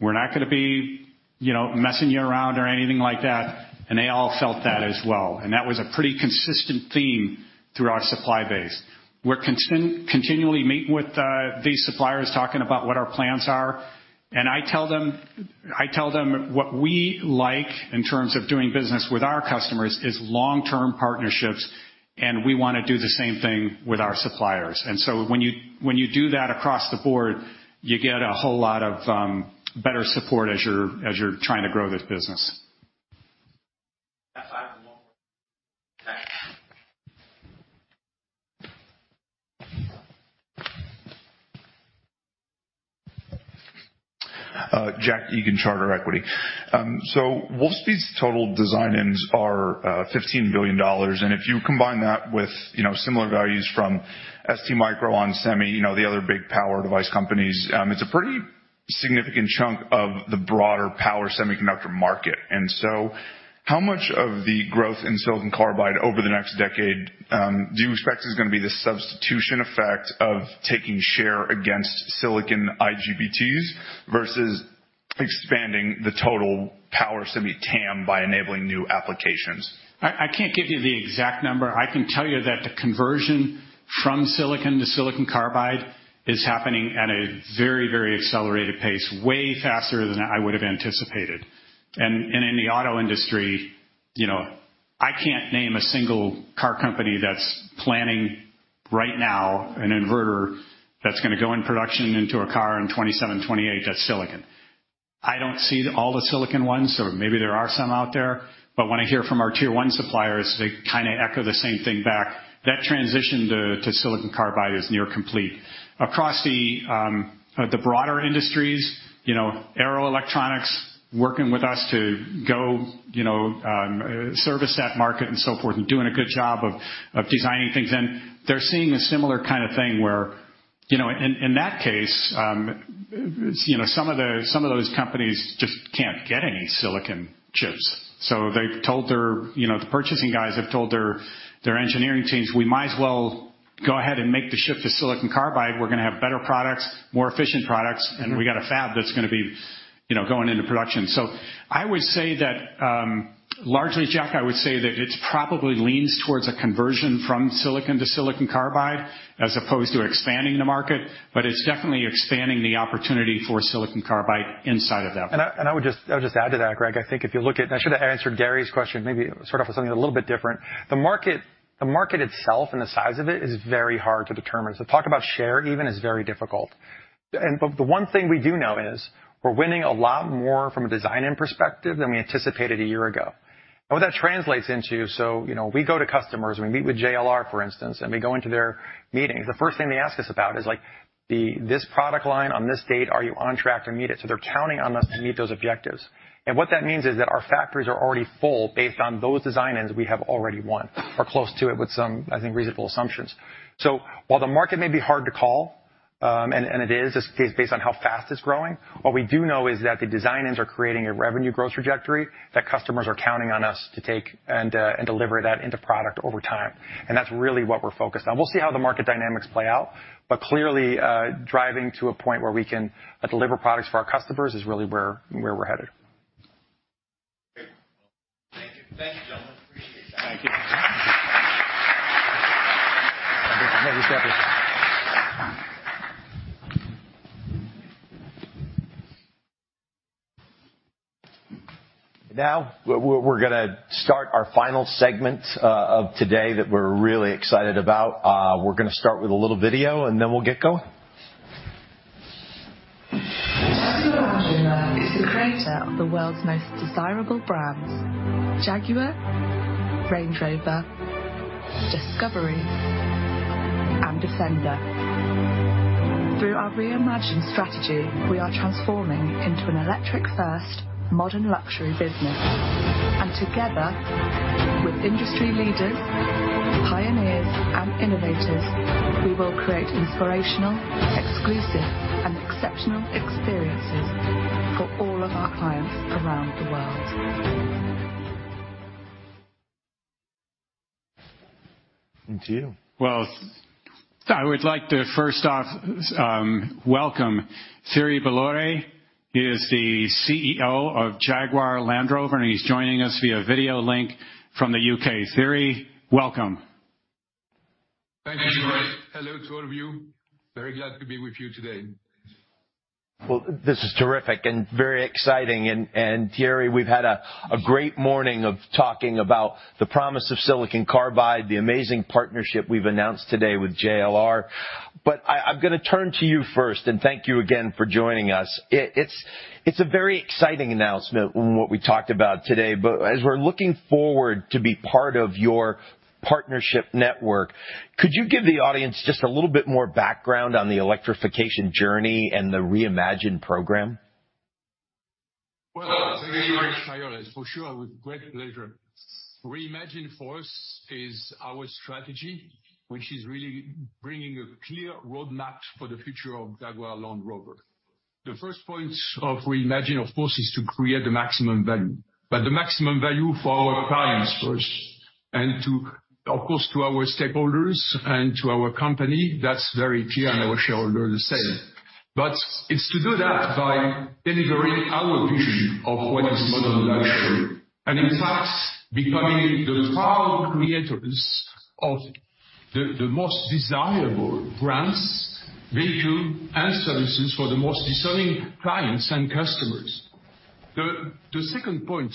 We're not gonna be, you know, messing you around or anything like that." They all felt that as well, and that was a pretty consistent theme through our supply base. We're continually meeting with these suppliers, talking about what our plans are, and I tell them what we like in terms of doing business with our customers is long-term partnerships, and we wanna do the same thing with our suppliers. When you do that across the board, you get a whole lot of better support as you're trying to grow this business. One more. Okay. Jack Egan, Charter Equity. So Wolfspeed's total design-ins are $15 billion, and if you combine that with, you know, similar values from STMicroelectronics, onsemi, you know, the other big power device companies, it's a pretty significant chunk of the broader power semiconductor market. How much of the growth in silicon carbide over the next decade do you expect is gonna be the substitution effect of taking share against silicon IGBTs versus expanding the total power semi TAM by enabling new applications? I can't give you the exact number. I can tell you that the conversion from silicon to silicon carbide is happening at a very, very accelerated pace, way faster than I would've anticipated. In the auto industry, you know, I can't name a single car company that's planning right now an inverter that's gonna go in production into a car in 2027, 2028 that's silicon. I don't see all the silicon ones, so maybe there are some out there, but when I hear from our tier one suppliers, they kinda echo the same thing back. That transition to silicon carbide is near complete. Across the broader industries, you know, Arrow Electronics working with us to go, you know, service that market and so forth and doing a good job of designing things in, they're seeing a similar kind of thing where, you know, in that case, you know, some of those companies just can't get any silicon chips. So they've told their, you know, the purchasing guys have told their engineering teams, "We might as well go ahead and make the shift to silicon carbide. We're gonna have better products, more efficient products, and we got a fab that's gonna be, you know, going into production. I would say that, largely, Jack, I would say that it probably leans towards a conversion from silicon to silicon carbide as opposed to expanding the market, but it's definitely expanding the opportunity for silicon carbide inside of that. I would just add to that, Gregg. I think if you look at. I should have answered Gary's question, maybe sort of something a little bit different. The market itself and the size of it is very hard to determine. So talk about share even is very difficult. The one thing we do know is we're winning a lot more from a design-in perspective than we anticipated a year ago. What that translates into, so, you know, we go to customers, we meet with JLR, for instance, and we go into their meetings. The first thing they ask us about is, like, this product line on this date, are you on track to meet it? They're counting on us to meet those objectives. What that means is that our factories are already full based on those design-ins we have already won or close to it with some, I think, reasonable assumptions. While the market may be hard to call, and it is, just based on how fast it's growing, what we do know is that the design-ins are creating a revenue growth trajectory that customers are counting on us to take and deliver that into product over time, and that's really what we're focused on. We'll see how the market dynamics play out, but clearly, driving to a point where we can deliver products for our customers is really where we're headed. Great. Thank you. Thank you, gentlemen. Appreciate that. Thank you. Now we're gonna start our final segment of today that we're really excited about. We're gonna start with a little video, and then we'll get going. Jaguar Land Rover is the creator of the world's most desirable brands, Jaguar, Range Rover, Discovery, and Defender. Through our Reimagine strategy, we are transforming into an electric first modern luxury business. Together with industry leaders, pioneers, and innovators, we will create inspirational, exclusive, and exceptional experiences for all of our clients around the world. To you. Well, I would like to first off, welcome Thierry Bolloré. He is the CEO of Jaguar Land Rover, and he's joining us via video link from the U.K. Thierry, welcome. Thank you, Gregg. Hello to all of you. Very glad to be with you today. Well, this is terrific and very exciting. Thierry, we've had a great morning of talking about the promise of silicon carbide, the amazing partnership we've announced today with JLR. I'm gonna turn to you first, and thank you again for joining us. It's a very exciting announcement in what we talked about today. As we're looking forward to be part of your partnership network, could you give the audience just a little bit more background on the electrification journey and the Reimagine program? Well, thank you, Gregg. For sure, with great pleasure. Reimagine, for us, is our strategy, which is really bringing a clear roadmap for the future of Jaguar Land Rover. The first point of Reimagine, of course, is to create the maximum value, but the maximum value for our clients first and to, of course, to our stakeholders and to our company. That's very clear in our shareholders' value. It's to do that by delivering our vision of what is modern luxury, and in fact, becoming the proud creators of the most desirable brands, vehicles, and services for the most discerning clients and customers. The second point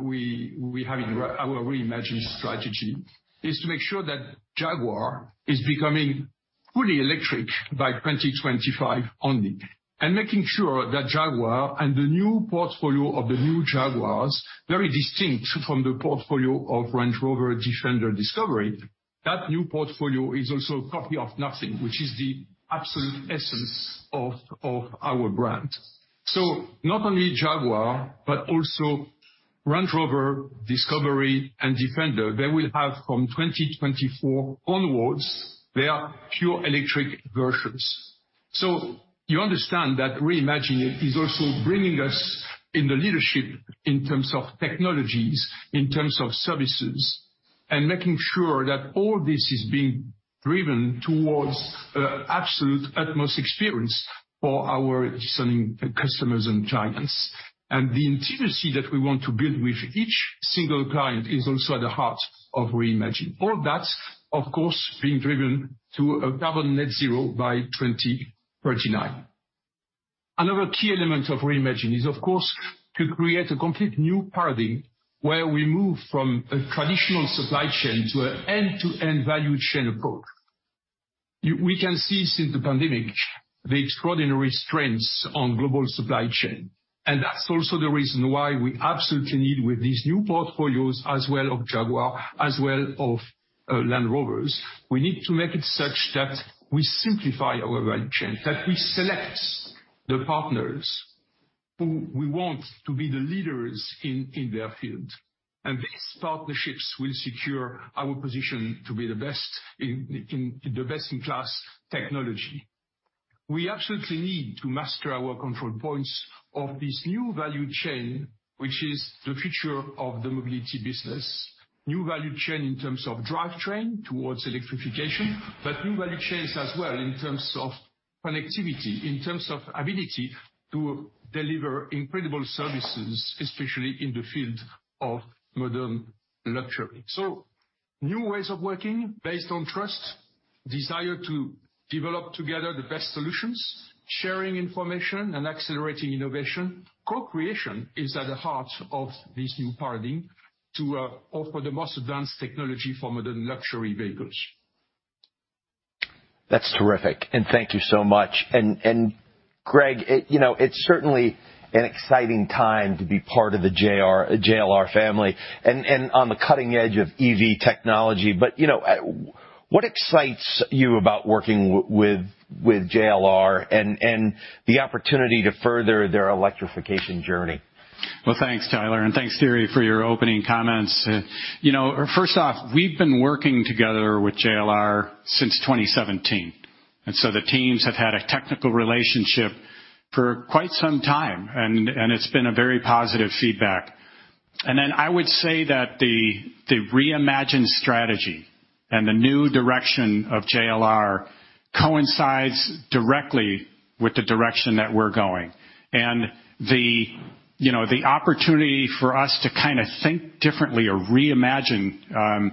we have in our Reimagine strategy is to make sure that Jaguar is becoming fully electric by 2025 only. Making sure that Jaguar and the new portfolio of the new Jaguars, very distinct from the portfolio of Range Rover, Defender, Discovery, that new portfolio is also a copy of nothing, which is the absolute essence of our brand. Not only Jaguar, but also Range Rover, Discovery, and Defender, they will have from 2024 onwards, their pure electric versions. You understand that Reimagine is also bringing us in the leadership in terms of technologies, in terms of services, and making sure that all this is being driven towards absolute utmost experience for our discerning customers and clients. The intimacy that we want to build with each single client is also at the heart of Reimagine. All that's, of course, being driven to a net-zero carbon by 2039. Another key element of Reimagine is, of course, to create a complete new paradigm where we move from a traditional supply chain to an end-to-end value chain approach. We can see since the pandemic the extraordinary strains on global supply chain, and that's also the reason why we absolutely need with these new portfolios as well of Jaguar, as well of Land Rovers, we need to make it such that we simplify our value chain, that we select the partners who we want to be the leaders in their field. These partnerships will secure our position to be the best in the best in class technology. We absolutely need to master our control points of this new value chain, which is the future of the mobility business. New value chain in terms of drivetrain towards electrification, but new value chains as well in terms of connectivity, in terms of ability to deliver incredible services, especially in the field of modern luxury. New ways of working based on trust, desire to develop together the best solutions, sharing information and accelerating innovation. Co-creation is at the heart of this new paradigm to offer the most advanced technology for modern luxury vehicles. That's terrific, and thank you so much. Gregg, you know, it's certainly an exciting time to be part of the JLR family and on the cutting edge of EV technology. What excites you about working with JLR and the opportunity to further their electrification journey? Well, thanks, Tyler, and thanks, Thierry, for your opening comments. You know, first off, we've been working together with JLR since 2017, and so the teams have had a technical relationship for quite some time, and it's been a very positive feedback. Then I would say that the Reimagine strategy and the new direction of JLR coincides directly with the direction that we're going. You know, the opportunity for us to kinda think differently or reimagine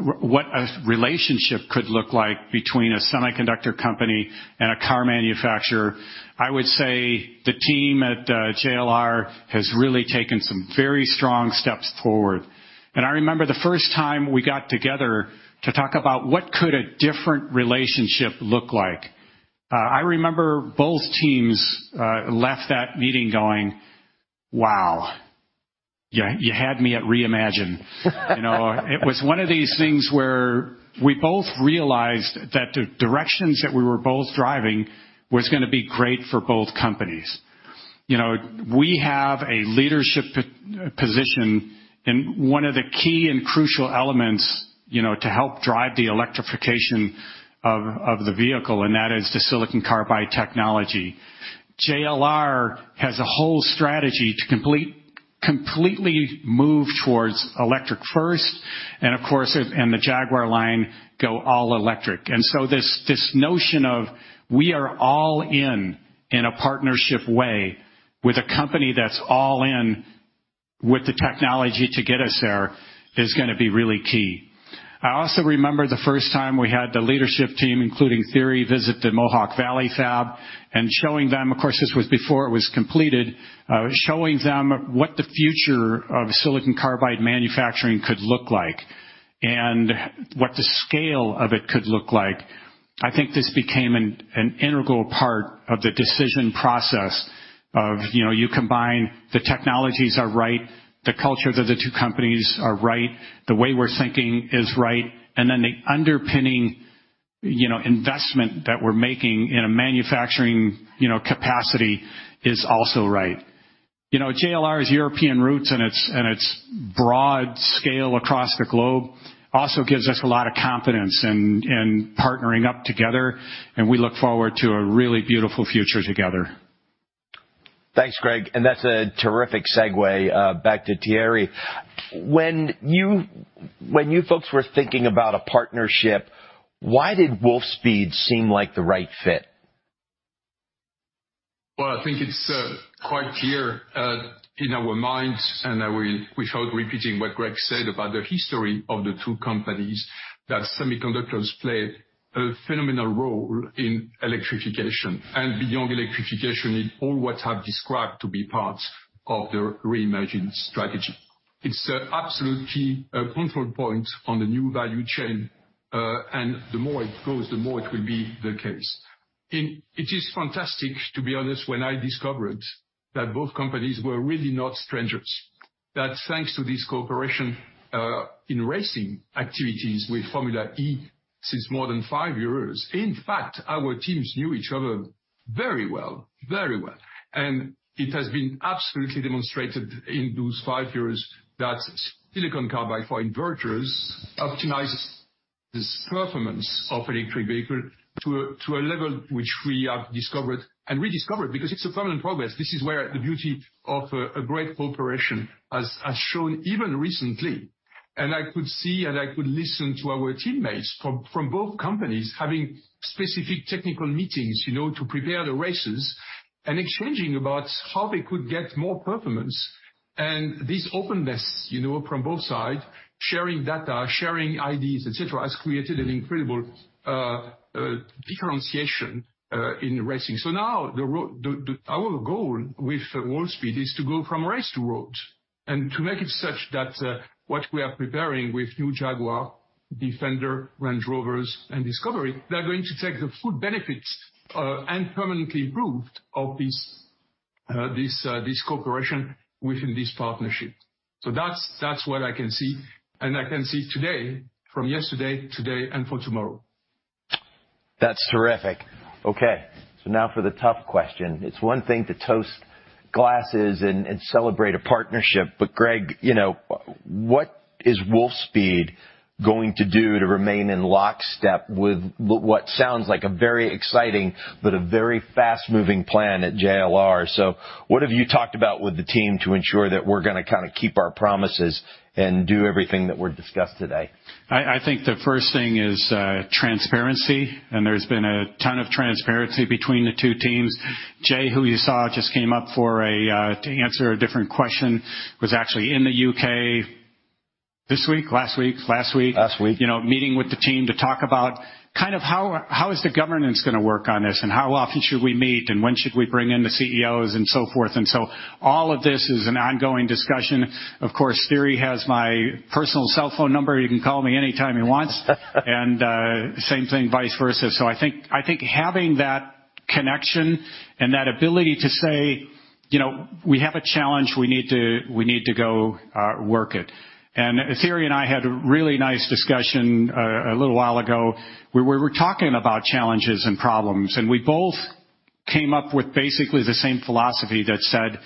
what a relationship could look like between a semiconductor company and a car manufacturer, I would say the team at JLR has really taken some very strong steps forward. I remember the first time we got together to talk about what could a different relationship look like. I remember both teams left that meeting going, "Wow, yeah, you had me at Reimagine." You know, it was one of these things where we both realized that the directions that we were both driving was gonna be great for both companies. You know, we have a leadership position in one of the key and crucial elements, you know, to help drive the electrification of the vehicle, and that is the silicon carbide technology. JLR has a whole strategy to completely move towards electric first and of course, the Jaguar line go all-electric. This notion of we are all in in a partnership way with a company that's all in with the technology to get us there is gonna be really key. I also remember the first time we had the leadership team, including Thierry, visit the Mohawk Valley fab and showing them, of course, this was before it was completed, showing them what the future of silicon carbide manufacturing could look like and what the scale of it could look like. I think this became an integral part of the decision process of, you know, you combine the technologies are right, the cultures of the two companies are right, the way we're thinking is right, and then the underpinning, you know, investment that we're making in a manufacturing, you know, capacity is also right. You know, JLR's European roots and its broad scale across the globe also gives us a lot of confidence in partnering up together, and we look forward to a really beautiful future together. Thanks, Gregg, and that's a terrific segue back to Thierry. When you folks were thinking about a partnership, why did Wolfspeed seem like the right fit? Well, I think it's quite clear in our minds, and I will without repeating what Gregg said about the history of the two companies, that semiconductors play a phenomenal role in electrification and beyond electrification in all what I've described to be part of the Reimagine strategy. It's absolutely a control point on the new value chain, and the more it goes, the more it will be the case. It is fantastic, to be honest, when I discovered that both companies were really not strangers. That thanks to this cooperation in racing activities with Formula E since more than five years, in fact, our teams knew each other very well. Very well. It has been absolutely demonstrated in those five years that silicon carbide for inverters optimizes performance of electric vehicle to a level which we have discovered and rediscovered because it's a permanent progress. This is where the beauty of a great cooperation as shown even recently. I could see and I could listen to our teammates from both companies having specific technical meetings, you know, to prepare the races and exchanging about how they could get more performance. This openness, you know, from both sides, sharing data, sharing ideas, et cetera, has created an incredible differentiation in racing. Now the Our goal with Wolfspeed is to go from race to road and to make it such that what we are preparing with new Jaguar, Defender, Range Rovers and Discovery, they're going to take the full benefits and permanently proved of this cooperation within this partnership. That's what I can see, and I can see today from yesterday, today, and for tomorrow. That's terrific. Okay, now for the tough question. It's one thing to toasting glasses and celebrate a partnership. Gregg, you know, what is Wolfspeed going to do to remain in lockstep with what sounds like a very exciting but a very fast-moving plan at JLR? What have you talked about with the team to ensure that we're gonna kinda keep our promises and do everything that was discussed today? I think the first thing is transparency, and there's been a ton of transparency between the two teams. Jay, who you saw just came up to answer a different question, was actually in the U.K. last week. Last week. You know, meeting with the team to talk about kind of how is the governance gonna work on this, and how often should we meet, and when should we bring in the CEOs, and so forth. All of this is an ongoing discussion. Of course, Thierry has my personal cell phone number. He can call me any time he wants. Same thing vice versa. I think having that connection and that ability to say, "You know, we have a challenge, we need to go work it." Thierry and I had a really nice discussion a little while ago where we were talking about challenges and problems, and we both came up with basically the same philosophy that said,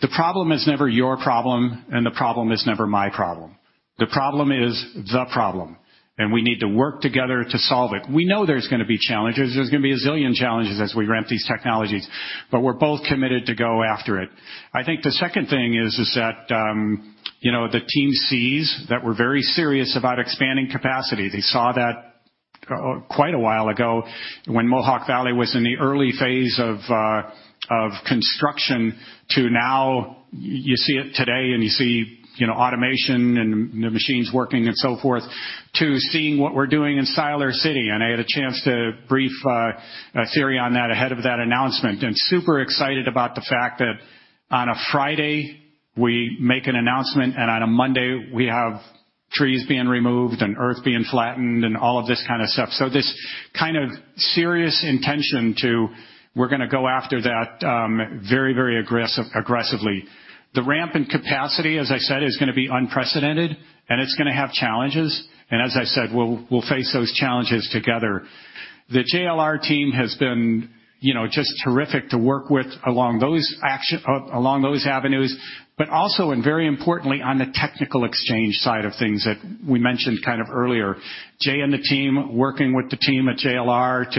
"The problem is never your problem, and the problem is never my problem. The problem is the problem, and we need to work together to solve it." We know there's gonna be challenges. There's gonna be a zillion challenges as we ramp these technologies, but we're both committed to go after it. I think the second thing is that, you know, the team sees that we're very serious about expanding capacity. They saw that quite a while ago when Mohawk Valley was in the early phase of construction to now you see it today, and you see, you know, automation and the machines working and so forth, to seeing what we're doing in Siler City. I had a chance to brief Thierry on that ahead of that announcement. Super excited about the fact that on a Friday we make an announcement, and on a Monday we have trees being removed and earth being flattened and all of this kind of stuff. This kind of serious intention that we're gonna go after that very aggressively. The ramp in capacity, as I said, is gonna be unprecedented, and it's gonna have challenges. As I said, we'll face those challenges together. The JLR team has been just terrific to work with along those avenues. Also, very importantly, on the technical exchange side of things that we mentioned kind of earlier. Jay and the team working with the team at JLR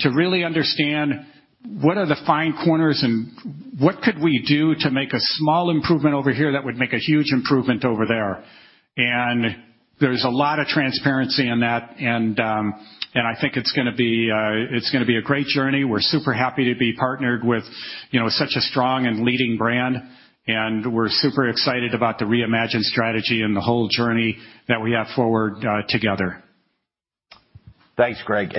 to really understand what are the fine corners and what could we do to make a small improvement over here that would make a huge improvement over there. There's a lot of transparency in that, and I think it's gonna be a great journey. We're super happy to be partnered with, you know, such a strong and leading brand, and we're super excited about the Reimagine strategy and the whole journey that we have forward together. Thanks, Gregg.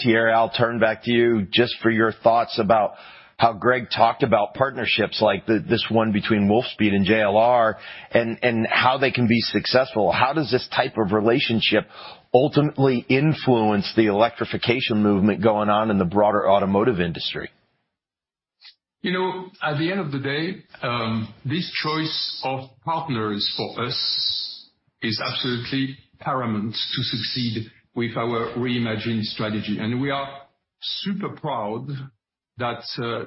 Thierry, I'll turn back to you just for your thoughts about how Gregg talked about partnerships like this one between Wolfspeed and JLR and how they can be successful. How does this type of relationship ultimately influence the electrification movement going on in the broader automotive industry? You know, at the end of the day, this choice of partners for us is absolutely paramount to succeed with our Reimagine strategy. We are super proud that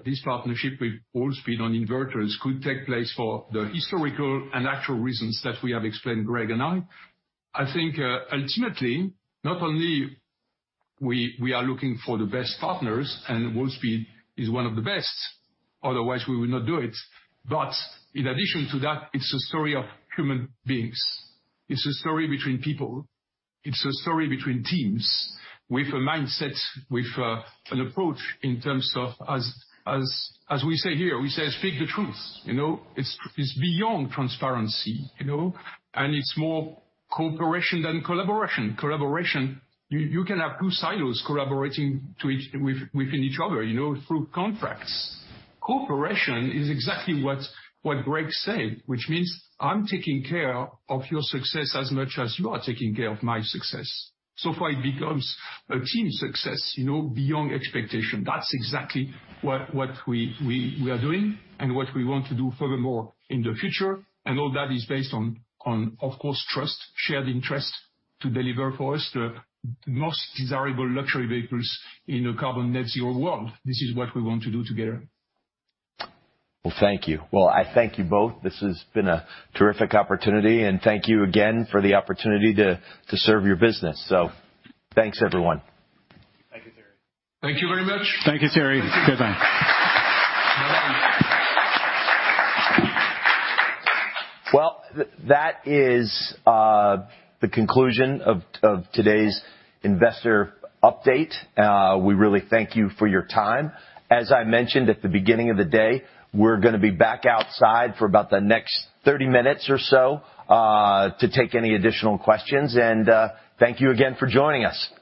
this partnership with Wolfspeed on inverters could take place for the historical and actual reasons that we have explained, Gregg and I. I think, ultimately, not only we are looking for the best partners, and Wolfspeed is one of the best, otherwise we would not do it. In addition to that, it's a story of human beings. It's a story between people. It's a story between teams with a mindset, with an approach in terms of as we say here, we say, "Speak the truth." You know? It's beyond transparency, you know? It's more cooperation than collaboration. Collaboration, you can have two silos collaborating to each Within each other, you know, through contracts. Cooperation is exactly what Gregg said, which means I'm taking care of your success as much as you are taking care of my success. It becomes a team success, you know, beyond expectation. That's exactly what we are doing and what we want to do furthermore in the future, and all that is based on, of course, trust, shared interest to deliver for us the most desirable luxury vehicles in a carbon net-zero world. This is what we want to do together. Well, thank you. Well, I thank you both. This has been a terrific opportunity, and thank you again for the opportunity to serve your business. Thanks, everyone. Thank you, Thierry. Thank you very much. Thank you, Thierry. Goodbye. Well, that is the conclusion of today's investor update. We really thank you for your time. As I mentioned at the beginning of the day, we're gonna be back outside for about the next 30 minutes or so to take any additional questions. Thank you again for joining us.